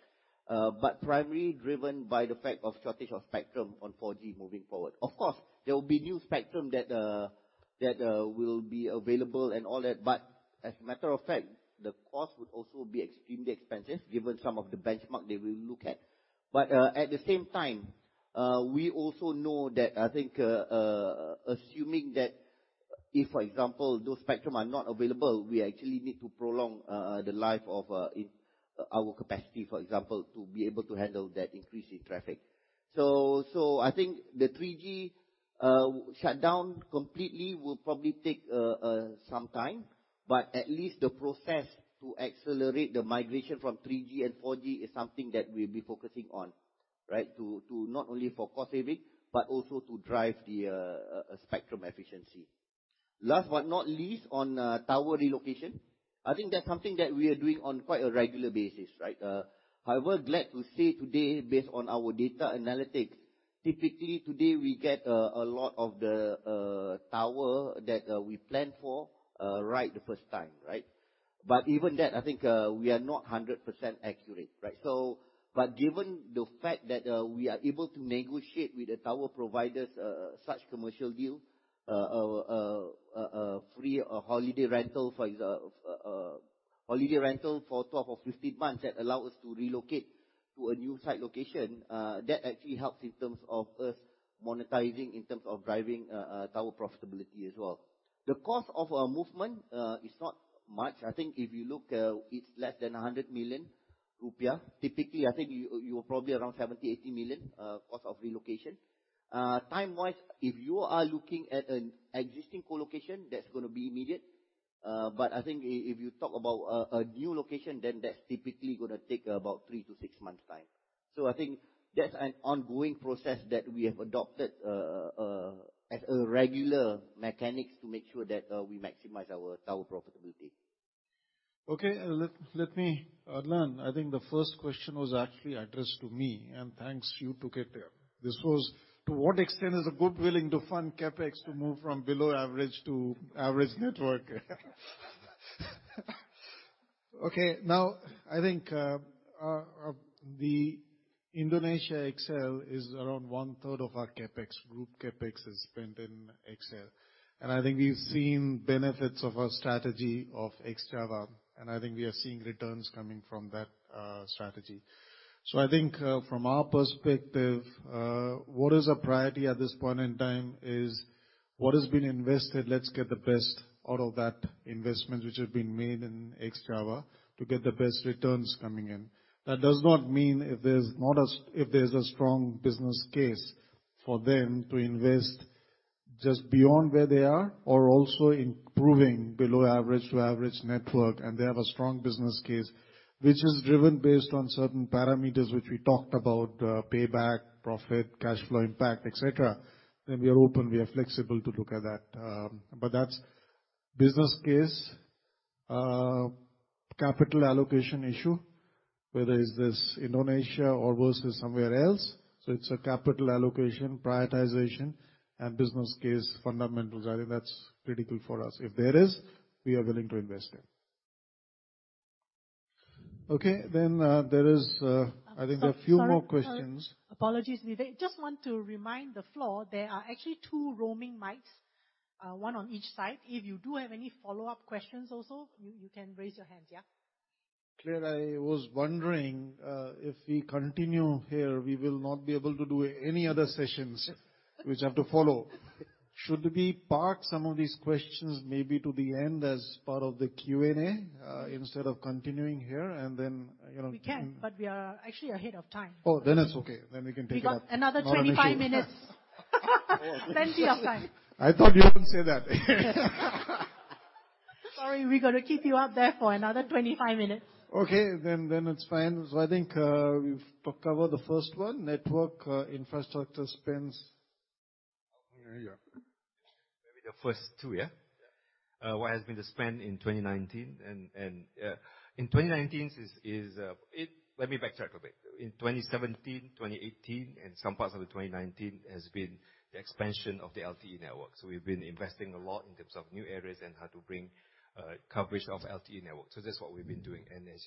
but primarily driven by the fact of shortage of spectrum on 4G moving forward. Of course, there will be new spectrum that will be available and all that. But as a matter of fact, the cost would also be extremely expensive given some of the benchmark they will look at. But at the same time, we also know that I think assuming that if, for example, those spectrum are not available, we actually need to prolong the life of our capacity, for example, to be able to handle that increase in traffic. I think the 3G shutdown completely will probably take some time. But at least the process to accelerate the migration from 3G and 4G is something that we'll be focusing on, right? Not only for cost saving, but also to drive the spectrum efficiency. Last but not least, on tower relocation, I think that's something that we are doing on quite a regular basis, right? However, glad to say today, based on our data analytics, typically today we get a lot of the tower that we planned for right the first time, right? But even that, I think we are not 100% accurate, right? But given the fact that we are able to negotiate with the tower providers such commercial deal, free holiday rental for 12 or 15 months that allow us to relocate to a new site location, that actually helps in terms of us monetizing in terms of driving tower profitability as well. The cost of movement is not much. I think if you look, it's less than 100 million rupiah. Typically, I think you are probably around 70-80 million cost of relocation. Time-wise, if you are looking at an existing co-location, that's going to be immediate. But I think if you talk about a new location, then that's typically going to take about three to six months time. I think that's an ongoing process that we have adopted as a regular mechanics to make sure that we maximize our tower profitability. Okay. Let me, Adlan, I think the first question was actually addressed to me. Thanks, you took it. This was to what extent is the group willing to fund CapEx to move from below average to average network? Okay. Now, I think the Indonesia XL is around one-third of our CapEx. Group CapEx is spent in XL. I think we've seen benefits of our strategy of Ex-Java. I think we are seeing returns coming from that strategy. So I think from our perspective, what is a priority at this point in time is what has been invested, let's get the best out of that investment which has been made in Ex-Java to get the best returns coming in. That does not mean if there's a strong business case for them to invest just beyond where they are or also improving below average to average network and they have a strong business case which is driven based on certain parameters which we talked about, payback, profit, cash flow impact, etc., then we are open, we are flexible to look at that. But that's business case, capital allocation issue, whether it's this Indonesia or versus somewhere else. So it's a capital allocation, prioritization, and business case fundamentals. I think that's critical for us. If there is, we are willing to invest in. Okay. Then there is, I think there are a few more questions. Apologies to be vague. Just want to remind the floor, there are actually two roaming mics, one on each side. If you do have any follow-up questions also, you can raise your hand. Yeah? Clare, I was wondering if we continue here, we will not be able to do any other sessions which have to follow. Should we park some of these questions maybe to the end as part of the Q&A instead of continuing here and then? We can, but we are actually ahead of time. Oh, then it's okay. Then we can pick up. We got another 25 minutes. Plenty of time. I thought you wouldn't say that. Sorry, we're going to keep you up there for another 25 minutes. Okay. Then it's fine. So I think we've covered the first one, network infrastructure spends. Maybe the first two, yeah? What has been the spend in 2019? And in 2019, let me backtrack a bit. In 2017, 2018, and some parts of 2019 has been the expansion of the LTE network. We've been investing a lot in terms of new areas and how to bring coverage of the LTE network. That's what we've been doing. As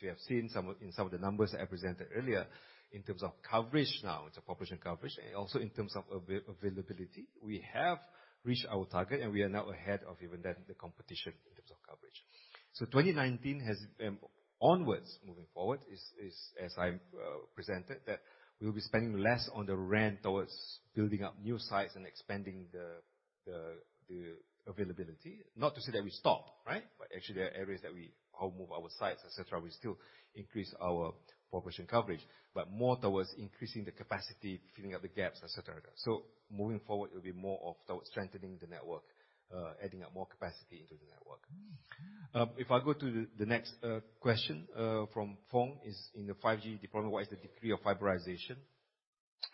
you have seen in some of the numbers that I presented earlier, in terms of coverage now, it's population coverage. Also in terms of availability, we have reached our target and we are now ahead of even the competition in terms of coverage. So 2019 has been onwards moving forward, as I presented, that we will be spending less on the capex towards building up new sites and expanding the availability. Not to say that we stop, right? But actually there are areas that we now move our sites, etc., we still increase our population coverage, but more towards increasing the capacity, filling up the gaps, etc. So moving forward, it will be more of towards strengthening the network, adding up more capacity into the network. If I go to the next question from Foong, it is in the 5G deployment. What is the degree of fiberization?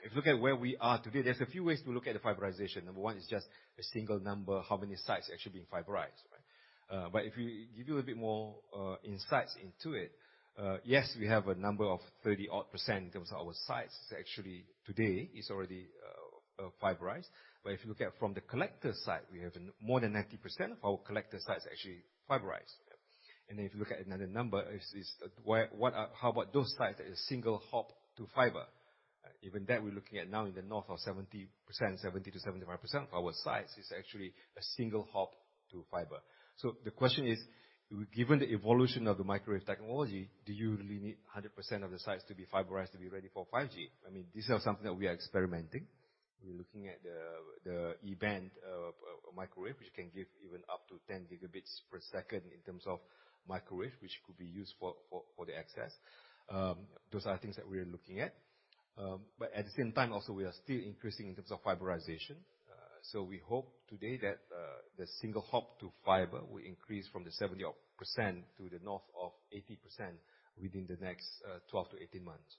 If you look at where we are today, there's a few ways to look at the fiberization. Number one is just a single number, how many sites are actually being fiberized, right? But if I give you a little bit more insights into it, yes, we have a number of 30-odd% in terms of our sites. It's actually today; it's already fiberized. But if you look at it from the collector side, we have more than 90% of our collector sites actually fiberized. Then if you look at another number, how about those sites that are single hop to fiber? Even that we're looking at now in the north of 70%, 70%-75% of our sites is actually a single hop to fiber. The question is, given the evolution of the microwave technology, do you really need 100% of the sites to be fiberized to be ready for 5G? I mean, this is something that we are experimenting. We're looking at the E-band microwave, which can give even up to 10 gigabits per second in terms of microwave, which could be used for the access. Those are things that we are looking at. But at the same time, also we are still increasing in terms of fiberization. We hope today that the single hop to fiber will increase from the 70-odd% to the north of 80% within the next 12-18 months.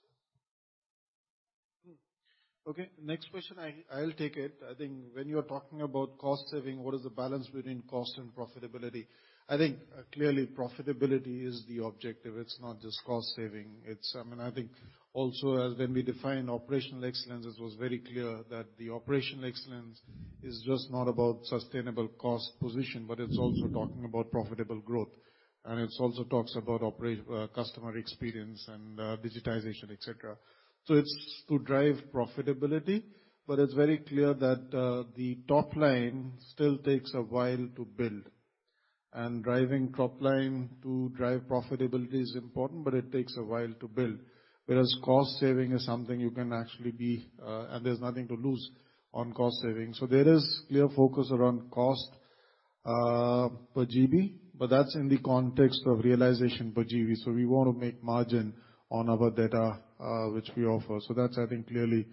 Okay. Next question, I'll take it. I think when you're talking about cost saving, what is the balance between cost and profitability? I think clearly profitability is the objective. It's not just cost saving. I mean, I think also as when we define Operational Excellence, it was very clear that the Operational Excellence is just not about sustainable cost position, but it's also talking about profitable growth, and it also talks about customer experience and digitization, etc. So it's to drive profitability, but it's very clear that the top line still takes a while to build, and driving top line to drive profitability is important, but it takes a while to build. Whereas cost saving is something you can actually be, and there's nothing to lose on cost saving, so there is clear focus around cost per GB, but that's in the context of realization per GB. So we want to make margin on our data which we offer. That's, I think clearly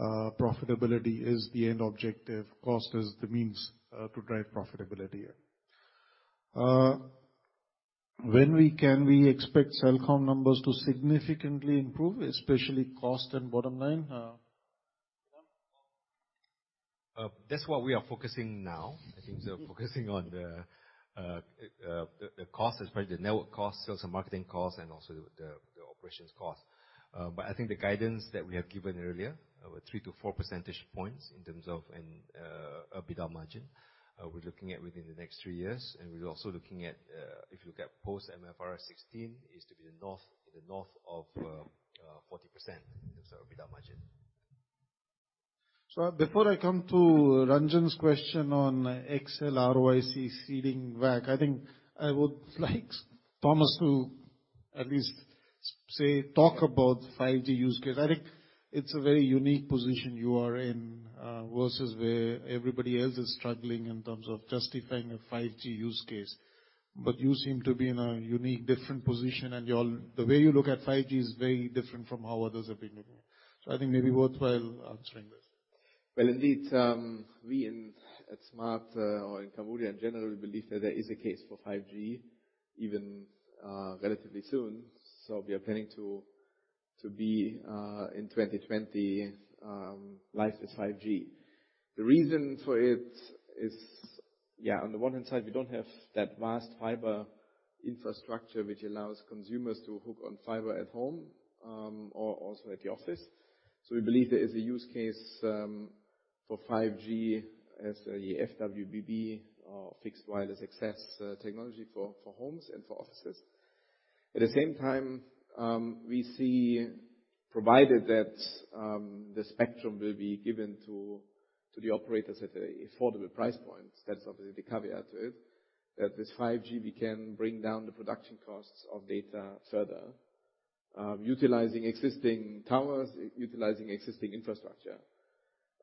profitability is the end objective. Cost is the means to drive profitability. When we can, we expect Celcom numbers to significantly improve, especially cost and bottom line. That's what we are focusing now. I think they're focusing on the cost, especially the network cost, sales and marketing cost, and also the operations cost. But I think the guidance that we have given earlier, three-to-four percentage points in terms of EBITDA margin, we're looking at within the next three years. We're also looking at, if you look at post-MFRS 16, it is to be in the north of 40% in terms of EBITDA margin. So before I come to Ranjan's question on XL, ROIC, ceiling, WACC, I think I would like Thomas to at least say, talk about 5G use case. I think it's a very unique position you are in versus where everybody else is struggling in terms of justifying a 5G use case. But you seem to be in a unique, different position. The way you look at 5G is very different from how others have been looking at it. So I think maybe worthwhile answering this. Indeed, we at Smart or in Cambodia in general, we believe that there is a case for 5G even relatively soon. We are planning to be in 2020, live with 5G. The reason for it is, yeah, on the one hand side, we don't have that vast fiber infrastructure which allows consumers to hook on fiber at home or also at the office. So we believe there is a use case for 5G as a FWBB or fixed wireless access technology for homes and for offices. At the same time, we see provided that the spectrum will be given to the operators at an affordable price point. That's obviously the caveat to it, that with 5G, we can bring down the production costs of data further, utilizing existing towers, utilizing existing infrastructure.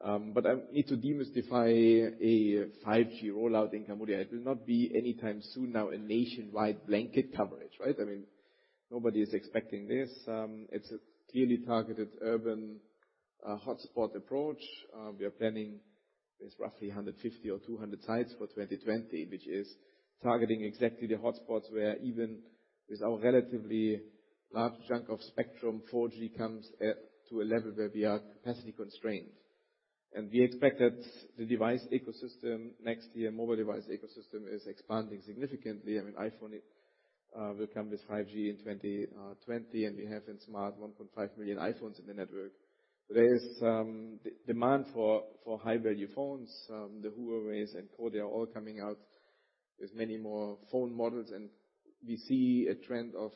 But I need to demystify a 5G rollout in Cambodia. It will not be anytime soon now a nationwide blanket coverage, right? I mean, nobody is expecting this. It's a clearly targeted urban hotspot approach. We are planning with roughly 150 or 200 sites for 2020, which is targeting exactly the hotspots where even with our relatively large chunk of spectrum, 4G comes to a level where we are capacity constrained. We expect that the device ecosystem next year, mobile device ecosystem is expanding significantly. I mean, iPhone will come with 5G in 2020, and we have in Smart 1.5 million iPhones in the network. There is demand for high-value phones. The Huaweis and Kodiaq are all coming out with many more phone models. We see a trend of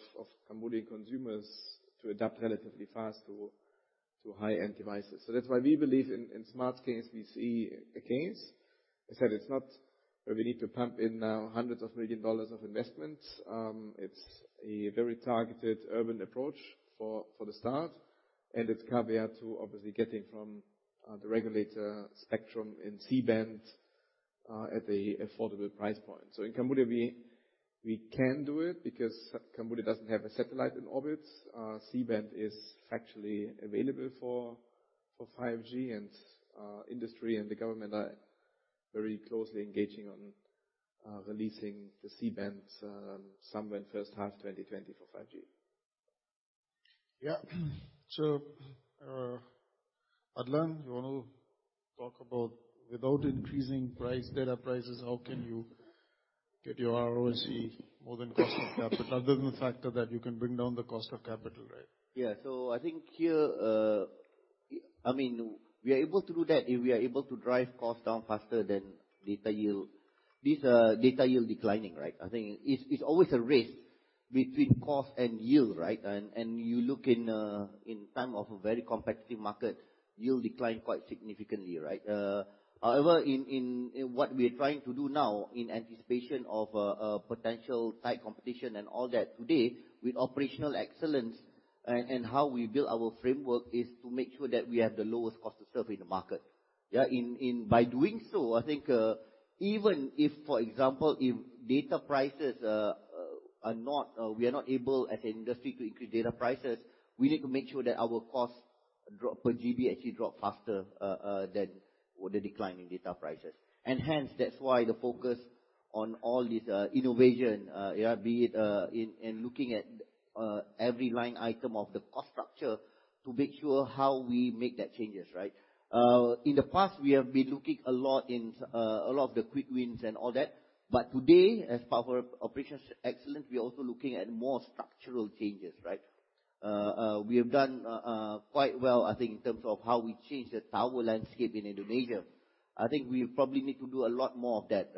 Cambodian consumers to adopt relatively fast to high-end devices. That's why we believe in Smart's case, we see a case. I said it's not where we need to pump in now hundreds of millions of dollars of investments. It's a very targeted urban approach for the start. It's caveat to obviously getting from the regulator spectrum in C-band at an affordable price point. In Cambodia, we can do it because Cambodia doesn't have a satellite in orbit. C-band is factually available for 5G, and industry and the government are very closely engaging on releasing the C-band somewhere in the first half of 2020 for 5G. Yeah. So Adlan, you want to talk about without increasing data prices, how can you get your ROIC more than cost of capital other than the fact that you can bring down the cost of capital, right? Yeah. I think here, I mean, we are able to do that if we are able to drive cost down faster than data yield. Data yield declining, right? I think it's always a race between cost and yield, right, and you look in time of a very competitive market, yield declined quite significantly, right? However, in what we are trying to do now, in anticipation of potential tight competition and all that today, with Operational Excellence and how we build our framework, is to make sure that we have the lowest cost to serve in the market. Yeah? By doing so, I think even if, for example, if data prices are not, we are not able as an industry to increase data prices, we need to make sure that our cost per GB actually drops faster than the decline in data prices. And hence, that's why the focus on all this innovation, be it in looking at every line item of the cost structure to make sure how we make that changes, right? In the past, we have been looking a lot in a lot of the quick wins and all that. But today, as part of our Operational Excellence, we are also looking at more structural changes, right? We have done quite well, I think, in terms of how we change the tower landscape in Indonesia. I think we probably need to do a lot more of that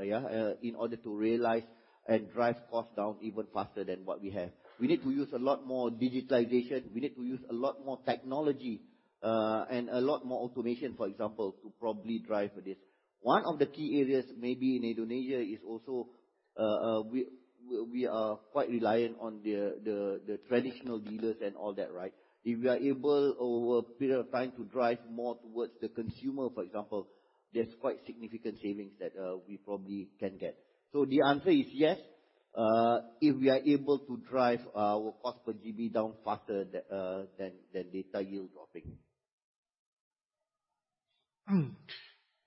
in order to realize and drive cost down even faster than what we have. We need to use a lot more digitalization. We need to use a lot more technology and a lot more automation, for example, to probably drive this. One of the key areas maybe in Indonesia is also we are quite reliant on the traditional dealers and all that, right? If we are able over a period of time to drive more towards the consumer, for example, there's quite significant savings that we probably can get. So the answer is yes, if we are able to drive our cost per GB down faster than data yield dropping.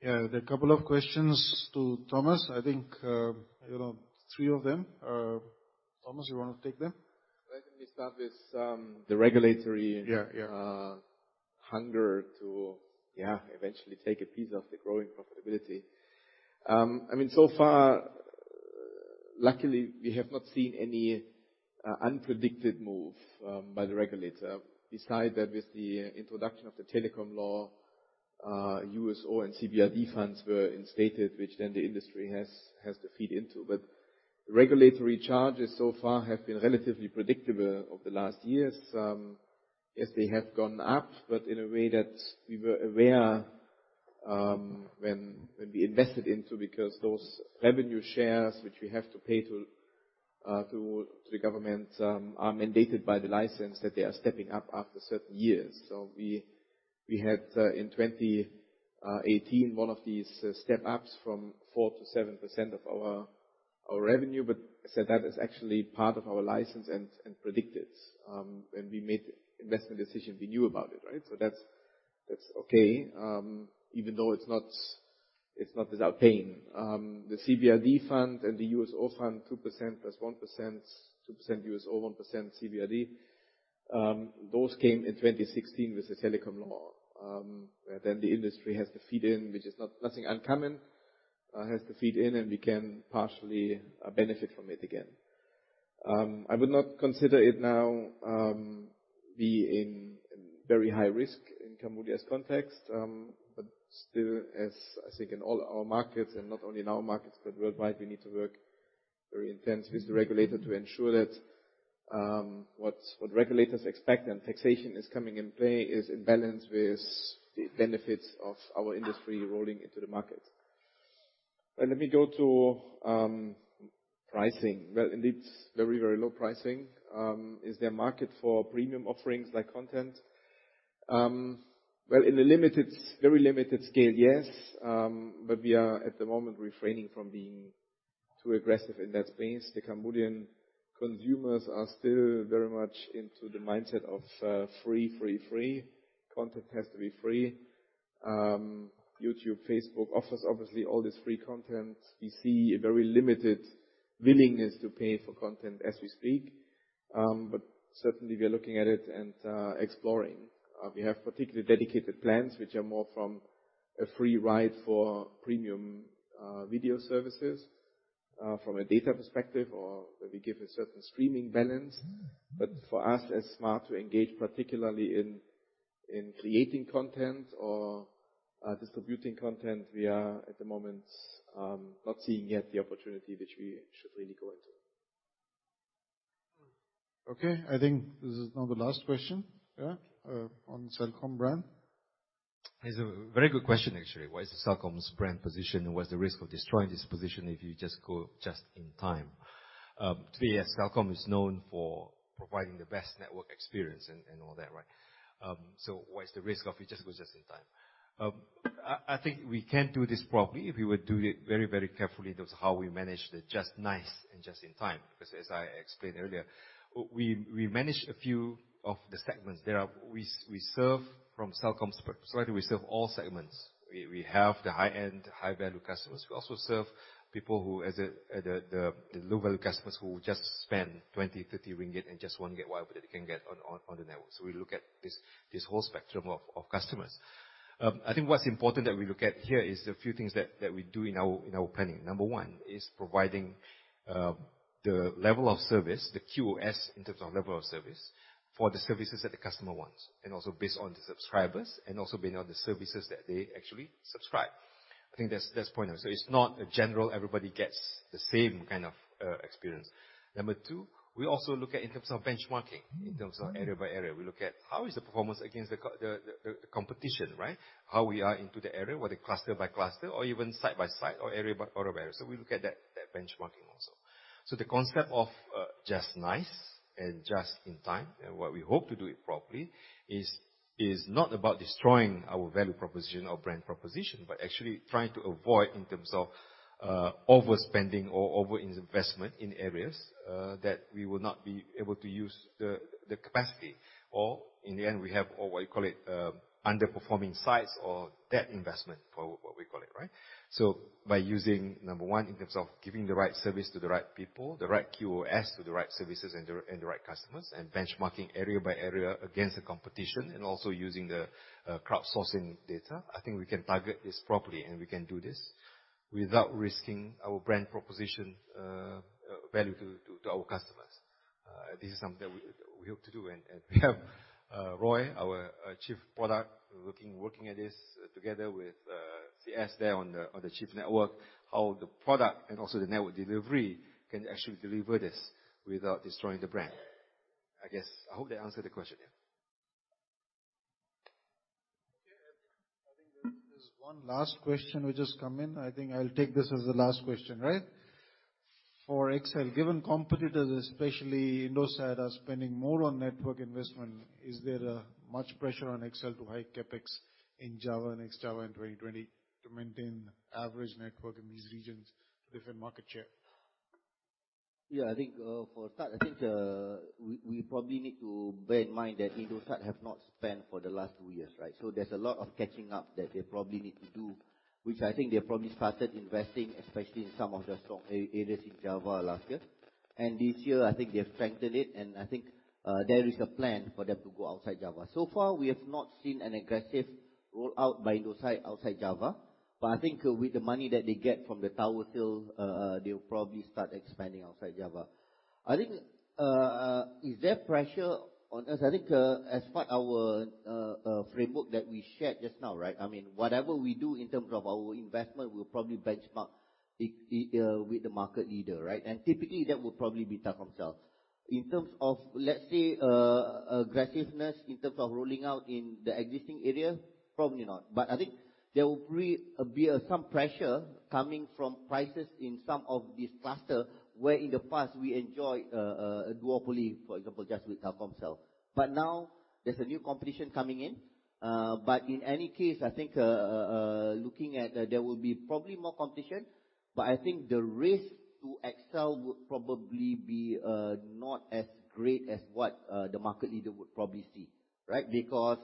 Yeah, there are a couple of questions to Thomas. I think three of them. Thomas, you want to take them? Where can we start with the regulatory hunger to eventually take a piece of the growing profitability? I mean, so far, luckily, we have not seen any unpredicted move by the regulator. Besides that, with the introduction of the telecom law, USO and CBRD funds were instated, which then the industry has to feed into. But regulatory charges so far have been relatively predictable over the last years. Yes, they have gone up, but in a way that we were aware when we invested into because those revenue shares which we have to pay to the government are mandated by the license that they are stepping up after certain years. So we had in 2018 one of these step-ups from 4%-7% of our revenue, but I said that is actually part of our license and predicted when we made investment decisions, we knew about it, right? That's okay, even though it's not without pain. The CBRD fund and the USO fund, 2% plus 1%, 2% USO, 1% CBRD, those came in 2016 with the telecom law. Then the industry has to feed in, which is nothing uncommon, and we can partially benefit from it again. I would not consider it to now be in very high risk in Cambodia's context, but still, as I think in all our markets and not only in our markets, but worldwide, we need to work very intensely with the regulator to ensure that what regulators expect and taxation is coming in play is in balance with the benefits of our industry rolling into the market. Let me go to pricing. Well, indeed, very, very low pricing. Is there a market for premium offerings like content? Well, in a very limited scale, yes. But we are at the moment refraining from being too aggressive in that space. The Cambodian consumers are still very much into the mindset of free, free, free. Content has to be free. YouTube, Facebook offers obviously all this free content. We see a very limited willingness to pay for content as we speak. But certainly, we are looking at it and exploring. We have particularly dedicated plans which are more from a free ride for premium video services from a data perspective or where we give a certain streaming balance. But for us as Smart to engage particularly in creating content or distributing content, we are at the moment not seeing yet the opportunity which we should really go into. Okay. I think this is now the last question on Celcom brand. It's a very good question, actually. What is Celcom's brand position and what's the risk of destroying this position if you just go just in time? To me, Celcom is known for providing the best network experience and all that, right? So what's the risk of if you just go just in time? I think we can do this properly if we would do it very, very carefully in terms of how we manage the just nice and just in time. Because as I explained earlier, we manage a few of the segments. We serve from Celcom's perspective, we serve all segments. We have the high-end, high-value customers. We also serve people who are the low-value customers who just spend 20 ringgit, 30 ringgit and just want to get whatever they can get on the network. So we look at this whole spectrum of customers. I think what's important that we look at here is a few things that we do in our planning. Number one is providing the level of service, the QoS in terms of level of service for the services that the customer wants, and also based on the subscribers and also based on the services that they actually subscribe. I think that's the point of it. It's not a general everybody gets the same kind of experience. Number two, we also look at in terms of benchmarking, in terms of area by area. We look at how is the performance against the competition, right? How we are into the area, whether cluster by cluster or even side by side or area by area by area. So we look at that benchmarking also. So the concept of just nice and just in time, and what we hope to do it properly, is not about destroying our value proposition or brand proposition, but actually trying to avoid in terms of overspending or over-investment in areas that we will not be able to use the capacity. Or in the end, we have what we call it underperforming sites or debt investment for what we call it, right? By using, number one, in terms of giving the right service to the right people, the right QoS to the right services and the right customers, and benchmarking area by area against the competition, and also using the crowdsourcing data, I think we can target this properly and we can do this without risking our brand proposition value to our customers. This is something that we hope to do. We have Roy, our Chief Product, working at this together with CS there on the Chief Network, how the product and also the network delivery can actually deliver this without destroying the brand. I guess I hope that answered the question. I think there's one last question which has come in. I think I'll take this as the last question, right? For XL Axiata, given competitors, especially Indosat, are spending more on network investment, is there much pressure on XL Axiata to hike CapEx in Java and Ex-Java in 2020 to maintain average network in these regions to defend market share? Yeah, I think for start, I think we probably need to bear in mind that Indosat have not spent for the last two years, right? So there's a lot of catching up that they probably need to do, which I think they probably started investing, especially in some of the strong areas in Java last year, and this year, I think they've strengthened it, and I think there is a plan for them to go outside Java. So far, we have not seen an aggressive rollout by Indosat outside Java, but I think with the money that they get from the tower sale, they will probably start expanding outside Java. I think, is there pressure on us? I think as part of our framework that we shared just now, right? I mean, whatever we do in terms of our investment, we'll probably benchmark with the market leader, right? And typically, that will probably be Telkomsel. In terms of, let's say, aggressiveness in terms of rolling out in the existing area, probably not. But I think there will be some pressure coming from prices in some of these clusters where in the past we enjoyed a duopoly, for example, just with Telkomsel. But now there's a new competition coming in. But in any case, I think looking at there, there will be probably more competition, but I think the risk to XL would probably be not as great as what the market leader would probably see, right? Because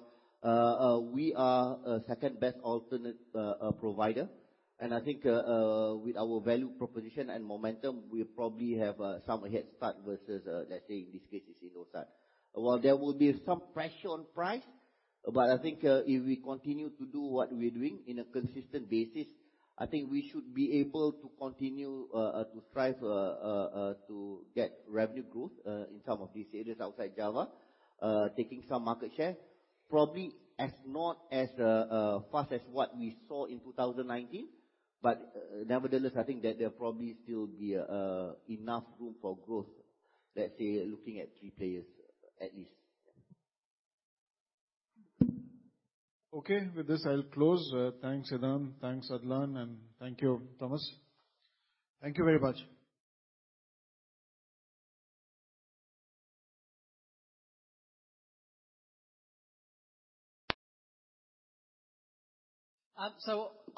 we are a second-best alternate provider. I think with our value proposition and momentum, we probably have some head start versus, let's say, in this case, it's Indosat. There will be some pressure on price, but I think if we continue to do what we're doing on a consistent basis, I think we should be able to continue to strive to get revenue growth in some of these areas outside Java, taking some market share, probably not as fast as what we saw in 2019. Nevertheless, I think that there will probably still be enough room for growth, let's say, looking at three players at least. Okay, with this, I'll close. Thanks, Idham. Thanks, Adlan, and thank you, Thomas. Thank you very much.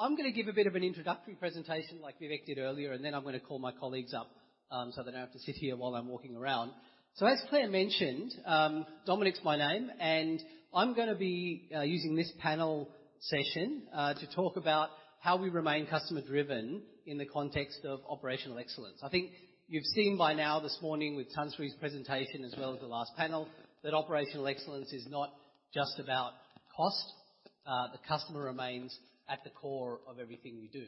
I'm going to give a bit of an introductory presentation like Vivek did earlier, and then I'm going to call my colleagues up so they don't have to sit here while I'm walking around. As Clare mentioned, Dominic's my name, and I'm going to be using this panel session to talk about how we remain customer-driven in the context of Operational Excellence. I think you've seen by now this morning with Tan Sri's presentation, as well as the last panel, that Operational Excellence is not just about cost. The customer remains at the core of everything we do.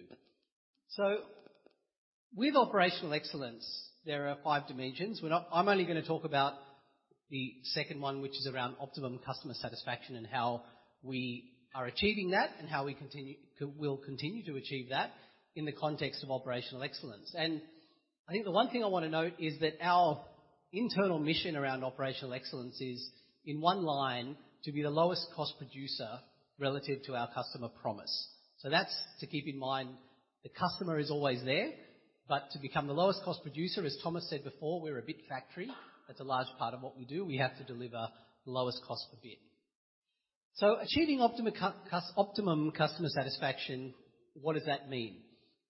With Operational Excellence, there are five dimensions. I'm only going to talk about the second one, which is around optimum customer satisfaction and how we are achieving that and how we will continue to achieve that in the context of Operational Excellence. I think the one thing I want to note is that our internal mission around Operational Excellence is, in one line, to be the lowest cost producer relative to our customer promise. That's to keep in mind the customer is always there, but to become the lowest cost producer, as Thomas saig before, we're a big factory. That's a large part of what we do. We have to deliver the lowest cost per bit. So achieving optimum customer satisfaction, what does that mean?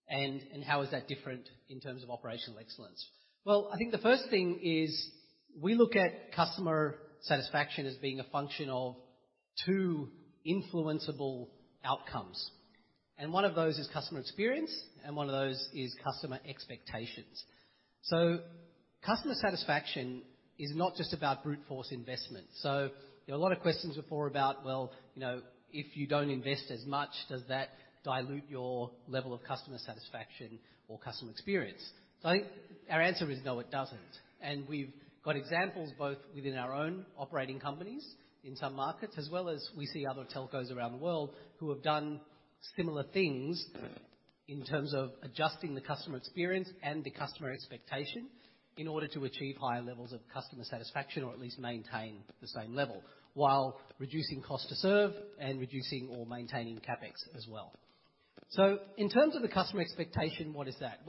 And how is that different in terms of Operational Excellence? I think the first thing is we look at customer satisfaction as being a function of two influenceable outcomes. One of those is customer experience, and one of those is customer expectations. So customer satisfaction is not just about brute force investment. There were a lot of questions before about, well, if you don't invest as much, does that dilute your level of customer satisfaction or customer experience? I think our answer is no, it doesn't. We've got examples both within our own operating companies in some markets, as well as we see other telcos around the world who have done similar things in terms of adjusting the customer experience and the customer expectation in order to achieve higher levels of customer satisfaction or at least maintain the same level while reducing cost to serve and reducing or maintaining CapEx as well. In terms of the customer expectation, what is that?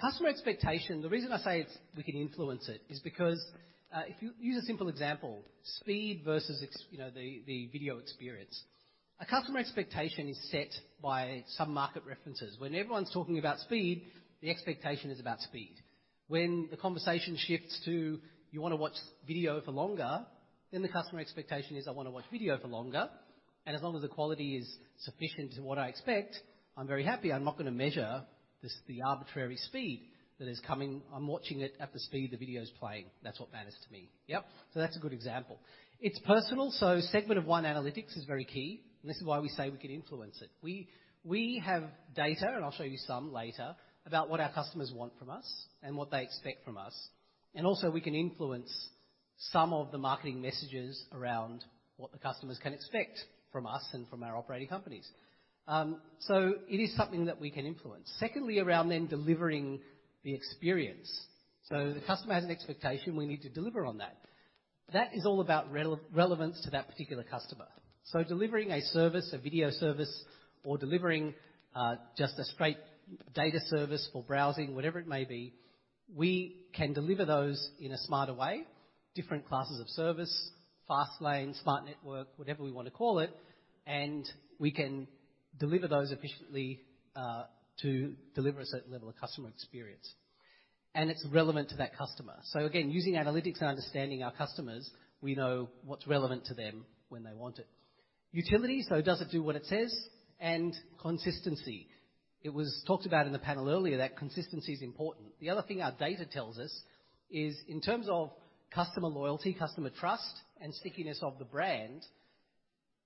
Customer expectation, the reason I say we can influence it is because if you use a simple example, speed versus the video experience. A customer expectation is set by some market references. When everyone's talking about speed, the expectation is about speed. When the conversation shifts to, "You want to watch video for longer," then the customer expectation is, "I want to watch video for longer." As long as the quality is sufficient to what I expect, I'm very happy. I'm not going to measure the arbitrary speed that is coming. I'm watching it at the speed the video's playing. That's what matters to me. Yep. So that's a good example. It's personal. So segment of one analytics is very key. This is why we say we can influence it. We have data, and I'll show you some later, about what our customers want from us and what they expect from us. Also, we can influence some of the marketing messages around what the customers can expect from us and from our operating companies. So it is something that we can influence. Secondly, around them delivering the experience. So the customer has an expectation. We need to deliver on that. That is all about relevance to that particular customer. So delivering a service, a video service, or delivering just a straight data service for browsing, whatever it may be, we can deliver those in a smarter way, different classes of service, fast lane, smart network, whatever we want to call it. And we can deliver those efficiently to deliver a certain level of customer experience. And it's relevant to that customer. So again, using analytics and understanding our customers, we know what's relevant to them when they want it. Utility, so does it do what it says? And consistency. It was talked about in the panel earlier that consistency is important. The other thing our data tells us is in terms of customer loyalty, customer trust, and stickiness of the brand,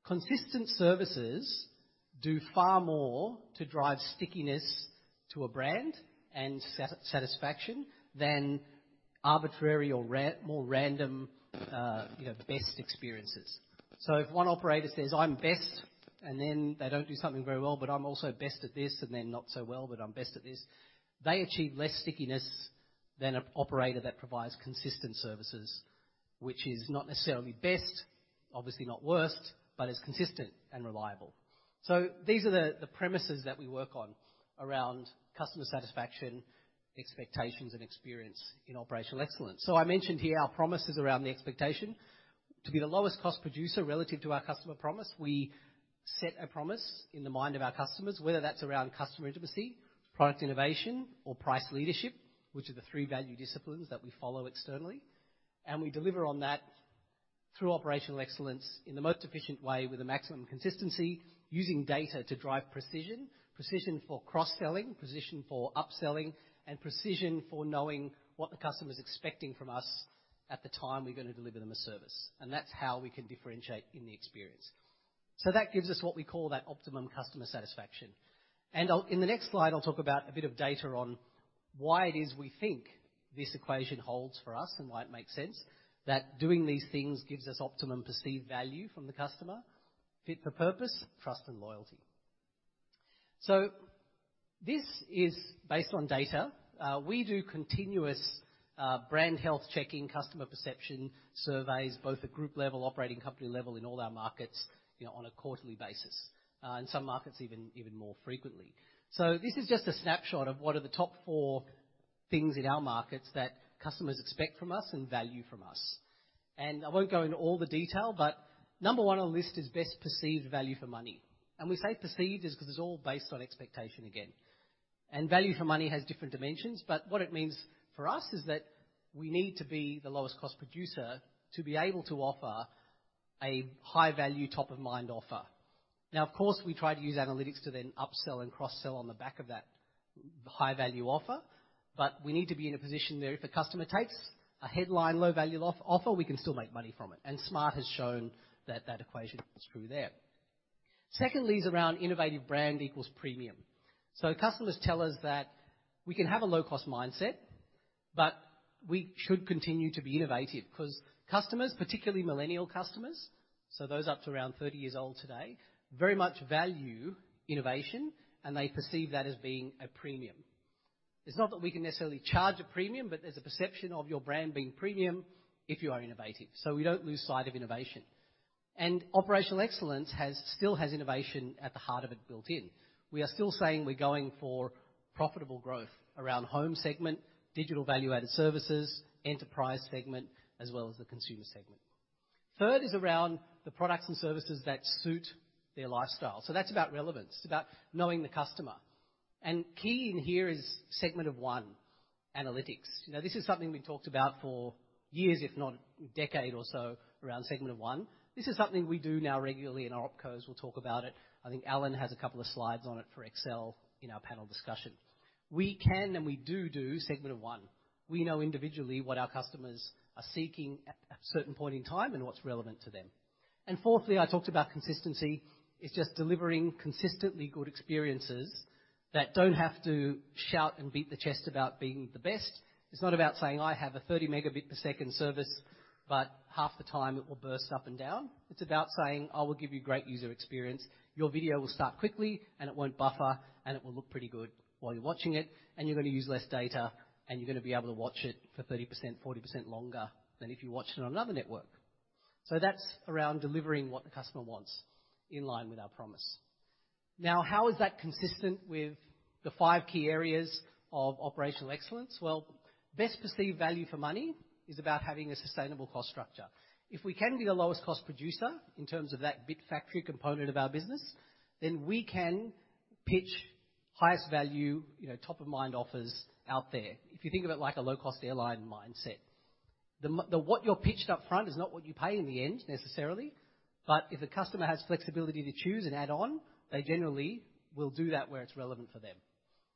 consistent services do far more to drive stickiness to a brand and satisfaction than arbitrary or more random best experiences. If one operator says, "I'm best," and then they don't do something very well, but I'm also best at this, and then not so well, but I'm best at this, they achieve less stickiness than an operator that provides consistent services, which is not necessarily best, obviously not worst, but is consistent and reliable. So these are the premises that we work on around customer satisfaction, expectations, and experience in Operational Excellence. So I mentioned here our promise is around the expectation to be the lowest cost producer relative to our customer promise. We set a promise in the mind of our customers, whether that's around customer intimacy, product innovation, or price leadership, which are the three value disciplines that we follow externally. We deliver on that through Operational Excellence in the most efficient way with a maximum consistency, using data to drive precision, precision for cross-selling, precision for upselling, and precision for knowing what the customer is expecting from us at the time we're going to deliver them a service. That's how we can differentiate in the experiencehat gives us what we call that optimum customer satisfaction. In the next slide, I'll talk about a bit of data on why it is we think this equation holds for us and why it makes sense that doing these things gives us optimum perceived value from the customer, fit for purpose, trust, and loyalty. This is based on data. We do continuous brand health checking, customer perception surveys, both at group level, operating company level in all our markets on a quarterly basis, in some markets even more frequently. This is just a snapshot of what are the top four things in our markets that customers expect from us and value from us. I won't go into all the detail, but number one on the list is best perceived value for money. We say perceived because it's all based on expectation again. Value for money has different dimensions, but what it means for us is that we need to be the lowest cost producer to be able to offer a high-value, top-of-mind offer. Now, of course, we try to use analytics to then upsell and cross-sell on the back of that high-value offer, but we need to be in a position where if a customer takes a headline low-value offer, we can still make money from it. And Smart has shown that that equation is true there. Secondly is around innovative brand equals premium. Customers tell us that we can have a low-cost mindset, but we should continue to be innovative because customers, particularly millennial customers, so those up to around 30 years old today, very much value innovation, and they perceive that as being a premium. It's not that we can necessarily charge a premium, but there's a perception of your brand being premium if you are innovative. So we don't lose sight of innovation. Operational Excellence still has innovation at the heart of it built in. We are still saying we're going for profitable growth around home segment, digital value-added services, enterprise segment, as well as the consumer segment. Third is around the products and services that suit their lifestyle. So that's about relevance. It's about knowing the customer. Key in here is segment of one, analytics. This is something we've talked about for years, if not a decade or so, around segment of one. This is something we do now regularly and of course we'll talk about it. I think Allan has a couple of slides on it for XL in our panel discussion. We can and we do do segment of one. We know individually what our customers are seeking at a certain point in time and what's relevant to them. Fourthly, I talked about consistency. It's just delivering consistently good experiences that don't have to shout and beat the chest about being the best. It's not about saying, "I have a 30 megabit per second service," but half the time it will burst up and down. It's about saying, "I will give you great user experience. Your video will start quickly, and it won't buffer, and it will look pretty good while you're watching it, and you're going to use less data, and you're going to be able to watch it for 30%, 40% longer than if you watched it on another network." That's around delivering what the customer wants in line with our promise. Now, how is that consistent with the five key areas of Operational Excellence? Well, best perceived value for money is about having a sustainable cost structure. If we can be the lowest cost producer in terms of that bit factory component of our business, then we can pitch highest value, top-of-mind offers out there. If you think of it like a low-cost airline mindset, what you're pitched upfront is not what you pay in the end necessarily, but if a customer has flexibility to choose and add on, they generally will do that where it's relevant for them.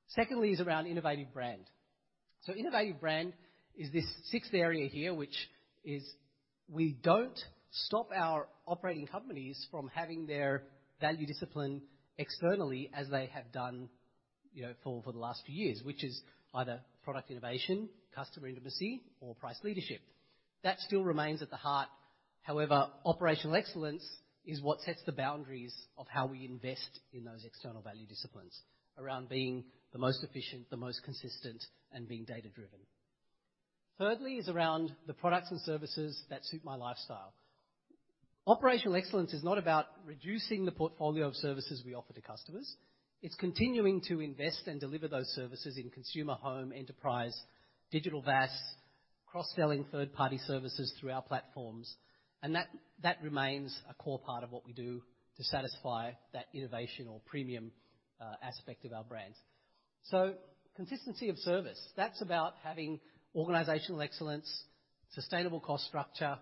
Secondly is around innovative brand. So innovative brand is this sixth area here, which is we don't stop our operating companies from having their value discipline externally as they have done for the last few years, which is either product innovation, customer intimacy, or price leadership. That still remains at the heart. However, Operational Excellence is what sets the boundaries of how we invest in those external value disciplines around being the most efficient, the most consistent, and being data-driven. Thirdly, is around the products and services that suit my lifestyle. Operational Excellence is not about reducing the portfolio of services we offer to customers. It's continuing to invest and deliver those services in consumer, home, enterprise, digital VAS, cross-selling third-party services through our platforms. That remains a core part of what we do to satisfy that innovation or premium aspect of our brands. So consistency of service, that's about having organizational excellence, sustainable cost structure,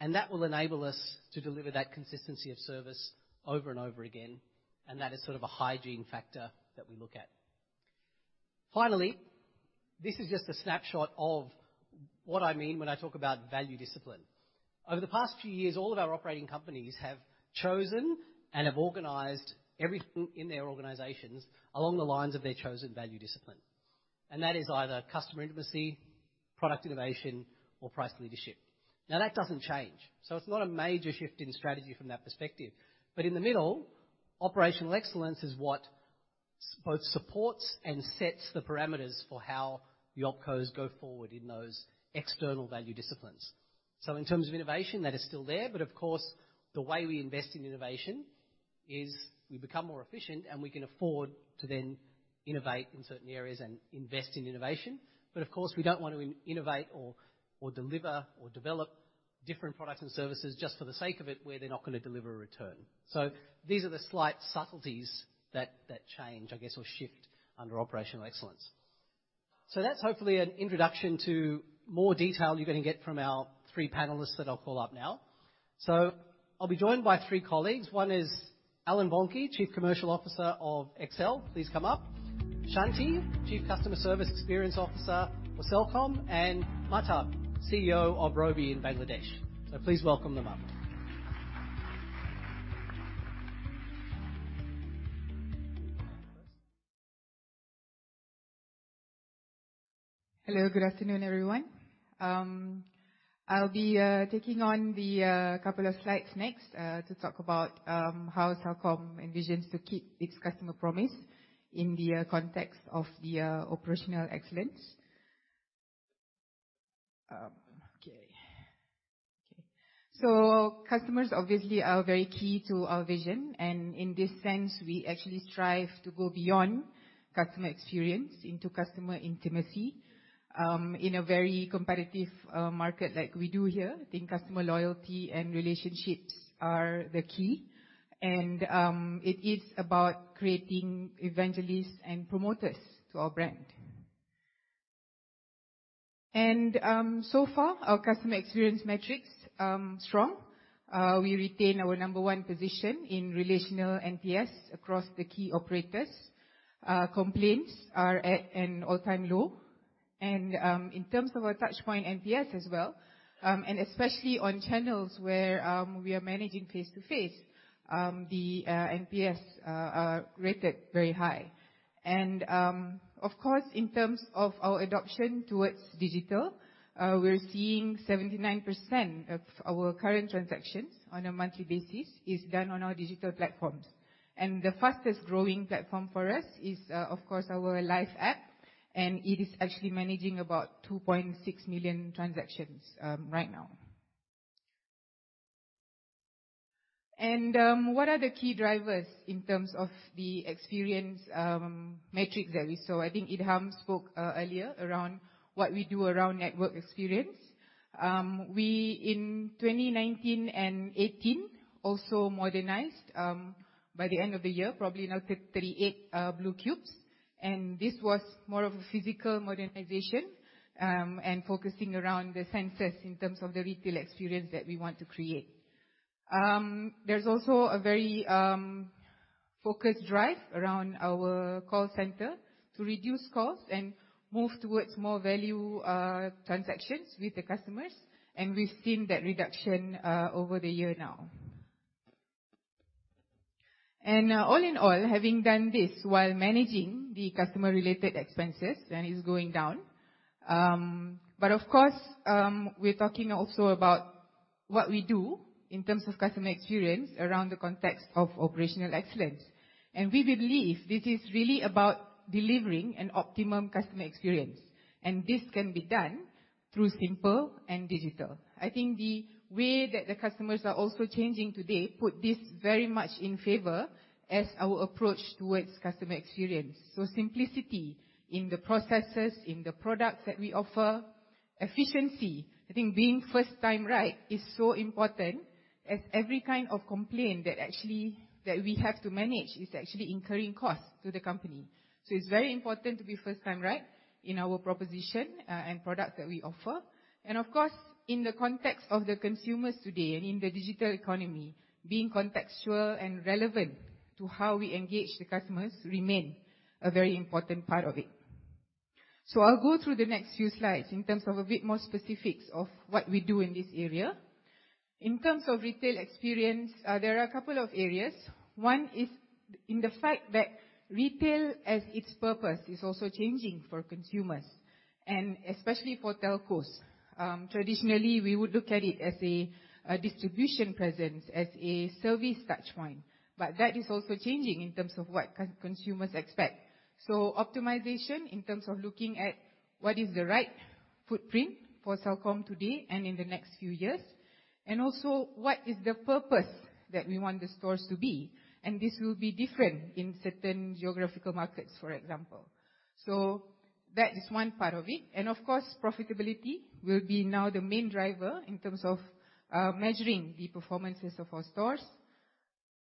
and that will enable us to deliver that consistency of service over and over again. That is sort of a hygiene factor that we look at. Finally, this is just a snapshot of what I mean when I talk about value discipline. Over the past few years, all of our operating companies have chosen and have organized everything in their organizations along the lines of their chosen value discipline. That is either customer intimacy, product innovation, or price leadership. Now, that doesn't change. So it's not a major shift in strategy from that perspective. But in the middle, Operational Excellence is what both supports and sets the parameters for how the OpCos go forward in those external value disciplines. In terms of innovation, that is still there. But of course, the way we invest in innovation is we become more efficient, and we can afford to then innovate in certain areas and invest in innovation. But of course, we don't want to innovate or deliver or develop different products and services just for the sake of it where they're not going to deliver a return. So these are the slight subtleties that change, I guess, or shift under Operational Excellence. So that's hopefully an introduction to more detail you're going to get from our three panelists that I'll call up now. So I'll be joined by three colleagues. One is Allan Bonke, Chief Commercial Officer of XL. Please come up. Shanti, Chief Customer Service Experience Officer for Celcom, and Mahtab, CEO of Robi in Bangladesh. Please welcome them up. Hello. Good afternoon, everyone. I'll be taking on the couple of slides next to talk about how Celcom envisions to keep its customer promise in the context of the Operational Excellence. Okay. So customers obviously are very key to our vision. And in this sense, we actually strive to go beyond customer experience into customer intimacy in a very competitive market like we do here. I think customer loyalty and relationships are the key. It is about creating evangelists and promoters to our brand. So far, our customer experience metrics are strong. We retain our number one position in relational NPS across the key operators. Complaints are at an all-time low. In terms of our touchpoint NPS as well, and especially on channels where we are managing face-to-face, the NPS is rated very high. Of course, in terms of our adoption towards digital, we're seeing 79% of our current transactions on a monthly basis are done on our digital platforms. The fastest growing platform for us is, of course, our Life app. It is actually managing about 2.6 million transactions right now. What are the key drivers in terms of the experience metrics that we saw? I think Idham spoke earlier around what we do around network experience. We, in 2019 and 2018, also modernized by the end of the year, probably now 38 Blue Cubes. And this was more of a physical modernization and focusing around the senses in terms of the retail experience that we want to create. There's also a very focused drive around our call center to reduce costs and move towards more value transactions with the customers. And we've seen that reduction over the year now. All in all, having done this while managing the customer-related expenses, and it's going down. But of course, we're talking also about what we do in terms of customer experience around the context of Operational Excellence. We believe this is really about delivering an optimum customer experience. This can be done through simple and digital. I think the way that the customers are also changing today put this very much in favor as our approach towards customer experience. Simplicity in the processes, in the products that we offer, efficiency, I think being first-time right is so important as every kind of complaint that we have to manage is actually incurring costs to the company. So it's very important to be first-time right in our proposition and products that we offer. And of course, in the context of the consumers today and in the digital economy, being contextual and relevant to how we engage the customers remains a very important part of it. I'll go through the next few slides in terms of a bit more specifics of what we do in this area. In terms of retail experience, there are a couple of areas. One is in the fact that retail as its purpose is also changing for consumers, and especially for telcos. Traditionally, we would look at it as a distribution presence, as a service touchpoint, but that is also changing in terms of what consumers expect. Optimization in terms of looking at what is the right footprint for Celcom today and in the next few years, and also what is the purpose that we want the stores to be. This will be different in certain geographical markets, for example. That is one part of it. Of course, profitability will be now the main driver in terms of measuring the performances of our stores.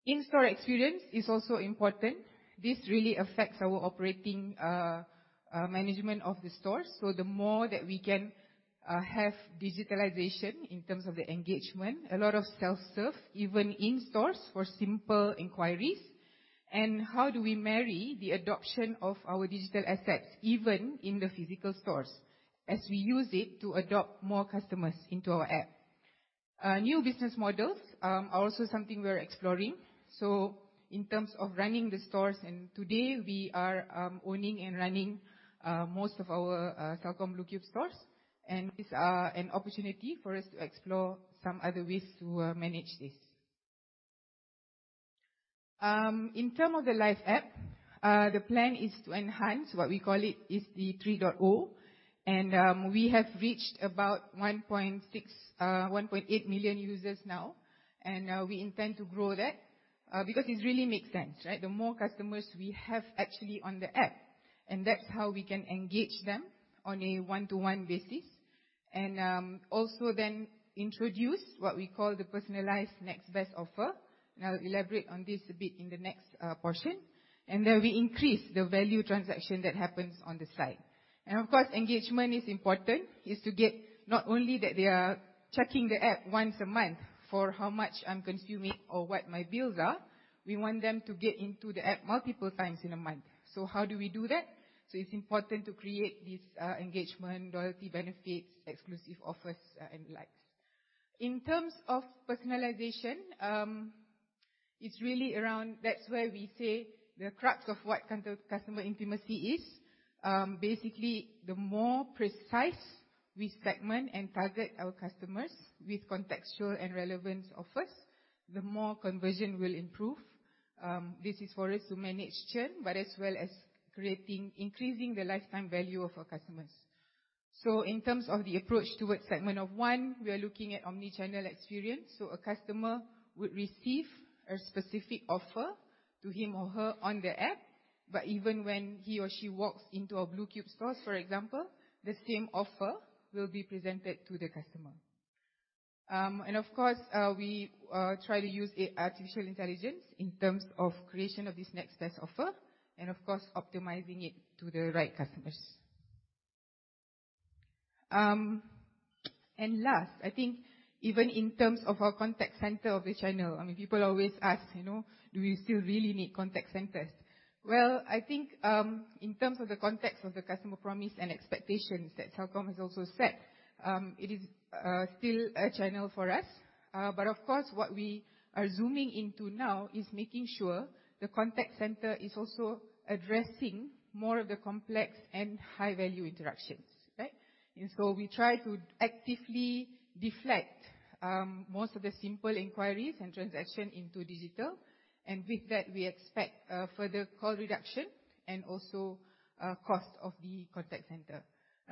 In-store experience is also important. This really affects our operating management of the stores. So the more that we can have digitalization in terms of the engagement, a lot of self-serve, even in stores for simple inquiries, and how do we marry the adoption of our digital assets even in the physical stores as we use it to adopt more customers into our app? New business models are also something we're exploring, so in terms of running the stores, and today we are owning and running most of our Celcom Blue Cube stores, and this is an opportunity for us to explore some other ways to manage this. In terms of the Life app, the plan is to enhance what we call it is the 3.0, and we have reached about 1.8 million users now, and we intend to grow that because it really makes sense, right? The more customers we have actually on the app, and that's how we can engage them on a one-to-one basis. And also then introduce what we call the personalized next best offer. I'll elaborate on this a bit in the next portion. And then we increase the value transaction that happens on the side. Of course, engagement is important. It's to get not only that they are checking the app once a month for how much I'm consuming or what my bills are. We want them to get into the app multiple times in a month. How do we do that? It's important to create this engagement, loyalty benefits, exclusive offers, and likes. In terms of personalization, it's really around, that's where we say the crux of what customer intimacy is. Basically, the more precise we segment and target our customers with contextual and relevant offers, the more conversion will improve. This is for us to manage churn, but as well as creating, increasing the lifetime value of our customers. So in terms of the approach towards segment of one, we are looking at omnichannel experience. So a customer would receive a specific offer to him or her on the app. But even when he or she walks into our Blue Cube stores, for example, the same offer will be presented to the customer. And of course, we try to use artificial intelligence in terms of creation of this next best offer, and of course, optimizing it to the right customers. Last, I think even in terms of our contact center of the channel, I mean, people always ask, you know, do we still really need contact centers? I think in terms of the context of the customer promise and expectations that Celcom has also set, it is still a channel for us. Of course, what we are zooming into now is making sure the contact center is also addressing more of the complex and high-value interactions, right? We try to actively deflect most of the simple inquiries and transactions into digital. With that, we expect further call reduction and also cost of the contact center.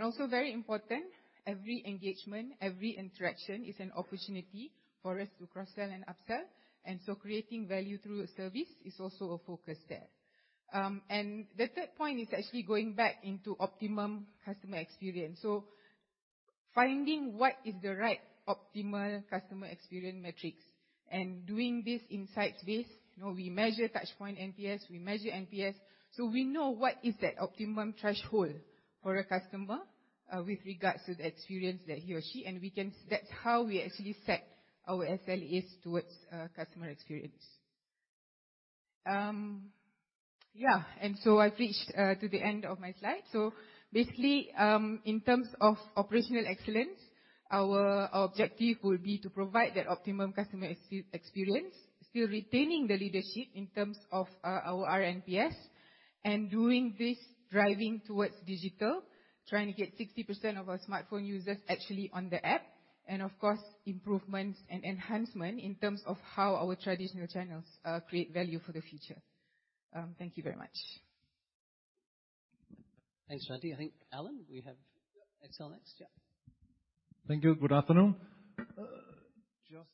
Also very important, every engagement, every interaction is an opportunity for us to cross-sell and upsell. Creating value through service is also a focus there. The third point is actually going back into optimum customer experience. Finding what is the right optimal customer experience metrics and doing this insights-based. We measure touchpoint NPS, we measure NPS. We know what is that optimum threshold for a customer with regards to the experience that he or she, and we can. That's how we actually set our SLAs towards customer experience. Yeah, and so I've reached to the end of my slide. Basically, in terms of Operational Excellence, our objective will be to provide that optimum customer experience, still retaining the leadership in terms of our NPS and doing this driving towards digital, trying to get 60% of our smartphone users actually on the app. And of course, improvements and enhancement in terms of how our traditional channels create value for the future. Thank you very much. Thanks, Shanti. I think, Allan, we have XL next. Yeah. Thank you. Good afternoon. Just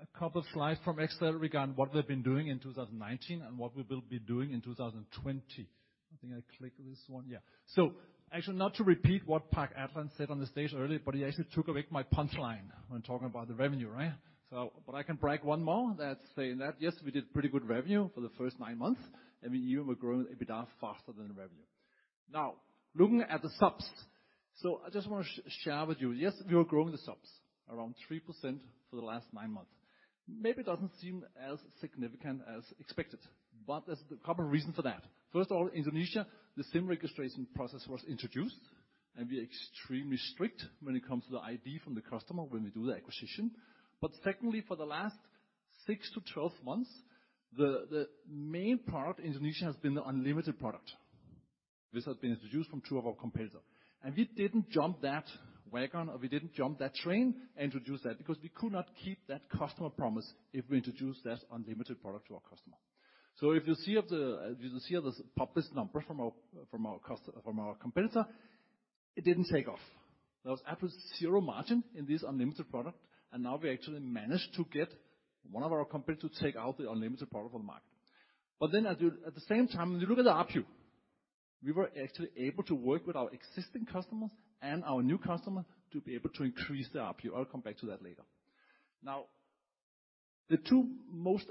a couple of slides from XL regarding what we've been doing in 2019 and what we will be doing in 2020. I think I clicked this one. Yeah. Actually, not to repeat what Pak Adlan said on the stage earlier, but he actually took away my punchline when talking about the revenue, right? So but I can brag one more. That's saying that, yes, we did pretty good revenue for the first nine months. I mean, even we're growing EBITDA faster than revenue. Now, looking at the subs. I just want to share with you, yes, we were growing the subs around 3% for the last nine months. Maybe it doesn't seem as significant as expected, but there's a couple of reasons for that. First of all, in Indonesia, the SIM registration process was introduced, and we are extremely strict when it comes to the ID from the customer when we do the acquisition. But secondly, for the last 6 to 12 months, the main product in Indonesia has been the unlimited product. This has been introduced from two of our competitors. We didn't jump that wagon, or we didn't jump that train and introduce that because we could not keep that customer promise if we introduced that unlimited product to our customer. So if you see the published numbers from our competitor, it didn't take off. There was absolute zero margin in this unlimited product. And now we actually managed to get one of our competitors to take out the unlimited product for the market. But then at the same time, when you look at the ARPU, we were actually able to work with our existing customers and our new customers to be able to increase the ARPU. I'll come back to that later. Now, the two most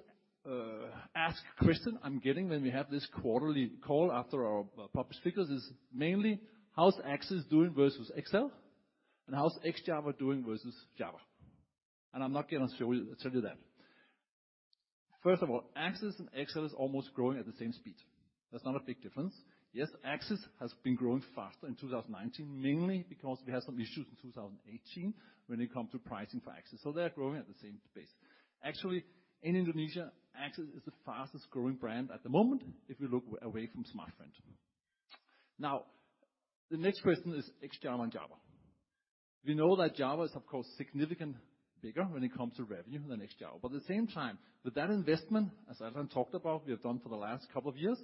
asked questions I'm getting when we have this quarterly call after our published figures is mainly how's AXIS doing versus XL? And how's Ex-Java doing versus Java? And I'm not going to show you that. First of all, AXIS and XL are almost growing at the same speed. That's not a big difference. Yes, AXIS has been growing faster in 2019, mainly because we had some issues in 2018 when it comes to pricing for AXIS. So they're growing at the same pace. Actually, in Indonesia, AXIS is the fastest growing brand at the moment if we look away from Smartfren. Now, the next question is Ex-Java and Java. We know that Java is, of course, significantly bigger when it comes to revenue than Ex-Java. But at the same time, with that investment, as Allan talked about, we have done for the last couple of years,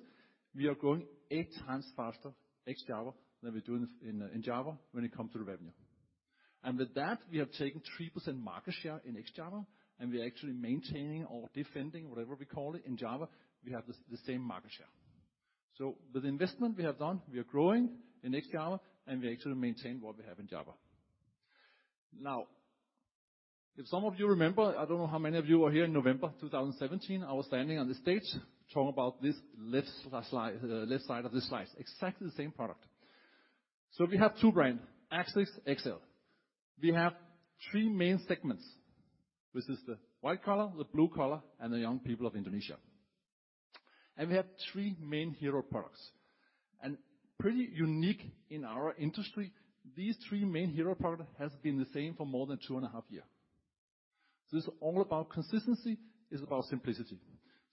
we are growing eight times faster Ex-Java than we're doing in Java when it comes to revenue. With that, we have taken 3% market share in Ex-Java, and we are actually maintaining or defending whatever we call it in Java. We have the same market share. So with the investment we have done, we are growing in Ex-Java, and we actually maintain what we have in Java. Now, if some of you remember, I don't know how many of you were here in November 2017, I was standing on the stage talking about this left side of the slides, exactly the same product. So we have two brands, AXIS, XL. We have three main segments, which is the white color, the blue color, and the young people of Indonesia. We have three main hero products. And pretty unique in our industry, these three main hero products have been the same for more than two and a half years. So it's all about consistency, it's about simplicity.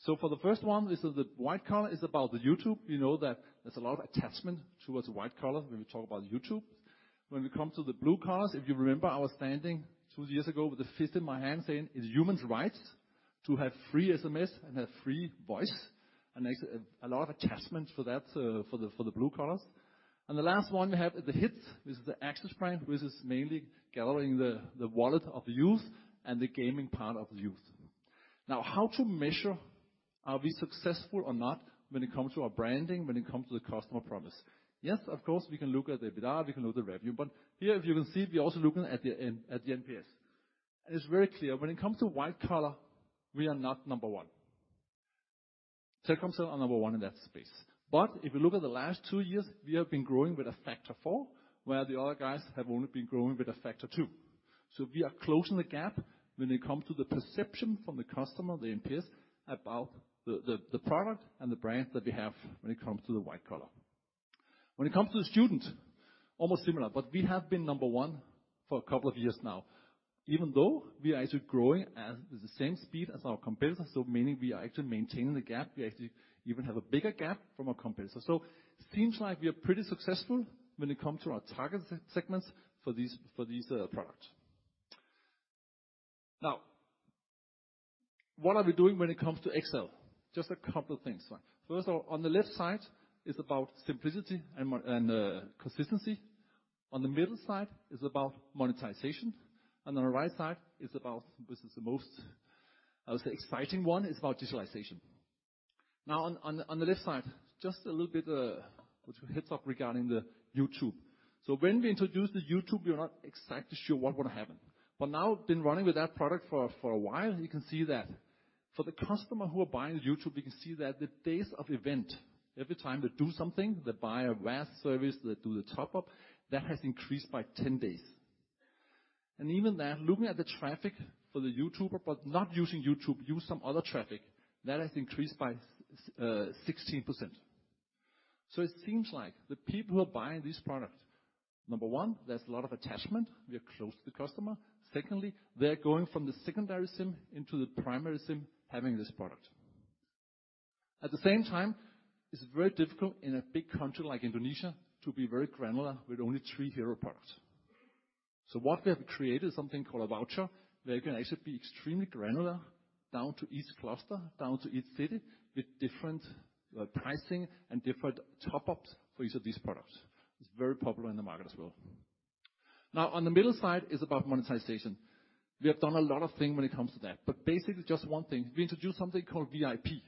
For the first one, this is the white color, it's about the YouTube. You know that there's a lot of attachment towards the white color when we talk about YouTube. When we come to the blue colors, if you remember, I was standing two years ago with a fist in my hand saying, "It's human's rights to have free SMS and have free voice." And a lot of attachment for that for the blue colors. The last one we have is the AXIS brand, which is mainly gathering the wallet of the youth and the gaming part of the youth. Now, how to measure are we successful or not when it comes to our branding, when it comes to the customer promise? Yes, of course, we can look at the EBITDA, we can look at the revenue. But here, if you can see, we're also looking at the NPS. And it's very clear when it comes to white collar, we are not number one. Telkomsel is number one in that space. But if you look at the last two years, we have been growing with a factor four, where the other guys have only been growing with a factor two. We are closing the gap when it comes to the perception from the customer, the NPS, about the product and the brand that we have when it comes to the white collar. When it comes to the student, almost similar, but we have been number one for a couple of years now, even though we are actually growing at the same speed as our competitors. So meaning we are actually maintaining the gap. We actually even have a bigger gap from our competitors. It seems like we are pretty successful when it comes to our target segments for these products. Now, what are we doing when it comes to XL? Just a couple of things. First of all, on the left side is about simplicity and consistency. On the middle side is about monetization. On the right side is about, this is the most, I would say, exciting one, it's about digitalization. Now, on the left side, just a little bit of a heads-up regarding the YouTube. When we introduced the YouTube, we were not exactly sure what would happen. But now we've been running with that product for a while. You can see that for the customer who are buying the YouTube, you can see that the days of event, every time they do something, they buy a Waze service, they do the top-up, that has increased by 10 days. Even that, looking at the traffic for the YouTuber, but not using YouTube, use some other traffic, that has increased by 16%. So it seems like the people who are buying this product, number one, there's a lot of attachment. We are close to the customer. Secondly, they're going from the secondary SIM into the primary SIM having this product. At the same time, it's very difficult in a big country like Indonesia to be very granular with only three hero products. So what we have created is something called a voucher where you can actually be extremely granular down to each cluster, down to each city with different pricing and different top-ups for each of these products. It's very popular in the market as well. Now, on the middle side is about monetization. We have done a lot of things when it comes to that. But basically, just one thing, we introduced something called VIP.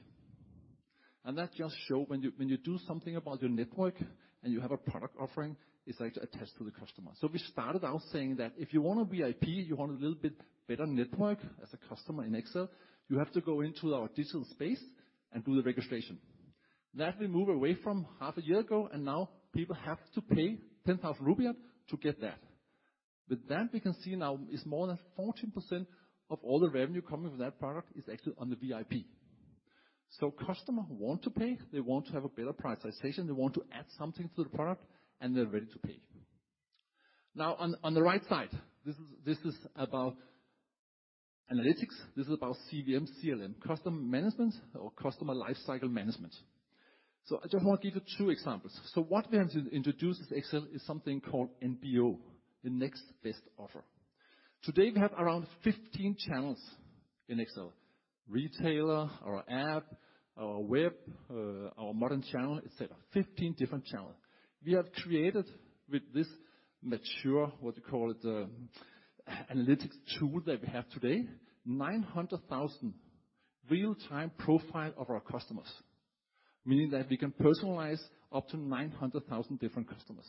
That just shows when you do something about your network and you have a product offering, it's actually attached to the customer. We started out saying that if you want a VIP, you want a little bit better network as a customer in XL, you have to go into our digital space and do the registration. That we moved away from half a year ago, and now people have to pay 10,000 rupiah to get that. With that, we can see now it's more than 14% of all the revenue coming from that product is actually on the VIP. Customers want to pay, they want to have a better priotization, they want to add something to the product, and they're ready to pay. Now, on the right side, this is about analytics. This is about CVM, CLM, customer management, or customer lifecycle management. I just want to give you two examples. What we have introduced is XL is something called NBO, the next best offer. Today, we have around 15 channels in XL: retailer, our app, our web, our modern trade channel, etc. 15 different channels. We have created with this mature, what we call it, analytics tool that we have today, 900,000 real-time profiles of our customers, meaning that we can personalize up to 900,000 different customers.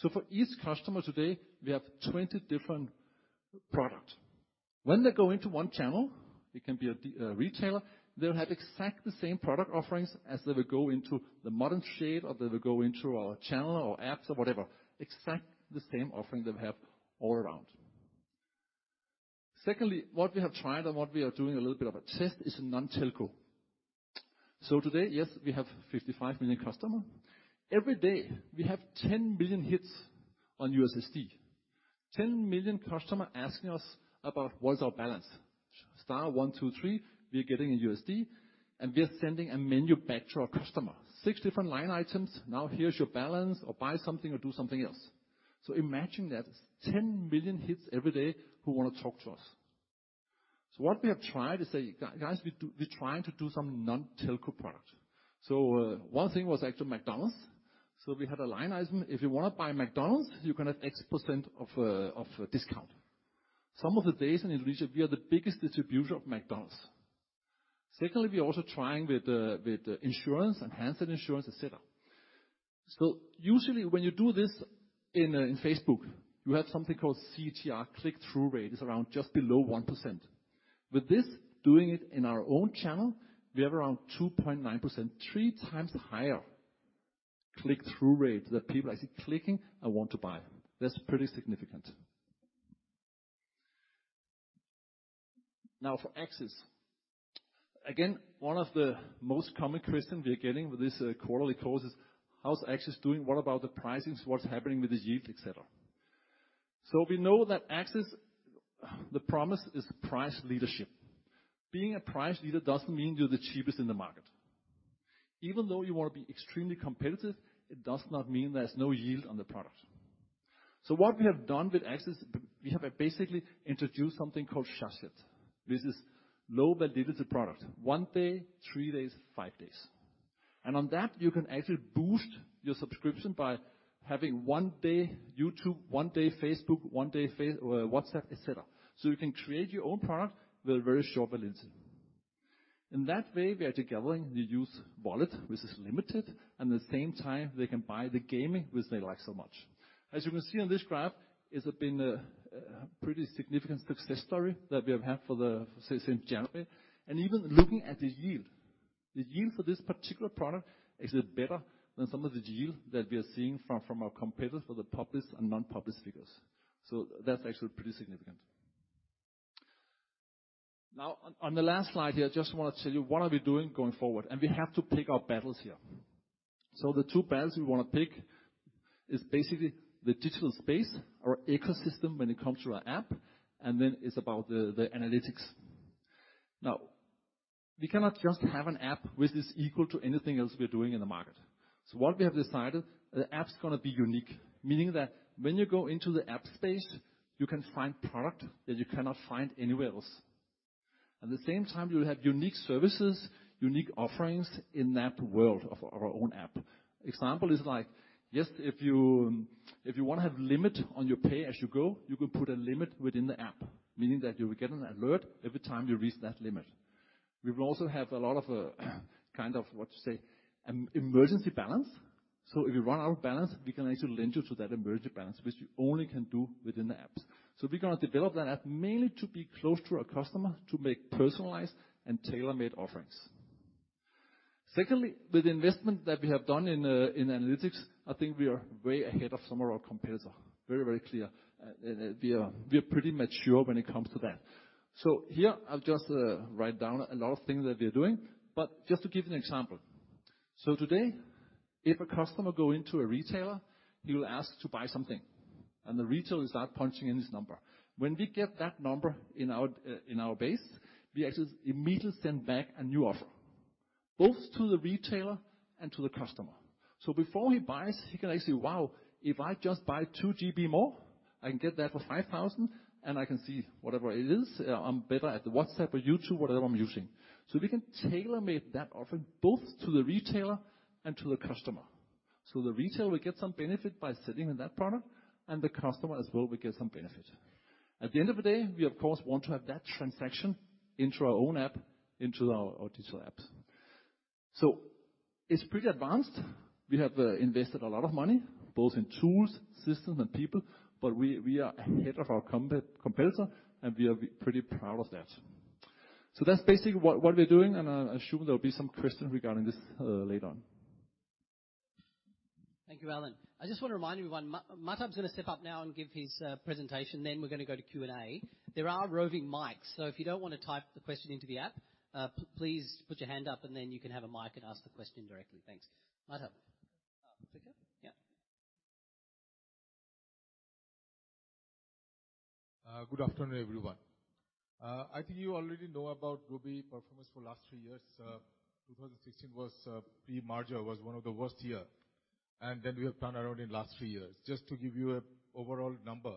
So for each customer today, we have 20 different products. When they go into one channel, it can be a retailer, they'll have exactly the same product offerings as they will go into the modern trade or they will go into our channel or apps or whatever. Exactly the same offering they will have all around. Secondly, what we have tried and what we are doing a little bit of a test is a non-telco, so today, yes, we have 55 million customers. Every day, we have 10 million hits on USSD. 10 million customers asking us about what is our balance. Star, one, two, three, we are getting a USSD, and we are sending a menu back to our customer. Six different line items. Now, here's your balance or buy something or do something else. Imagine that it's 10 million hits every day who want to talk to us. So what we have tried is, guys, we're trying to do some non-telco product. One thing was actually McDonald's. So we had a line item. If you want to buy McDonald's, you can have X% of discount. Some of the days in Indonesia, we are the biggest distributor of McDonald's. Secondly, we're also trying with insurance and handset insurance, etc. So usually, when you do this in Facebook, you have something called CTR, click-through rate. It's around just below 1%. With this, doing it in our own channel, we have around 2.9%, three times as higher click-through rate that people are actually clicking and want to buy. That's pretty significant. Now, for AXIS, again, one of the most common questions we are getting with this quarterly call is, how's AXIS doing? What about the pricing? What's happening with the yield, etc.? We know that AXIS, the promise is price leadership. Being a price leader doesn't mean you're the cheapest in the market. Even though you want to be extremely competitive, it does not mean there's no yield on the product. What we have done with AXIS, we have basically introduced something called sachet. This is low-validity product, one day, three days, five days. On that, you can actually boost your subscription by having one day YouTube, one day Facebook, one day WhatsApp, etc. You can create your own product with very short validity. In that way, we are together in the youth wallet, which is limited, and at the same time, they can buy the gaming which they like so much. As you can see on this graph, it's been a pretty significant success story that we have had for the same January. Even looking at the yield, the yield for this particular product is better than some of the yield that we are seeing from our competitors for the published and non-published figures. That's actually pretty significant. Now, on the last slide here, I just want to tell you what are we doing going forward. We have to pick our battles here. So the two battles we want to pick is basically the digital space, our ecosystem when it comes to our app, and then it's about the analytics. Now, we cannot just have an app which is equal to anything else we're doing in the market. What we have decided, the app's going to be unique, meaning that when you go into the app space, you can find product that you cannot find anywhere else. At the same time, you will have unique services, unique offerings in that world of our own app. Example is like, yes, if you want to have a limit on your pay as you go, you can put a limit within the app, meaning that you will get an alert every time you reach that limit. We will also have a lot of kind of, what you say, emergency balance. I f you run out of balance, we can actually lend you to that emergency balance, which you only can do within the apps. So we're going to develop that app mainly to be close to our customer to make personalized and tailor-made offerings. Secondly, with the investment that we have done in analytics, I think we are way ahead of some of our competitors. Very, very clear. We are pretty mature when it comes to that. So here, I'll just write down a lot of things that we are doing. But just to give you an example. So today, if a customer goes into a retailer, he will ask to buy something, and the retailer will start punching in his number. When we get that number in our base, we actually immediately send back a new offer, both to the retailer and to the customer. Before he buys, he can actually say, wow, if I just buy 2GB more, I can get that for 5,000, and I can see whatever it is. I'm better at the WhatsApp or YouTube, whatever I'm using. We can tailor-made that offering both to the retailer and to the customer. The retailer will get some benefit by sitting in that product, and the customer as well will get some benefit. At the end of the day, we, of course, want to have that transaction into our own app, into our digital app. It's pretty advanced. We have invested a lot of money, both in tools, systems, and people, but we are ahead of our competitor, and we are pretty proud of that. That's basically what we're doing, and I assume there will be some questions regarding this later on. Thank you, Allan. I just want to remind everyone, Mahtab is going to step up now and give his presentation. Then we're going to go to Q&A. There are roving mics, so if you don't want to type the question into the app, please put your hand up, and then you can have a mic and ask the question directly. Thanks. Mahtab. Yeah. Good afternoon, everyone. I think you already know about Robi performance for the last three years. 2016 was pre-merger, was one of the worst years, and then we have turned around in the last three years. Just to give you an overall number,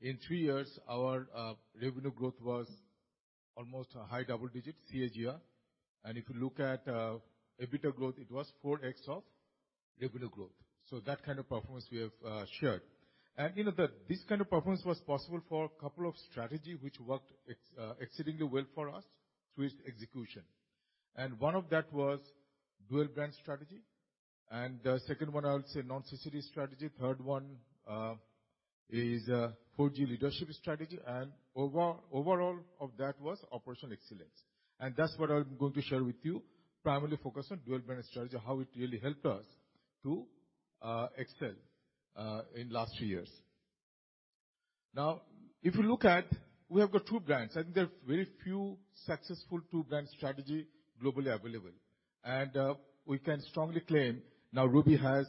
in three years, our revenue growth was almost a high double-digit CAGR. If you look at EBITDA growth, it was 4x of revenue growth. That kind of performance we have shared. You know that this kind of performance was possible for a couple of strategies which worked exceedingly well for us through its execution. One of that was dual-brand strategy. The second one, I would say, strategy. Third one is 4G leadership strategy. Overall of that was Operational Excellence. That's what I'm going to share with you, primarily focus on dual-brand strategy, how it really helped us to excel in the last three years. Now, if you look at, we have got two brands. I think there are very few successful two-brand strategies globally available. We can strongly claim now Robi has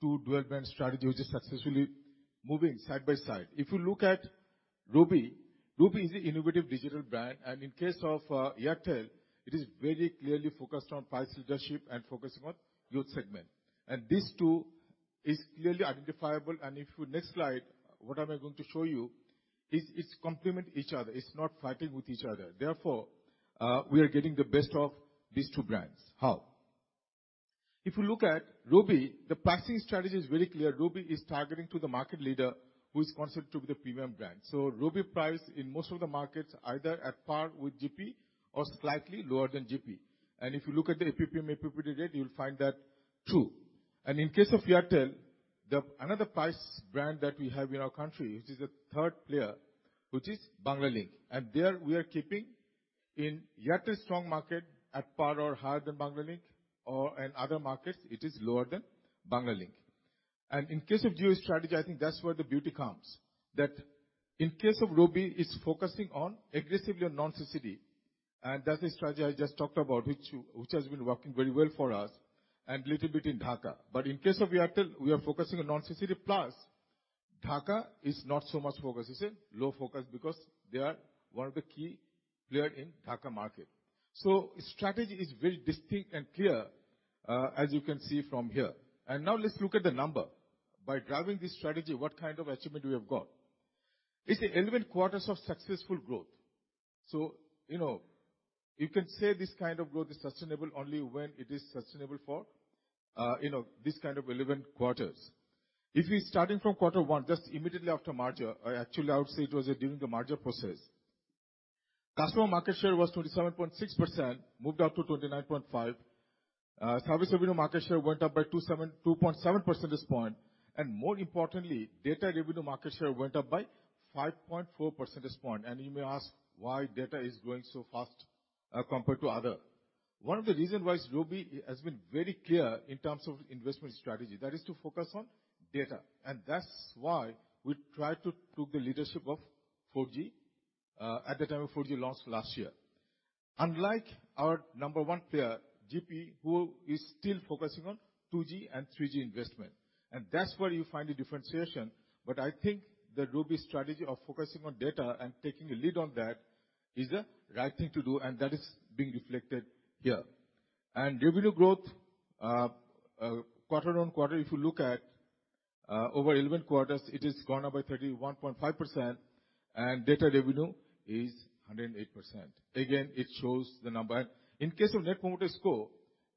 two dual-brand strategies which are successfully moving side by side. If you look at Robi, Robi is an innovative digital brand. In case of Airtel, it is very clearly focused on price leadership and focusing on youth segment. These two are clearly identifiable. If you look at the next slide, what I'm going to show you is it's complementing each other. It's not fighting with each other. Therefore, we are getting the best of these two brands. How? If you look at Robi, the pricing strategy is very clear. Robi is targeting to the market leader who is considered to be the premium brand. So Robi pricing in most of the markets is either at par with GP or slightly lower than GP. If you look at the ARPU, ARPD rate, you'll find that true. In case of Airtel, another price brand that we have in our country, which is a third player, which is Banglalink. And there we are keeping in Airtel's strong markets at par or higher than Banglalink, or in other markets, it is lower than Banglalink. In case of Geostrategy, I think that's where the beauty comes. In case of Robi, it's focusing aggressively on. That's the strategy I just talked about, which has been working very well for us and a little bit in Dhaka. In case of Airtel, we are focusing on plus Dhaka is not so much focused. It's a low focus because they are one of the key players in the Dhaka market. The strategy is very distinct and clear, as you can see from here. Now let's look at the number. By driving this strategy, what kind of achievement do we have got? It's the 11 quarters of successful growth. You can say this kind of growth is sustainable only when it is sustainable for this kind of 11 quarters. If we're starting from quarter one, just immediately after merger, actually, I would say it was during the merger process. Customer market share was 27.6%, moved up to 29.5%. Service revenue market share went up by 2.7 percentage points. More importantly, data revenue market share went up by 5.4 percentage points. And you may ask why data is growing so fast compared to others. One of the reasons why Robi has been very clear in terms of investment strategy, that is to focus on data. That's why we tried to take the leadership of 4G at the time of 4G launch last year. Unlike our number one player, GP, who is still focusing on 2G and 3G investment. That's where you find the differentiation. But I think the Robi strategy of focusing on data and taking a lead on that is the right thing to do, and that is being reflected here.evenue growth, quarter on quarter, if you look at over 11 quarters, it has gone up by 31.5%, and data revenue is 108%. Again, it shows the number. In case of Net Promoter Score,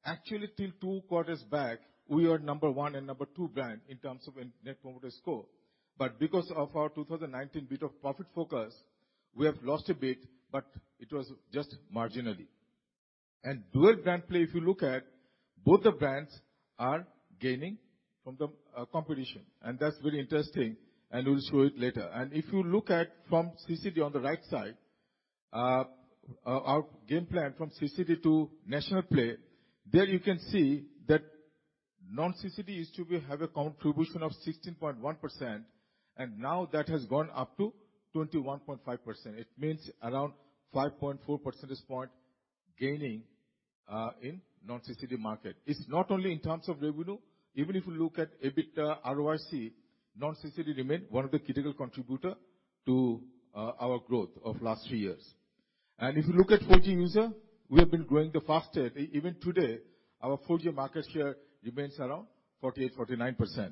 actually, till two quarters back, we were number one and number two brand in terms of Net Promoter Score. But because of our 2019 bit of profit focus, we have lost a bit, but it was just marginally. Dual-brand play, if you look at both the brands, are gaining from the competition. That's very interesting, and we'll show it later. If you look at from CCD on the right side, our game plan from CCD to national play, there you can see that used to have a contribution of 16.1%, and now that has gone up to 21.5%. It means around 5.4 percentage points gaining in the market. It's not only in terms of revenue. Even if you look at EBITDA, ROIC, remain one of the critical contributors to our growth of the last three years. If you look at 4G users, we have been growing the fastest. Even today, our 4G market share remains around 48%-49%.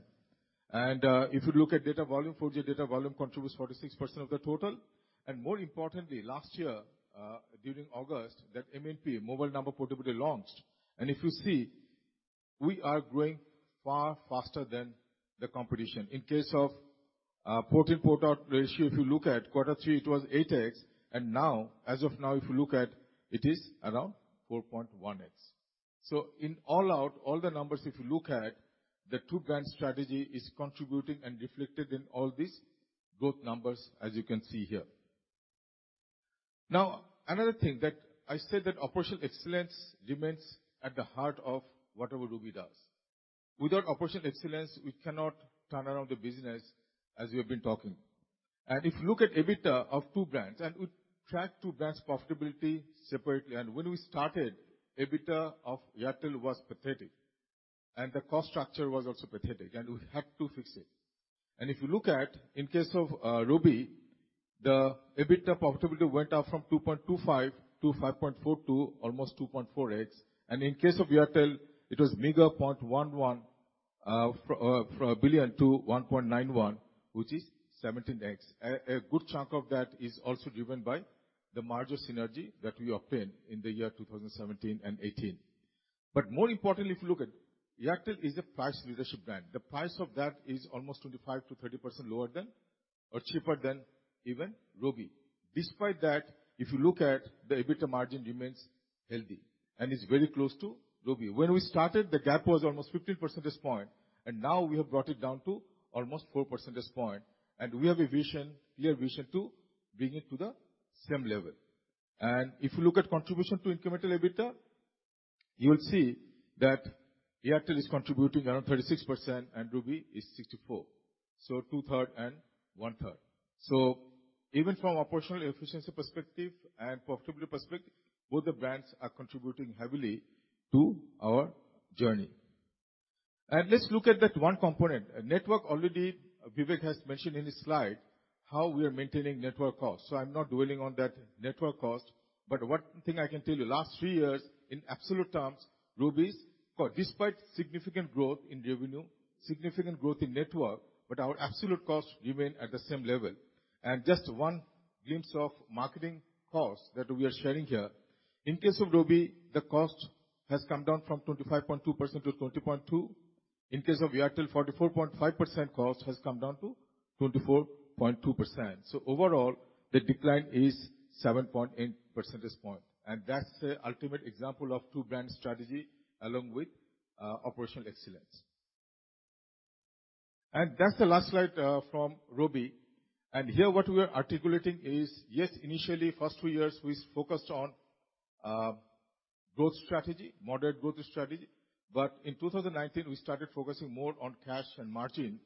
If you look at data volume, 4G data volume contributes 46% of the total. More importantly, last year during August, that MNP, Mobile Number Portability, launched. If you see, we are growing far faster than the competition. In case of one-to-four port-out ratio, if you look at quarter three, it was 8x, and now, as of now, if you look at, it is around 4.1x, so in port-out, all the numbers, if you look at, the two-brand strategy is contributing and reflected in all these growth numbers, as you can see here. Now, another thing that I said that Operational Excellence remains at the heart of whatever Robi does. Without Operational Excellence, we cannot turn around the business as we have been talking, and if you look at EBITDA of two brands, and we track two brands' profitability separately, and when we started, EBITDA of Airtel was pathetic, and the cost structure was also pathetic, and we had to fix it, and if you look at, in case of Robi, the EBITDA profitability went up from 2.25 to 5.42, almost 2.4x. In case of Airtel, it was meager 0.11 billion to 1.91 billion, which is 17x. A good chunk of that is also driven by the merger synergy that we obtained in the year 2017 and 2018. But more importantly, if you look at Airtel as a price leadership brand, the price of that is almost 25%-30% lower than or cheaper than even Robi. Despite that, if you look at the EBITDA margin, it remains healthy and is very close to Robi. When we started, the gap was almost 15 percentage points, and now we have brought it down to almost 4 percentage points. We have a vision, a clear vision to bring it to the same level. If you look at contribution to incremental EBITDA, you will see that Airtel is contributing around 36% and Robi is 64%. So two-thirds and one-third. Even from operational efficiency perspective and profitability perspective, both the brands are contributing heavily to our journey. Let's look at that one component. Network, already Vivek has mentioned in his slide how we are maintaining network costs, so I'm not dwelling on that network cost, but one thing I can tell you, last three years, in absolute terms, Robi's, despite significant growth in revenue, significant growth in network, but our absolute costs remain at the same level, and just one glimpse of marketing costs that we are sharing here. In case of Robi, the cost has come down from 25.2% to 20.2%. In case of Airtel, 44.5% cost has come down to 24.2%, so overall, the decline is 7.8 percentage points, and that's the ultimate example of two-brand strategy along with Operational Excellence, and that's the last slide from Robi. And here, what we are articulating is, yes, initially, the first two years, we focused on growth strategy, moderate growth strategy. But in 2019, we started focusing more on cash and margin.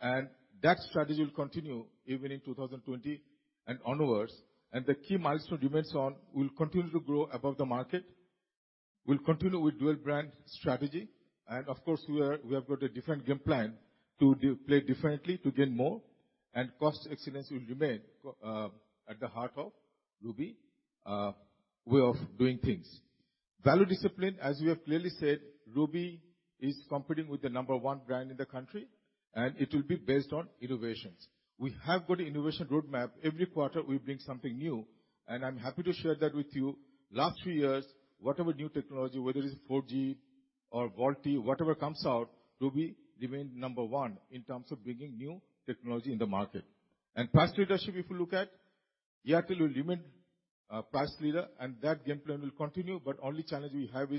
And that strategy will continue even in 2020 and onwards. The key milestone remains on, we'll continue to grow above the market. We'll continue with dual-brand strategy. Of course, we have got a different game plan to play differently to gain more. Cost excellence will remain at the heart of Robi's way of doing things. Value discipline, as we have clearly said, Robi is competing with the number one brand in the country, and it will be based on innovations. We have got an innovation roadmap. Every quarter, we bring something new. I'm happy to share that with you. Last three years, whatever new technology, whether it's 4G or VoLTE, whatever comes out, Robi remained number one in terms of bringing new technology in the market. And price leadership, if you look at, Airtel will remain a price leader, and that game plan will continue. But the only challenge we have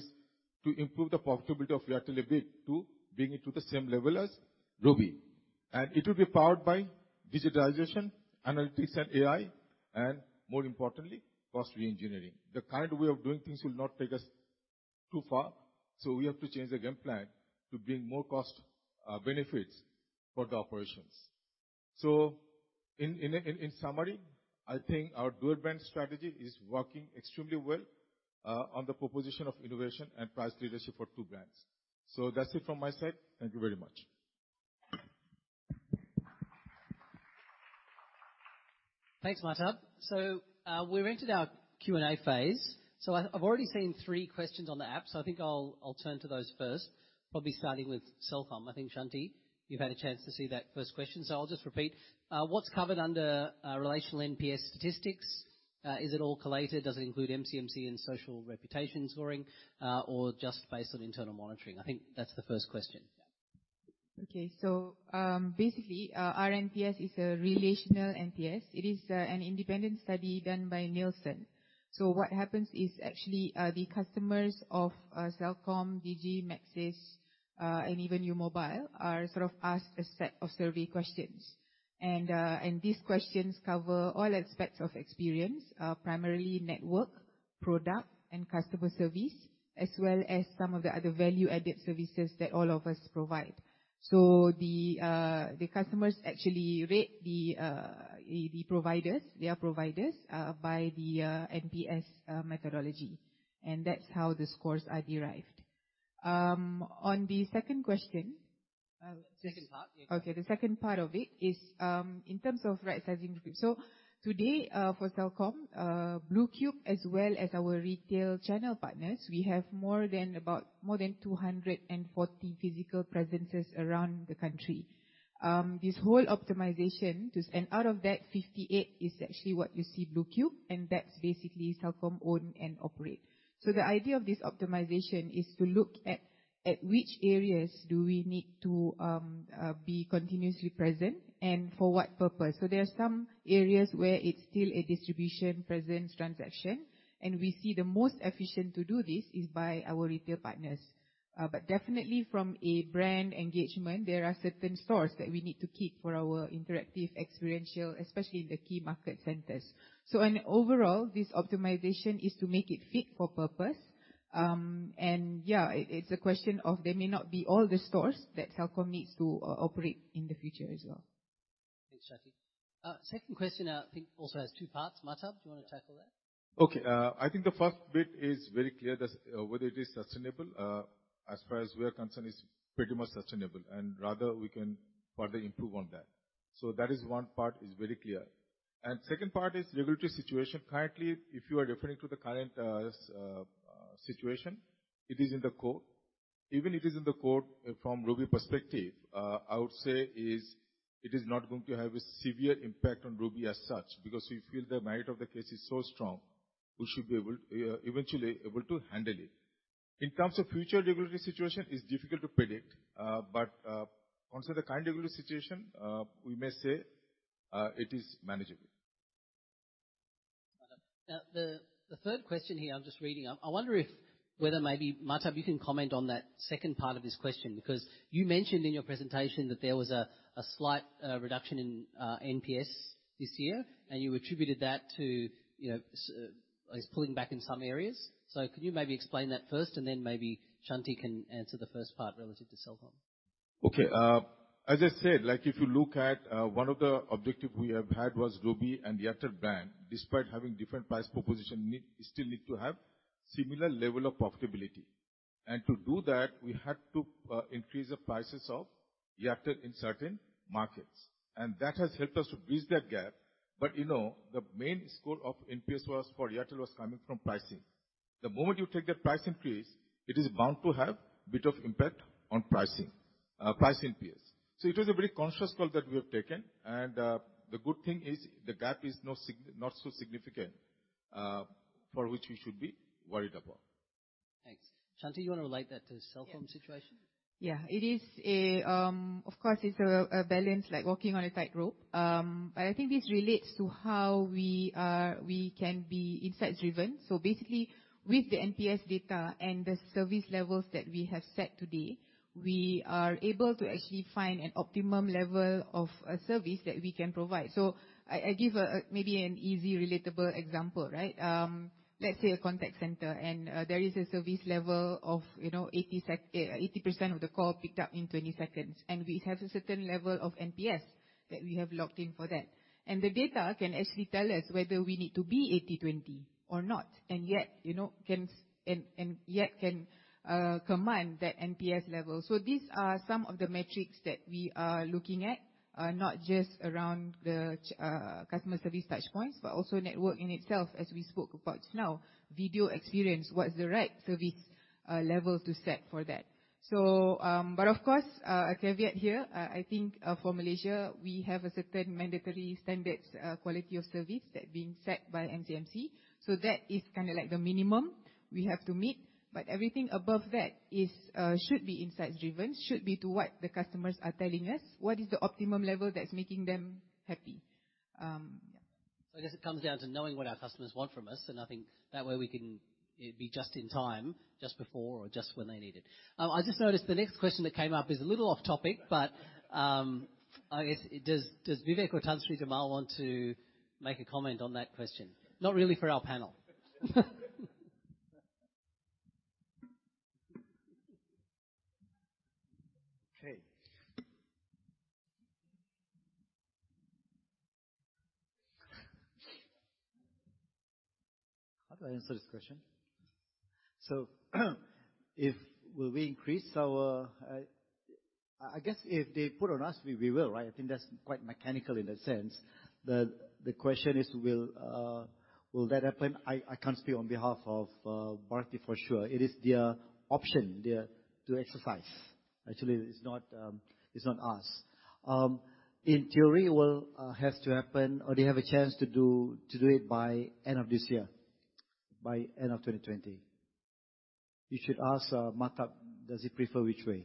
is to improve the profitability of Airtel a bit to bring it to the same level as Robi. It will be powered by digitization, analytics, and AI, and more importantly, cost re-engineering. The current way of doing things will not take us too far. So we have to change the game plan to bring more cost benefits for the operations. In summary, I think our dual-brand strategy is working extremely well on the proposition of innovation and price leadership for two brands. That's it from my side. Thank you very much. Thanks, Mahtab. We're into our Q&A phase. I've already seen three questions on the app, so I think I'll turn to those first, probably starting with Sultan. I think, Shanti, you've had a chance to see that first question. I'll just repeat. What's covered under relational NPS statistics? Is it all collated? Does it include MCMC and social reputation scoring, or just based on internal monitoring? I think that's the first question. Okay. Basically, our NPS is a relational NPS. It is an independent study done by Nielsen. What happens is actually the customers of Celcom, Digi, Maxis, and even U Mobile are sort of asked a set of survey questions. These questions cover all aspects of experience, primarily network, product, and customer service, as well as some of the other value-added services that all of us provide. The customers actually rate the providers, their providers, by the NPS methodology, and that's how the scores are derived. On the second question, second part. Okay. The second part of it is in terms of right-sizing recruitment. Today for Celcom, Blue Cube, as well as our retail channel partners, we have more than 240 physical presences around the country, and out of that, 58 is actually what you see Blue Cube, and that's basically Celcom own and operate. The idea of this optimization is to look at which areas do we need to be continuously present and for what purpose. There are some areas where it's still a distribution presence transaction, and we see the most efficient to do this is by our retail partners. Definitely from a brand engagement, there are certain stores that we need to keep for our interactive experiential, especially in the key market centers. So overall, this optimization is to make it fit for purpose. Yeah, it's a question of there may not be all the stores that Celcom needs to operate in the future as well. Thanks, Shanti. Second question, I think also has two parts. Mahtab, do you want to tackle that? Okay. I think the first bit is very clear whether it is sustainable. As far as we are concerned, it's pretty much sustainable, and rather we can further improve on that. That is one part is very clear. The second part is regulatory situation. Currently, if you are referring to the current situation, it is in the court. Even if it is in the court from Robi perspective, I would say it is not going to have a severe impact on Robi as such because we feel the merit of the case is so strong. We should be able to eventually be able to handle it. In terms of future regulatory situation, it's difficult to predict, but consider the current regulatory situation, we may say it is manageable. The third question here, I'm just reading. I wonder whether maybe, Mahtab, you can comment on that second part of this question because you mentioned in your presentation that there was a slight reduction in NPS this year, and you attributed that to, I guess, pulling back in some areas. So can you maybe explain that first, and then maybe Shanti can answer the first part relative to Celcom? Okay. As I said, if you look at one of the objectives we have had was Robi and the Airtel brand, despite having different price proposition, still need to have a similar level of profitability. And to do that, we had to increase the prices of Airtel in certain markets. That has helped us to bridge that gap. But the main score of NPS for Airtel was coming from pricing. Thement you take that price increase, it is bound to have a bit of impact on pricing, price NPS. It was a very conscious call that we have taken. The good thing is the gap is not so significant for which we should be worried about. Thanks. Shanti, you want to relate that to the Celcom situation? Yeah, it is. Of course, it's a balance like walking on a tightrope. But I think this relates to how we can be insights-driven. So basically, with the NPS data and the service levels that we have set today, we are able to actually find an optimum level of service that we can provide. So I give maybe an easy, relatable example, right? Let's say a contact center, and there is a service level of 80% of the call picked up in 20 seconds. And we have a certain level of NPS that we have locked in for that. The data can actually tell us whether we need to be 80/20 or not, and yet can command that NPS level. These are some of the metrics that we are looking at, not just around the customer service touchpoints, but also network in itself, as we spoke about just now, video experience, what's the right service level to set for that. But of course, a caveat here. I think for Malaysia, we have certain mandatory standards, quality of service that is being set by MCMC. That is kind of like the minimum we have to meet. But everything above that should be insights-driven, should be to what the customers are telling us, what is the optimum level that's making them happy. I guess it comes down to knowing what our customers want from us. I think that way we can be just in time, just before or just when they need it. I just noticed the next question that came up is a little off topic, but I guess does Vivek or Tan Sri Jamal want to make a comment on that question? Not really for our panel. Okay. How do I answer this question? So if we increase our, I guess if they put on us, we will, right? I think that's quite mechanical in that sense. The question is, will that happen? I can't speak on behalf of VoLTE for sure. It is their option to exercise. Actually, it's not us. In theory, it will have to happen or they have a chance to do it by end of this year, by end of 2020. You should ask Mahtab, does he prefer which way?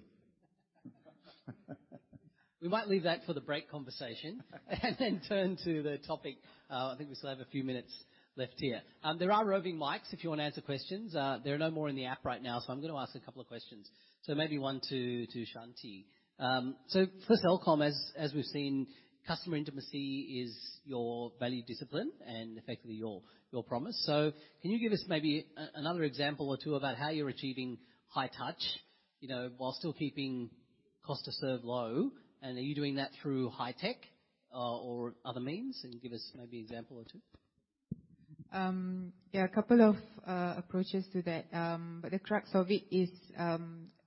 We might leave that for the break conversation and then turn to the topic. I think we still have a few minutes left here. There are roving mics if you want to answer questions. There are no more in the app right now, so I'm going to ask a couple of questions. So maybe one to Shanti. For Celcom, as we've seen, customer intimacy is your value discipline and effectively your promise. Can you give us maybe another example or two about how you're achieving high touch while still keeping cost to serve low? Are you doing that through high tech or other means? Give us maybe an example or two. Yeah, a couple of approaches to that. The crux of it is a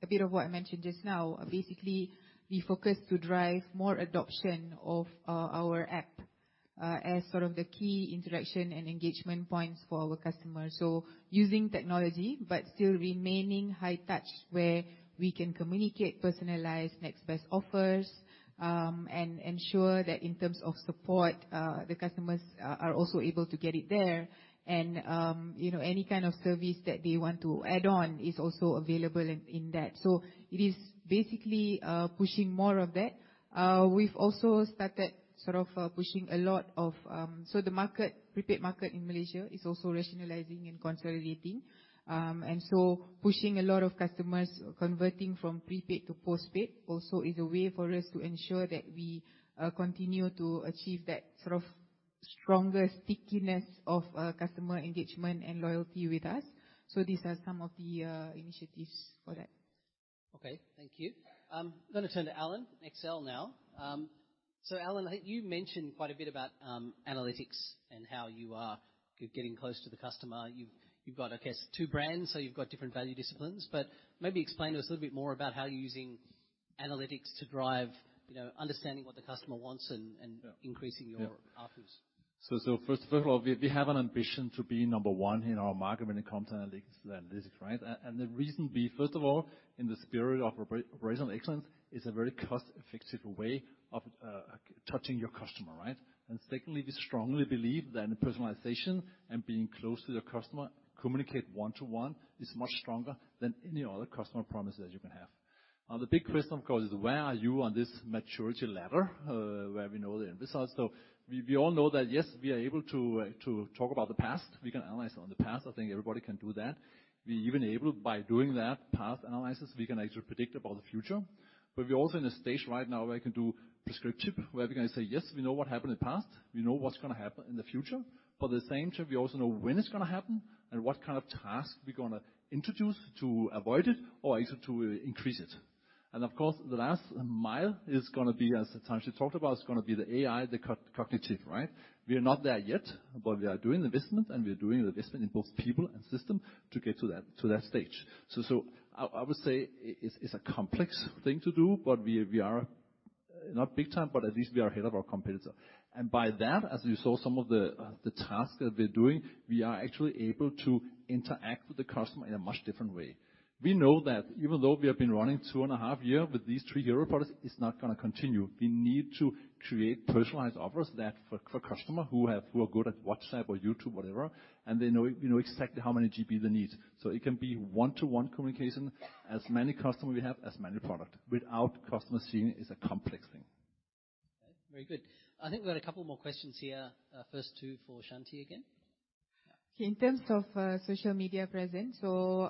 bit of what I mentioned just now. Basically, we focus to drive more adoption of our app as sort of the key interaction and engagement points for our customers. Using technology, but still remaining high touch where we can communicate personalized next best offers and ensure that in terms of support, the customers are also able to get it there. Any kind of service that they want to add on is also available in that. So it is basically pushing more of that. We've also started sort of pushing a lot, so the prepaid market in Malaysia is also rationalizing and consolidating. And so pushing a lot of customers converting from prepaid to postpaid also is a way for us to ensure that we continue to achieve that sort of stronger stickiness of customer engagement and loyalty with us. These are some of the initiatives for that. Okay, thank you. I'm going to turn to Allan XL now. So Allan, I think you mentioned quite a bit about analytics and how you are getting close to the customer. You've got, I guess, two brands, so you've got different value disciplines. But maybe explain to us a little bit more about how you're using analytics to drive understanding what the customer wants and increasing your ARPU. First of all, we have an ambition to be number one in our market when it comes to analytics, right? And the reason being, first of all, in the spirit of Operational Excellence, it's a very cost-effective way of touching your customer, right? Secondly, we strongly believe that personalization and being close to your customer, communicate one-to-one is much stronger than any other customer promise that you can have. The big question, of course, is where are you on this maturity ladder where we know the results? We all know that, yes, we are able to talk about the past. We can analyze on the past. I think everybody can do that. We're even able, by doing that past analysis, we can actually predict about the future. But we're also in a stage right now where we can do prescriptive, where we can say, yes, we know what happened in the past. We know what's going to happen in the future. But at the same time, we also know when it's going to happen and what kind of task we're going to introduce to avoid it or actually to increase it. Of course, the last mile is going to be, as Tan Sri talked about, it's going to be the AI, the cognitive, right? We are not there yet, but we are doing the investment, and we are doing the investment in both people and system to get to that stage. I would say it's a complex thing to do, but we are not big time, but at least we are ahead of our competitor. By that, as you saw some of the tasks that we're doing, we are actually able to interact with the customer in a much different way. We know that even though we have been running two and a half years with these three hero products, it's not going to continue. We need to create personalized offers for customers who are good at WhatsApp or YouTube, whatever, and they know exactly how many GB they need. It can be one-to-one communication, as many customers we have, as many products. Without customers seeing it, it's a complex thing. Very good. I think we've got a couple more questions here. First two for Shanti again. In terms of social media presence, so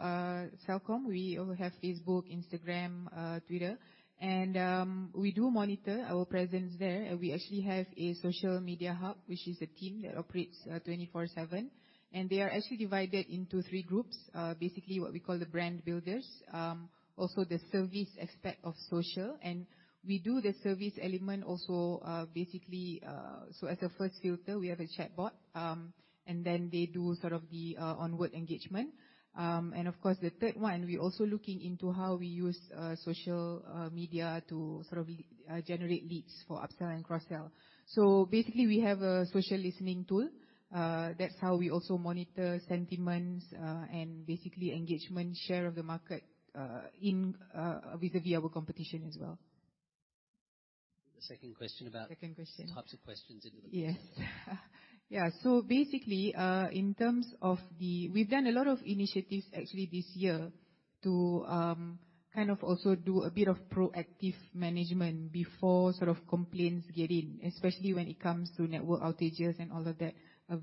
Celcom, we have Facebook, Instagram, Twitter, and we do monitor our presence there. We actually have a social media hub, which is a team that operates 24/7. They are actually divided into three groups, basically what we call the brand builders, also the service aspect of social. We do the service element also basically. So as a first filter, we have a chatbot, and then they do sort of the onward engagement. Of course, the third one, we're also looking into how we use social media to sort of generate leads for upsell and cross-sell. So basically, we have a social listening tool. That's how we also monitor sentiments and basically engagement, share of the market vis-à-vis our competition as well. The second question about types of questions into the box. Yes. Yeah. Basically, in terms of, we've done a lot of initiatives actually this year to kind of also do a bit of proactive management before sort of complaints get in, especially when it comes to network outages and all of that,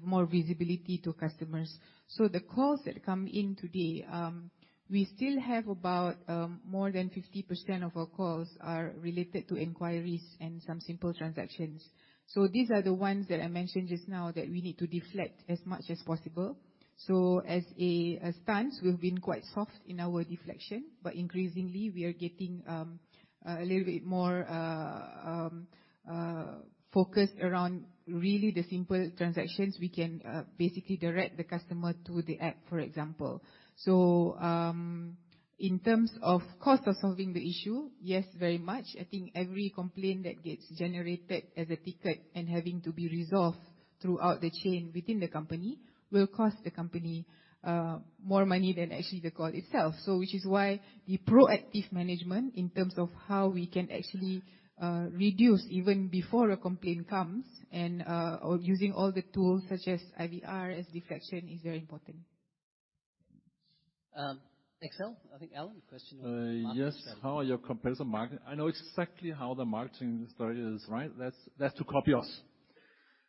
more visibility to customers. The calls that come in today, we still have about more than 50% of our calls are related to inquiries and some simple transactions. These are the ones that I mentioned just now that we need to deflect as much as possible. As a stance, we've been quite soft in our deflection, but increasingly, we are getting a little bit more focused around really the simple transactions we can basically direct the customer to the app, for example. In terms of cost of solving the issue, yes, very much. I think every complaint that gets generated as a ticket and having to be resolved throughout the chain within the company will cost the company more money than actually the call itself, which is why the proactive management in terms of how we can actually reduce even before a complaint comes and using all the tools such as IVR as deflection is very important. XL. I think Allan, Read the question and answer. Yes. How are your competitors marketing? I know exactly how the marketing story is, right? That's to copy us.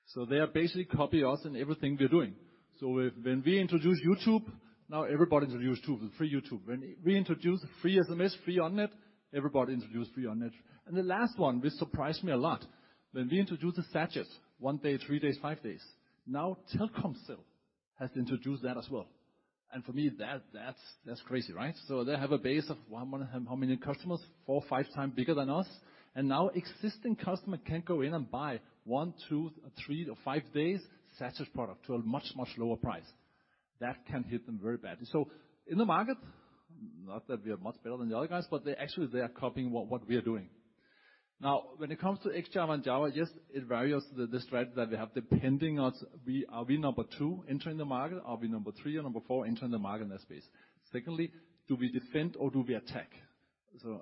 So they are basically copying us in everything we're doing. When we introduced YouTube, now everybody introduced YouTube, the free YouTube. When we introduced free SMS, free online, everybody introduced free online. The last one surprised me a lot. When we introduced the sachet, one day, three days, five days, now Telkomsel has introduced that as well. For me, that's crazy, right? They have a base of how many customers, four, five times bigger than us. Now existing customers can go in and buy one, two, three, or five days' sachet product to a much, much lower price. That can hit them very badly. In the market, not that we are much better than the other guys, but actually they are copying what we are doing. Now, when it comes to Ex-Java and Java, yes, it varies the strategy that we have depending on are we number two entering the market, are we number three or number four entering the market in that space? Secondly, do we defend or do we attack?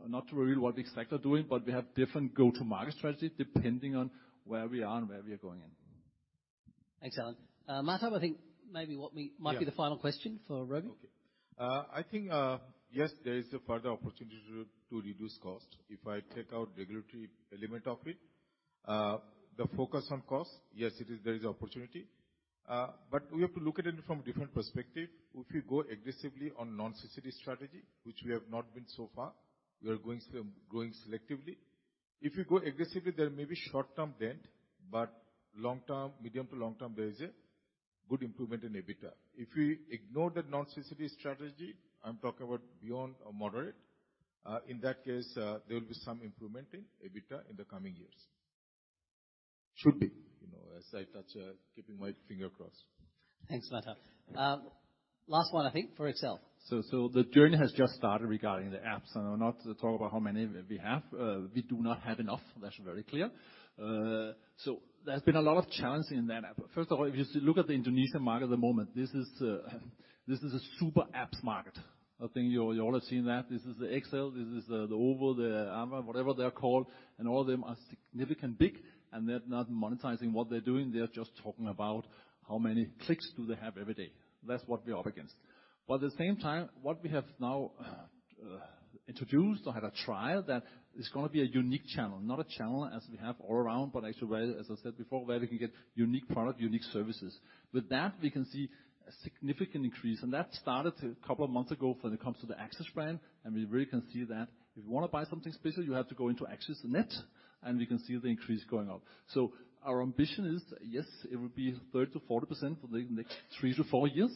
Not to reveal what we exactly are doing, but we have different go-to-market strategies depending on where we are and where we are going in. Thanks, Allan. Mahtab, I think maybe what might be the final question for Robi. Okay. I think, yes, there is a further opportunity to reduce cost if I take out the regulatory element of it. The focus on cost, yes, there is an opportunity. But we have to look at it from a different perspective. If we go aggressively on non-voice strategy, which we have not been so far, we are going selectively. If we go aggressively, there may be short-term pain, but long-term, medium to long-term, there is a good improvement in EBITDA. If we ignore the non-voice strategy, I'm talking about beyond moderate, in that case, there will be some improvement in EBITDA in the coming years. Should be, as I touch wood keeping my fingers crossed. Thanks, Mahtab. Last one, I think, for XL. So the journey has just started regarding the apps. I'm not talking about how many we have. We do not have enough. That's very clear. There has been a lot of challenges in that app. First of all, if you look at the Indonesian market at the moment, this is a super apps market. I think you all have seen that. This is the XL, this is the OVO, the Ava, whatever they're called, and all of them are significantly big. They're not monetizing what they're doing. They're just talking about how many clicks do they have every day. That's what we're up against. At the same time, what we have now introduced or had a trial that is going to be a unique channel, not a channel as we have all around, but actually, as I said before, where we can get unique products, unique services. With that, we can see a significant increase. That started a couple of months ago when it comes to the AXIS brand. We really can see that if you want to buy something special, you have to go into AXISnet. We can see the increase going up. Our ambition is, yes, it will be 30%-40% for the next three to four years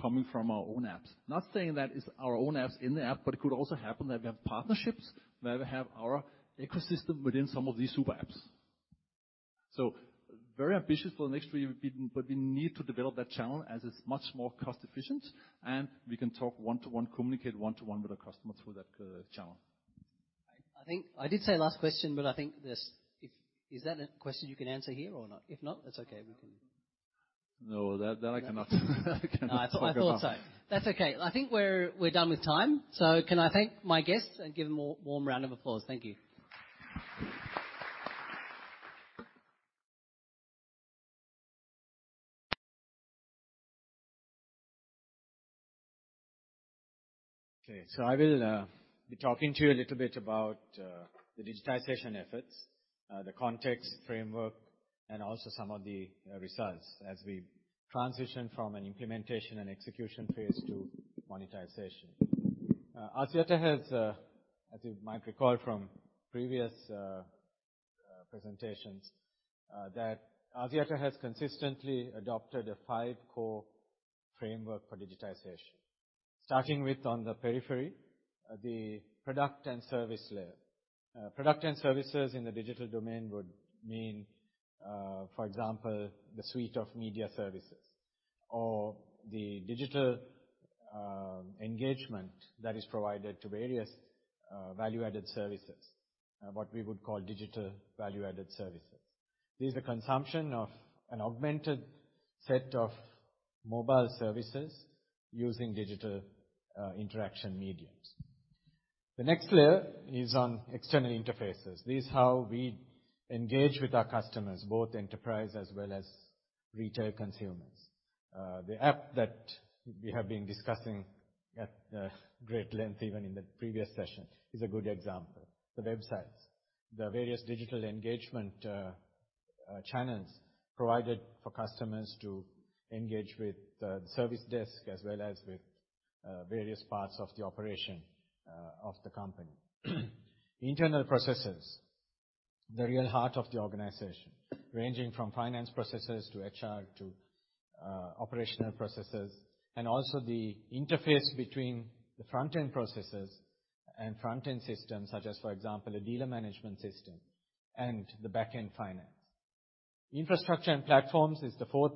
coming from our own apps. Not saying that it's our own apps in the app, but it could also happen that we have partnerships where we have our ecosystem within some of these super apps. Very ambitious for the next three years, but we need to develop that channel as it's much more cost-efficient. We can talk one-to-one, communicate one-to-one with our customers through that channel. I did say last question, but I think there is. Is that a question you can answer here or not? If not, that's okay. No, that I cannot. I thought so. That's okay. I think we're done with time. So can I thank my guests and give them a warm round of applause? Thank you. Okay. I will be talking to you a little bit about the digitization efforts, the context framework, and also some of the results as we transition from an implementation and execution phase to monetization. Axiata has, as you might recall from previous presentations, Axiata has consistently adopted a five-core framework for digitization, starting with on the periphery, the product and service layer. Product and services in the digital domain would mean, for example, the suite of media services or the digital engagement that is provided to various value-added services, what we would call digital value-added services. These are consumption of an augmented set of mobile services using digital interaction mediums. The next layer is on external interfaces. This is how we engage with our customers, both enterprise as well as retail consumers. The app that we have been discussing at great length even in the previous session is a good example. The websites, the various digital engagement channels provided for customers to engage with the service desk as well as with various parts of the operation of the company. Internal processes, the real heart of the organization, ranging from finance processes to HR to operational processes, and also the interface between the front-end processes and front-end systems, such as, for example, a dealer management system and the back-end finance. Infrastructure and platforms is the fourth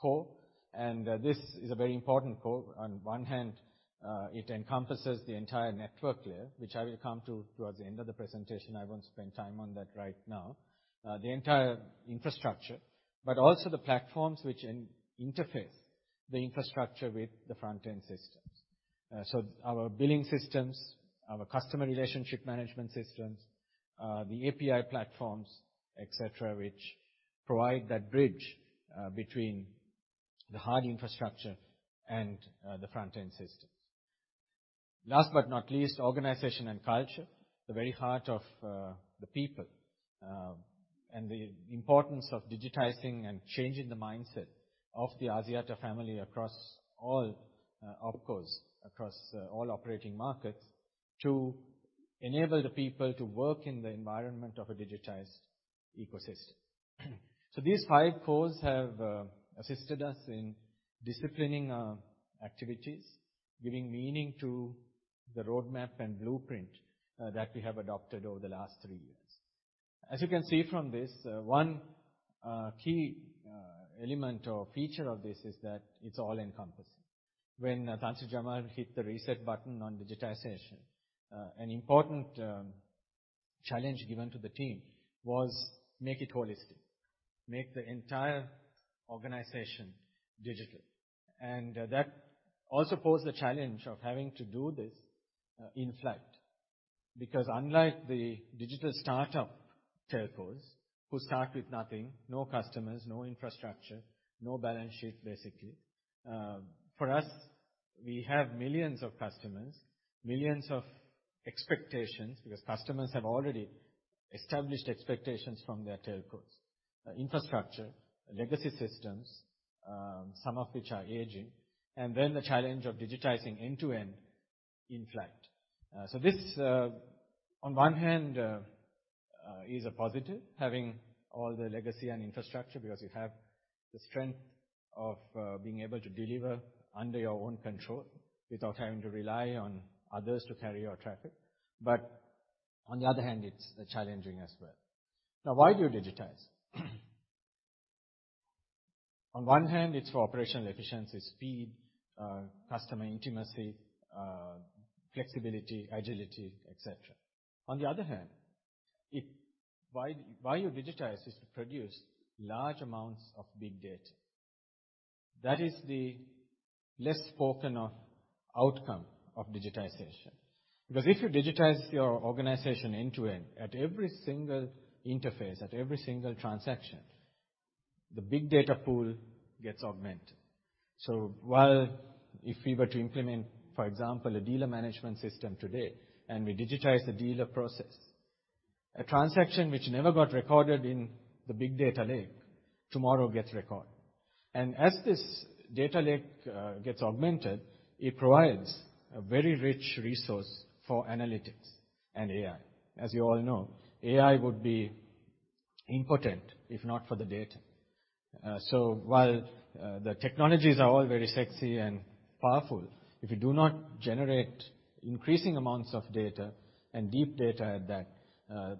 core. This is a very important core. On one hand, it encompasses the entire network layer, which I will come to towards the end of the presentation. I won't spend time on that right now, the entire infrastructure, but also the platforms which interface the infrastructure with the front-end systems. So our billing systems, our customer relationship management systems, the API platforms, etc., which provide that bridge between the hard infrastructure and the front-end systems. Last but not least, organization and culture, the very heart of the people and the importance of digitizing and changing the mindset of the Axiata family across all OpCos, across all operating markets to enable the people to work in the environment of a digitized ecosystem. These five cores have assisted us in disciplining activities, giving meaning to the roadmap and blueprint that we have adopted over the last three years. As you can see from this, one key element or feature of this is that it's all-encompassing. When Tan Sri Jamal hit the reset button on digitization, an important challenge given to the team was to make it holistic, make the entire organization digital, and that also posed the challenge of having to do this in flight because unlike the digital startup telcos who start with nothing, no customers, no infrastructure, no balance sheet, basically, for us, we have millions of customers, millions of expectations because customers have already established expectations from their telcos, infrastructure, legacy systems, some of which are aging, and then the challenge of digitizing end-to-end in flight. So this, on one hand, is a positive, having all the legacy and infrastructure because you have the strength of being able to deliver under your own control without having to rely on others to carry your traffic, but on the other hand, it's challenging as well. Now, why do you digitize? On one hand, it's for operational efficiency, speed, customer intimacy, flexibility, agility, etc. On the other hand, why you digitize is to produce large amounts of big data. That is the less spoken of outcome of digitization because if you digitize your organization end-to-end at every single interface, at every single transaction, the big data pool gets augmented. While if we were to implement, for example, a dealer management system today and we digitize the dealer process, a transaction which never got recorded in the big data lake tomorrow gets recorded. As this data lake gets augmented, it provides a very rich resource for analytics and AI. As you all know, AI would be impotent if not for the data. While the technologies are all very sexy and powerful, if you do not generate increasing amounts of data and deep data at that,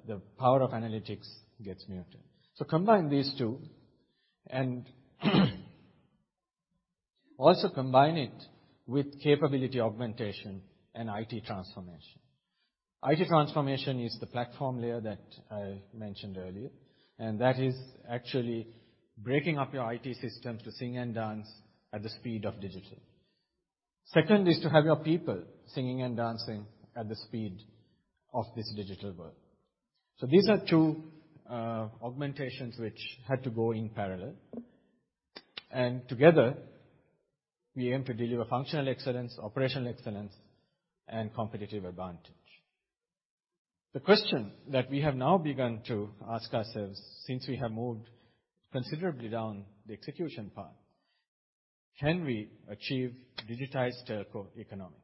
the power of analytics gets muted. So combine these two and also combine it with capability augmentation and IT transformation. IT transformation is the platform layer that I mentioned earlier. That is actually breaking up your IT systems to sing and dance at the speed of digital. Second is to have your people singing and dancing at the speed of this digital world. So these are two augmentations which had to go in parallel. And together, we aim to deliver functional excellence, Operational Exellence, and competitive advantage. The question that we have now begun to ask ourselves since we have moved considerably down the execution path, can we achieve digitized telco economics?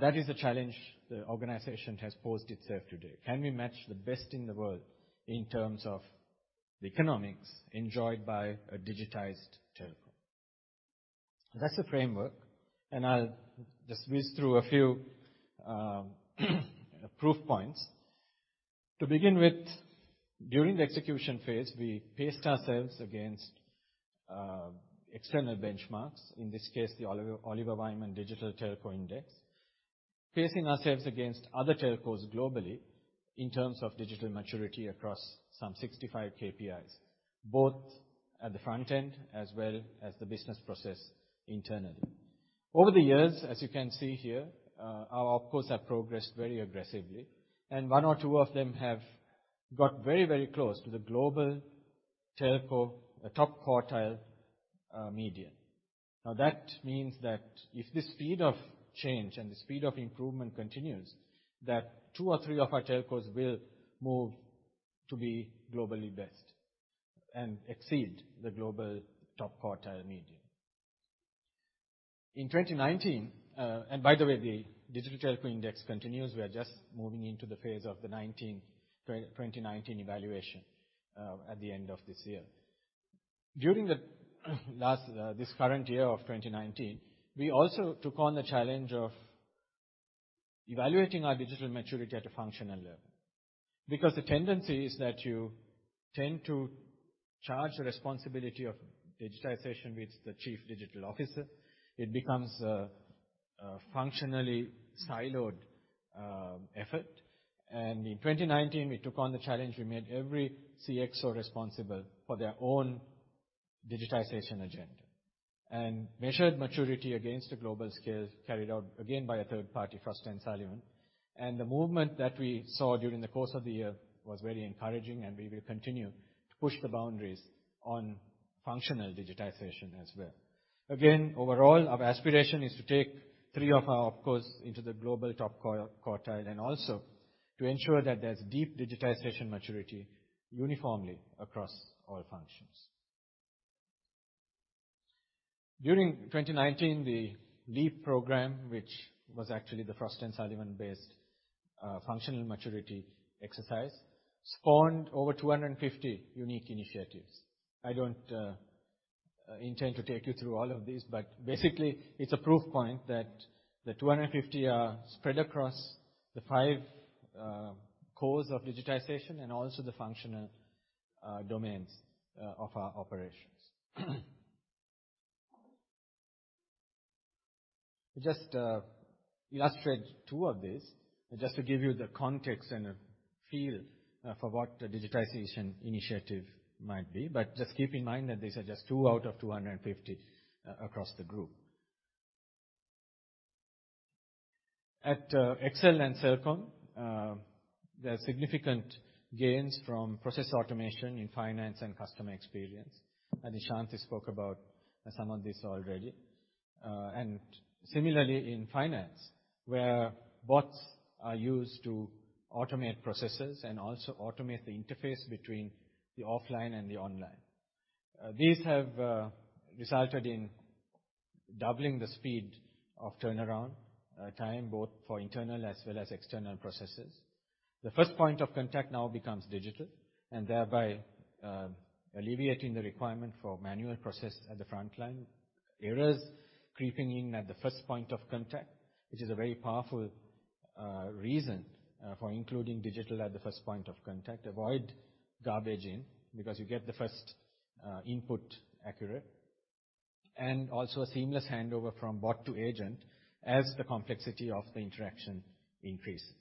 That is the challenge the organization has posed itself today. Can we match the best in the world in terms of the economics enjoyed by a digitized telco? That's the framework, and I'll just whiz through a few proof points. To begin with, during the execution phase, we paced ourselves against external benchmarks, in this case, the Oliver Wyman Digital Telco Index, pacing ourselves against other telcos globally in terms of digital maturity across some 65 KPIs, both at the front end as well as the business process internally. Over the years, as you can see here, our OpCos have progressed very aggressively, and one or two of them have got very, very close to the global telco top quartile median. Now, that means that if the speed of change and the speed of improvement continues, that two or three of our telcos will move to be globally best and exceed the global top quartile median. In 2019, and by the way, the Digital Telco Index continues. We are just moving into the phase of the 2019 evaluation at the end of this year. During this current year of 2019, we also took on the challenge of evaluating our digital maturity at a functional level because the tendency is that you tend to charge the responsibility of digitization with the chief digital officer. It becomes a functionally siloed effort, and in 2019, we took on the challenge. We made every CXO responsible for their own digitization agenda and measured maturity against a global scale carried out again by a third party, Frost & Sullivan. The movement that we saw during the course of the year was very encouraging, and we will continue to push the boundaries on functional digitization as well. Again, overall, our aspiration is to take three of our OpCos into the global top quartile and also to ensure that there's deep digitization maturity uniformly across all functions. During 2019, the LEAP program, which was actually the Frost & Sullivan-based functional maturity exercise, spawned over 250 unique initiatives. I don't intend to take you through all of these, but basically, it's a proof point that the 250 are spread across the five cores of digitization and also the functional domains of our operations. Just to illustrate two of these just to give you the context and a feel for what a digitization initiative might be. But just keep in mind that these are just two out of 250 across the group. At XL and Celcom, there are significant gains from process automation in finance and customer experience. I think Shanti spoke about some of this already. Similarly, in finance, where bots are used to automate processes and also automate the interface between the offline and the online, these have resulted in doubling the speed of turnaround time, both for internal as well as external processes. The first point of contact now becomes digital, and thereby alleviating the requirement for manual process at the frontline, errors creeping in at the first point of contact, which is a very powerful reason for including digital at the first point of contact, avoid garbage in because you get the first input accurate, and also a seamless handover from bot to agent as the complexity of the interaction increases.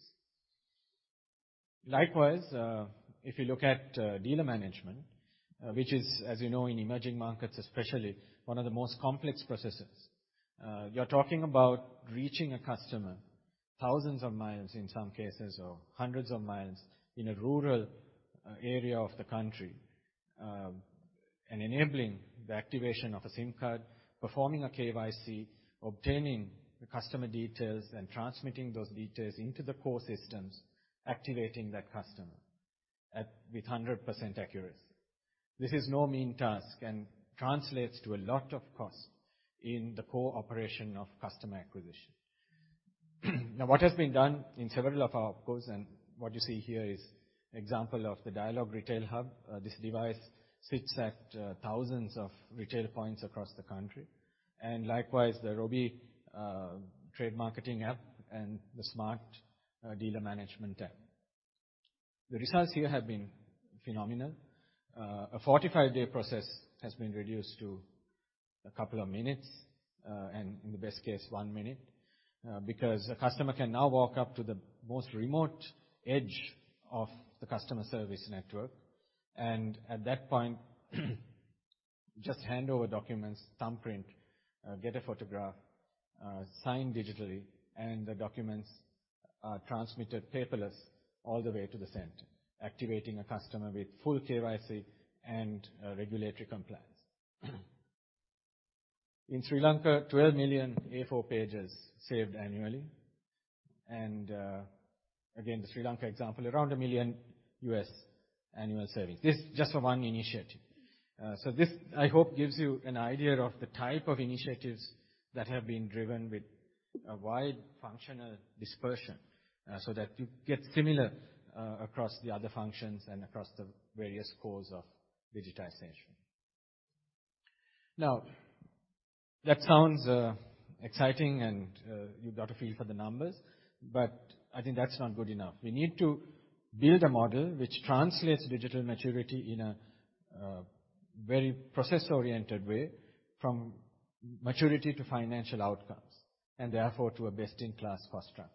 Likewise, if you look at dealer management, which is, as you know, in emerging markets, especially one of the most complex processes, you're talking about reaching a customer thousands of miles in some cases or hundreds of miles in a rural area of the country and enabling the activation of a SIM card, performing a KYC, obtaining the customer details, and transmitting those details into the core systems, activating that customer with 100% accuracy. This is no mean task and translates to a lot of cost in the core operation of customer acquisition. Now, what has been done in several of our OpCos, and what you see here is an example of the Dialog Retail Hub. This device sits at thousands of retail points across the country, and likewise, the Robi trade marketing app and the Smart dealer management app. The results here have been phenomenal. A 45-day process has been reduced to a couple of minutes and, in the best case, one minute because a customer can now walk up to the most remote edge of the customer service network. At that point, just hand over documents, thumbprint, get a photograph, sign digitally, and the documents are transmitted paperless all the way to the center, activating a customer with full KYC and regulatory compliance. In Sri Lanka, 12 million A4 pages saved annually. The Sri Lanka example provides around $1 million annual savings. This is just for one initiative. This, I hope, gives you an idea of the type of initiatives that have been driven with a wide functional dispersion so that you get similar across the other functions and across the various cores of digitization. Now, that sounds exciting, and you've got a feel for the numbers, but I think that's not good enough. We need to build a model which translates digital maturity in a very process-oriented way from maturity to financial outcomes and therefore to a best-in-class cost structure.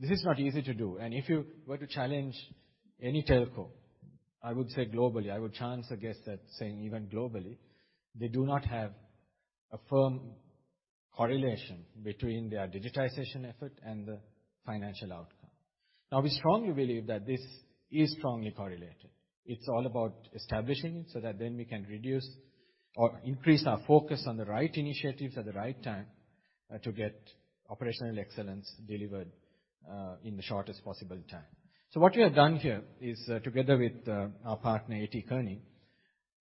This is not easy to do. If you were to challenge any telco, I would say globally, I would chance a guess that even globally, they do not have a firm correlation between their digitization effort and the financial outcome. Now, we strongly believe that this is strongly correlated. It's all about establishing it so that then we can reduce or increase our focus on the right initiatives at the right time to get Operational Excellence delivered in the shortest possible time. So what we have done here is, together with our partner, A.T. Kearney,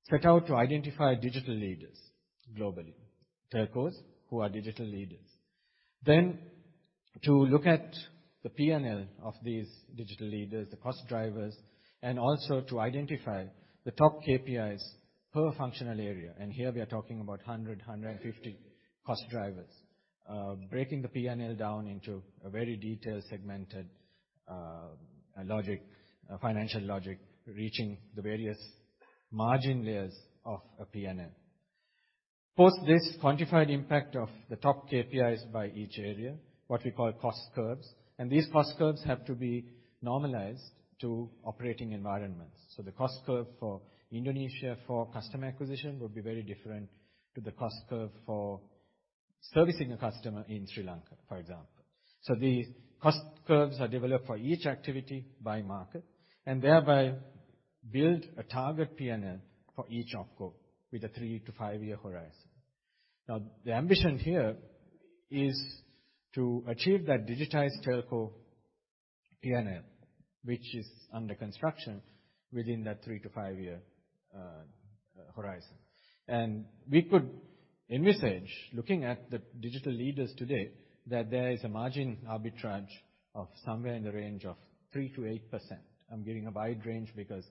set out to identify digital leaders globally, telcos who are digital leaders, then to look at the P&L of these digital leaders, the cost drivers, and also to identify the top KPIs per functional area. Here we are talking about 100, 150 cost drivers, breaking the P&L down into a very detailed segmented logic, financial logic, reaching the various margin layers of a P&L. Post this, quantified impact of the top KPIs by each area, what we call cost curve. These cost curves have to be normalized to operating environments. The cost curve for Indonesia for customer acquisition would be very different to the cost curve for servicing a customer in Sri Lanka, for example. So the cost curves are developed for each activity by market and thereby build a target P&L for each OPCO with a three- to five-year horizon. Now, the ambition here is to achieve that digitized telco P&L, which is under construction within that three- to five-year horizon. We could envisage, looking at the digital leaders today, that there is a margin arbitrage of somewhere in the range of 3%-8%. I'm giving a wide range because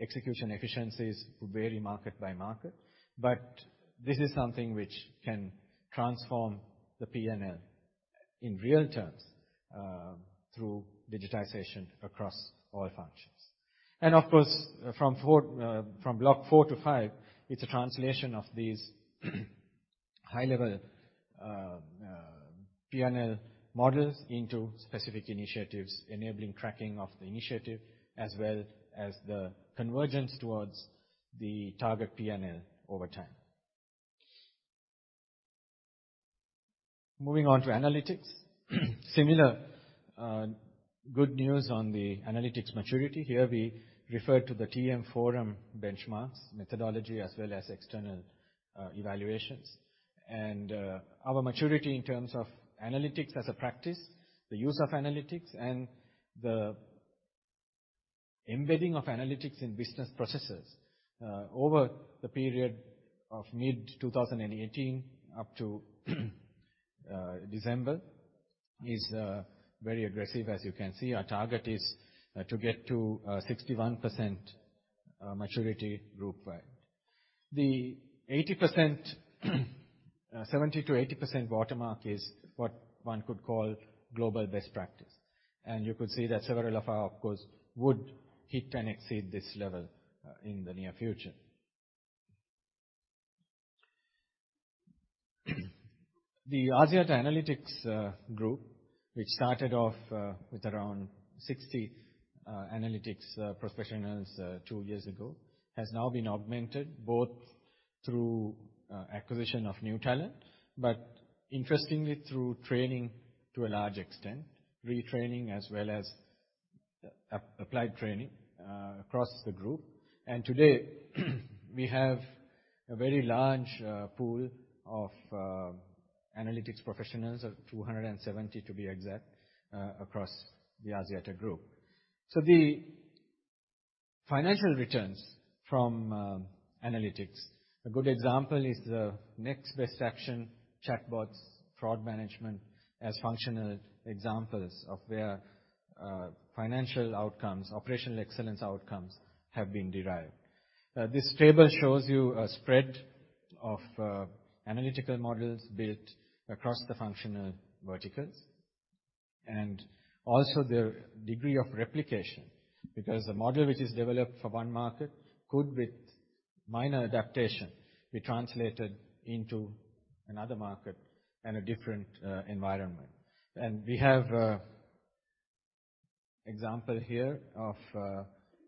execution efficiencies vary market by market. But this is something which can transform the P&L in real terms through digitization across all functions. Of course, from block four to five, it's a translation of these high-level P&L models into specific initiatives, enabling tracking of the initiative as well as the convergence towards the target P&L over time. Moving on to analytics, similar good news on the analytics maturity. Here we refer to the TM Forum benchmarks methodology as well as external evaluations, and our maturity in terms of analytics as a practice, the use of analytics, and the embedding of analytics in business processes over the period of mid-2018 up to December is very aggressive. As you can see, our target is to get to 61% maturity group-wide. The 70%-80% watermark is what one could call global best practice. You could see that several of our OpCos would hit and exceed this level in the near future. The Axiata Analytics Group, which started off with around 60 analytics professionals two years ago, has now been augmented both through acquisition of new talent, but interestingly, through training to a large extent, retraining as well as applied training across the group. Today, we have a very large pool of analytics professionals, 270 to be exact, across the Axiata Group. The financial returns from analytics, a good example is the Next Best Action chatbots, fraud management as functional examples of where financial outcomes, Operational Excellence outcomes have been derived. This table shows you a spread of analytical models built across the functional verticals and also their degree of replication because a model which is developed for one market could, with minor adaptation, be translated into another market and a different environment. We have an example here of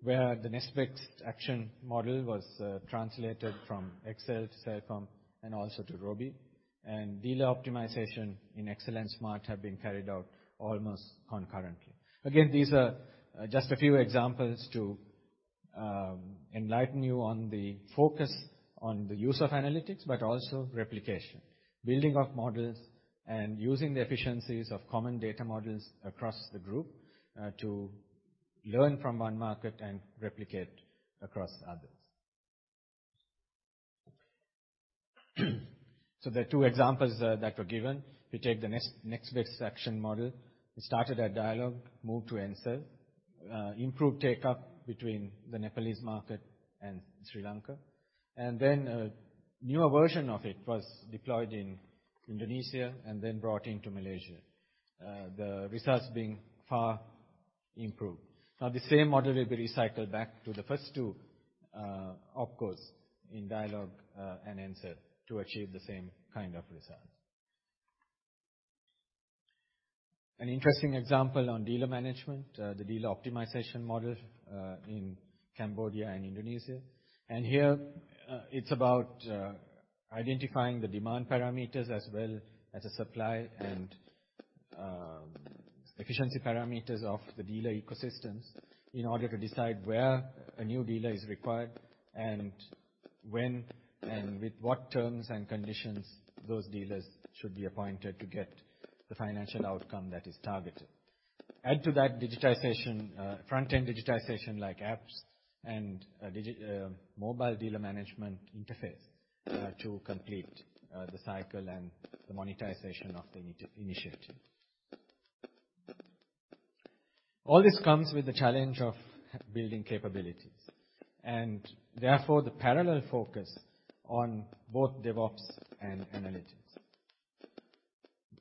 where the Next Best Action model was translated from XL to Celcom and also to Robi. Dealer optimization in XL and Smart have been carried out almost concurrently. Again, these are just a few examples to enlighten you on the focus on the use of analytics, but also replication, building of models, and using the efficiencies of common data models across the group to learn from one market and replicate across others. There are two examples that were given. We take the Next Best Action model. We started at Dialog, moved to XL, improved take-up between the Nepalese market and Sri Lanka. A newer version of it was deployed in Indonesia and then brought into Malaysia, the results being far improved. Now, the same model will be recycled back to the first two OpCosin Dialog and XL to achieve the same kind of results. An interesting example on dealer management, the dealer optimization model in Cambodia and Indonesia. Here, it's about identifying the demand parameters as well as the supply and efficiency parameters of the dealer ecosystems in order to decide where a new dealer is required and when and with what terms and conditions those dealers should be appointed to get the financial outcome that is targeted. Add to that front-end digitization like apps and mobile dealer management interface to complete the cycle and the monetization of the initiative. All this comes with the challenge of building capabilities and therefore the parallel focus on both DevOps and analytics.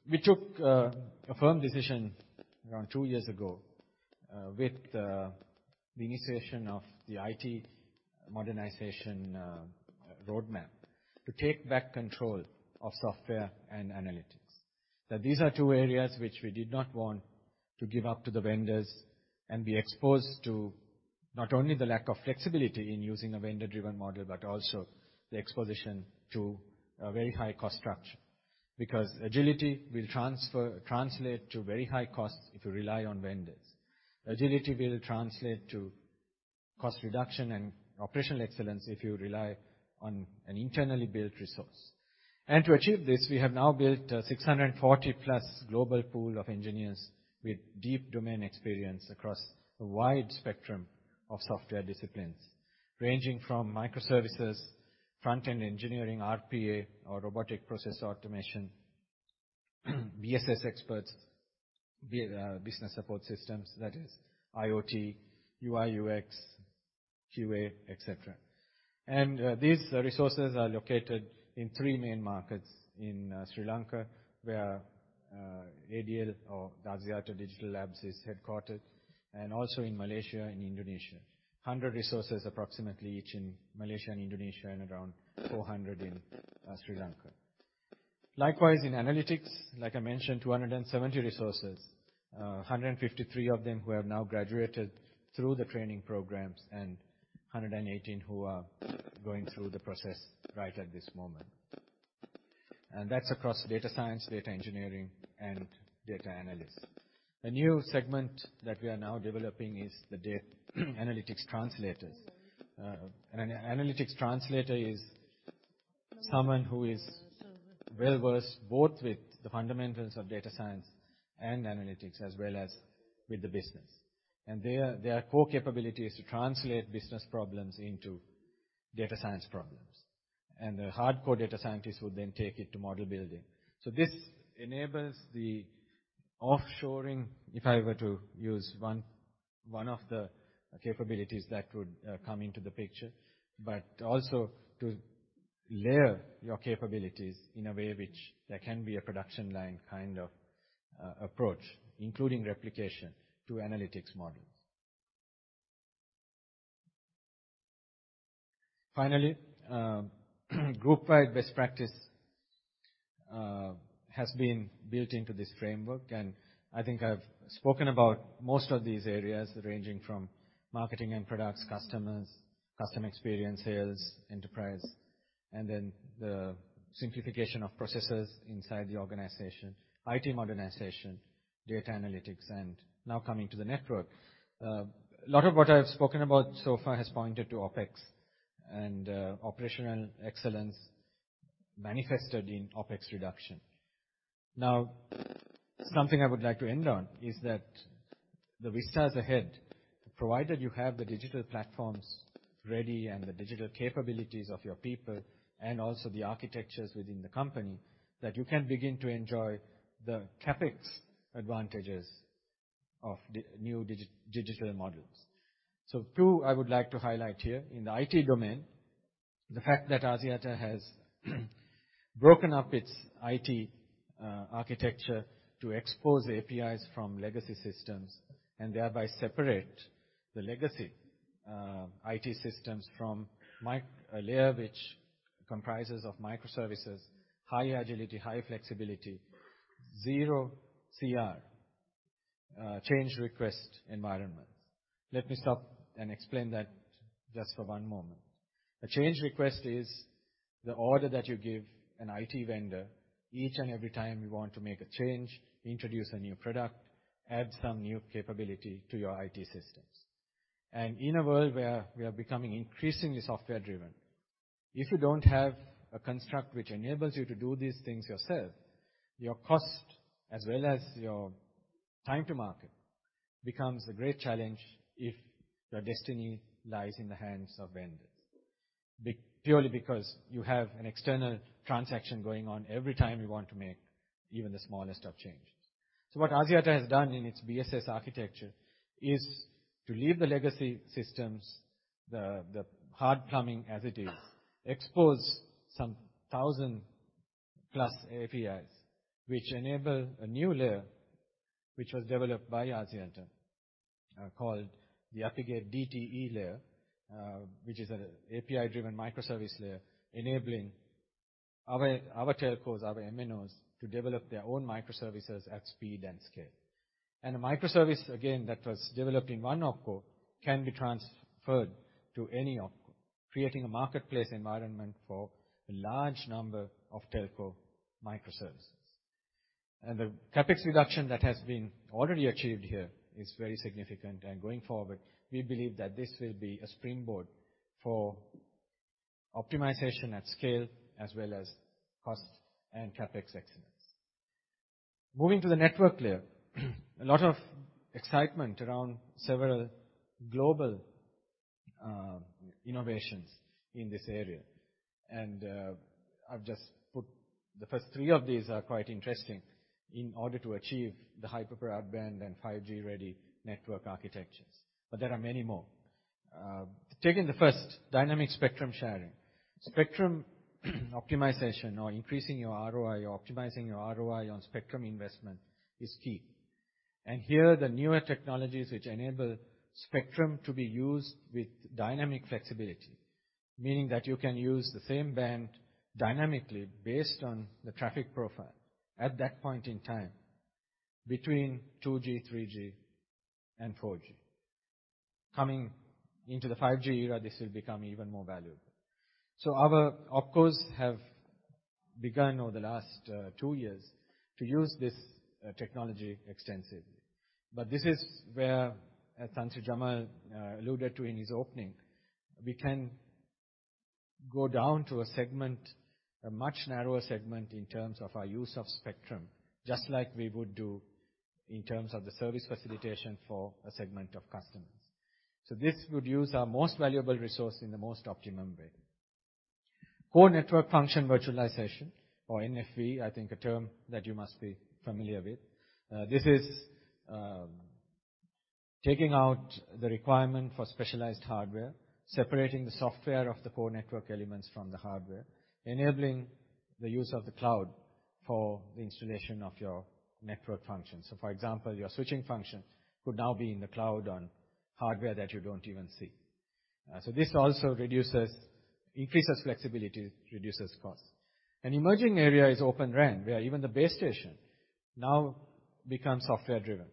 We took a firm decision around two years ago with the initiation of the IT modernization roadmap to take back control of software and analytics. Now, these are two areas which we did not want to give up to the vendors and be exposed to not only the lack of flexibility in using a vendor-driven model, but also the exposure to a very high cost structure because agility will translate to very high costs if you rely on vendors. Agility will translate to cost reduction and Operational Excellence if you rely on an internally built resource. To achieve this, we have now built a 640-plus global pool of engineers with deep domain experience across a wide spectrum of software disciplines ranging from microservices, front-end engineering, RPA or robotic process automation, BSS experts, business support systems, that is IoT, UI/UX, QA, etc. These resources are located in three main markets in Sri Lanka where ADL or Axiata Digital Labs is headquartered and also in Malaysia and Indonesia, 100 resources approximately each in Malaysia and Indonesia and around 400 in Sri Lanka. Likewise, in analytics, like I mentioned, 270 resources, 153 of them who have now graduated through the training programs and 118 who are going through the process right at this moment, and that's across data science, data engineering, and data analysts. A new segment that we are now developing is the analytics translators. An analytics translator is someone who is well-versed both with the fundamentals of data science and analytics as well as with the business, and their core capability is to translate business problems into data science problems, and the hardcore data scientists would then take it to model building. This enables the offshoring, if I were to use one of the capabilities that would come into the picture, but also to layer your capabilities in a way which there can be a production line kind of approach, including replication to analytics models. Finally, group-wide best practice has been built into this framework. I think I've spoken about most of these areas ranging from marketing and products, customers, customer experience, sales, enterprise, and then the simplification of processes inside the organization, IT modernization, data analytics, and now coming to the network. A lot of what I've spoken about so far has pointed to OPEX and Operational Excellence manifested in OPEX reduction. Now, something I would like to end on is that the vistas ahead, provided you have the digital platforms ready and the digital capabilities of your people and also the architectures within the company, that you can begin to enjoy the CapEx advantages of new digital models. So two, I would like to highlight here in the IT domain, the fact that Axiata has broken up its IT architecture to expose APIs from legacy systems and thereby separate the legacy IT systems from a layer which comprises of microservices, high agility, high flexibility, zero CR, change request environments. Let me stop and explain that just for one moment. A change request is the order that you give an IT vendor each and every time you want to make a change, introduce a new product, add some new capability to your IT systems. In a world where we are becoming increasingly software-driven, if you don't have a construct which enables you to do these things yourself, your cost as well as your time to market becomes a great challenge if your destiny lies in the hands of vendors purely because you have an external transaction going on every time you want to make even the smallest of changes. What Axiata has done in its BSS architecture is to leave the legacy systems, the hard plumbing as it is, expose some thousand-plus APIs which enable a new layer which was developed by Axiata called the Apigate DTE layer, which is an API-driven microservice layer enabling our telcos, our MNOs to develop their own microservices at speed and scale. A microservice, again, that was developed in one OPCO can be transferred to any OPCO, creating a marketplace environment for a large number of telco microservices. The CapEx reduction that has been already achieved here is very significant. Going forward, we believe that this will be a springboard for optimization at scale as well as cost and CapEx excellence. Moving to the network layer, a lot of excitement around several global innovations in this area. I've just put the first three of these are quite interesting in order to achieve the higher performance broadband and 5G-ready network architectures. But there are many more. Taking the first, Dynamic Spectrum Sharing. Spectrum optimization or increasing your ROI or optimizing your ROI on spectrum investment is key. Here, the newer technologies which enable spectrum to be used with dynamic flexibility, meaning that you can use the same band dynamically based on the traffic profile at that point in time between 2G, 3G, and 4G. Coming into the 5G era, this will become even more valuable. Our OpCos have begun over the last two years to use this technology extensively. This is where, as Tan Sri Jamal alluded to in his opening, we can go down to a segment, a much narrower segment in terms of our use of spectrum, just like we would do in terms of the service facilitation for a segment of customers. This would use our most valuable resource in the most optimum way. Core Network Function Virtualization or NFV, I think a term that you must be familiar with. This is taking out the requirement for specialized hardware, separating the software of the core network elements from the hardware, enabling the use of the cloud for the installation of your network functions. For example, your switching function could now be in the cloud on hardware that you don't even see. This also increases flexibility, reduces costs. An emerging area is Open RAN, where even the base station now becomes software-driven.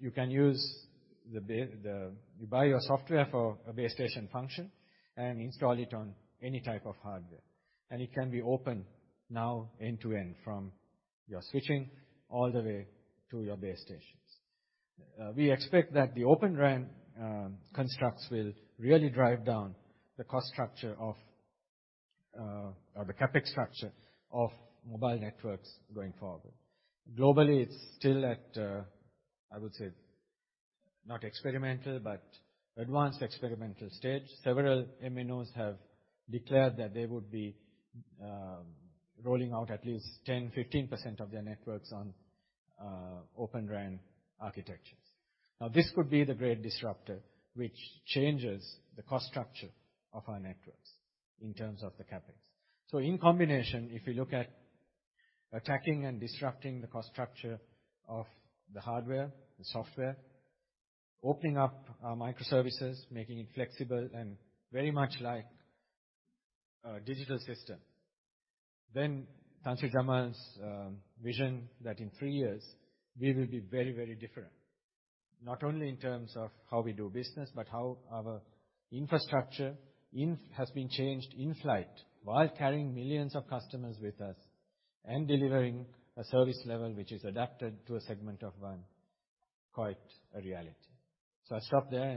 You can buy your software for a base station function and install it on any type of hardware. And it can be open now end-to-end from your switching all the way to your base stations. We expect that the Open RAN constructs will really drive down the cost structure or the CapEx structure of mobile networks going forward. Globally, it's still at, I would say, not experimental, but advanced experimental stage. Several MNOs have declared that they would be rolling out at least 10%-15% of their networks on Open RAN architectures. Now, this could be the great disruptor which changes the cost structure of our networks in terms of the CapEx. In combination, if we look at attacking and disrupting the cost structure of the hardware, the software, opening up our microservices, making it flexible and very much like a digital system, then Tan Sri Jamal's vision that in three years, we will be very, very different. Not only in terms of how we do business, but how our infrastructure has been changed in flight while carrying millions of customers with us and delivering a service level which is adapted to a segment of one, quite a reality. So I'll stop there.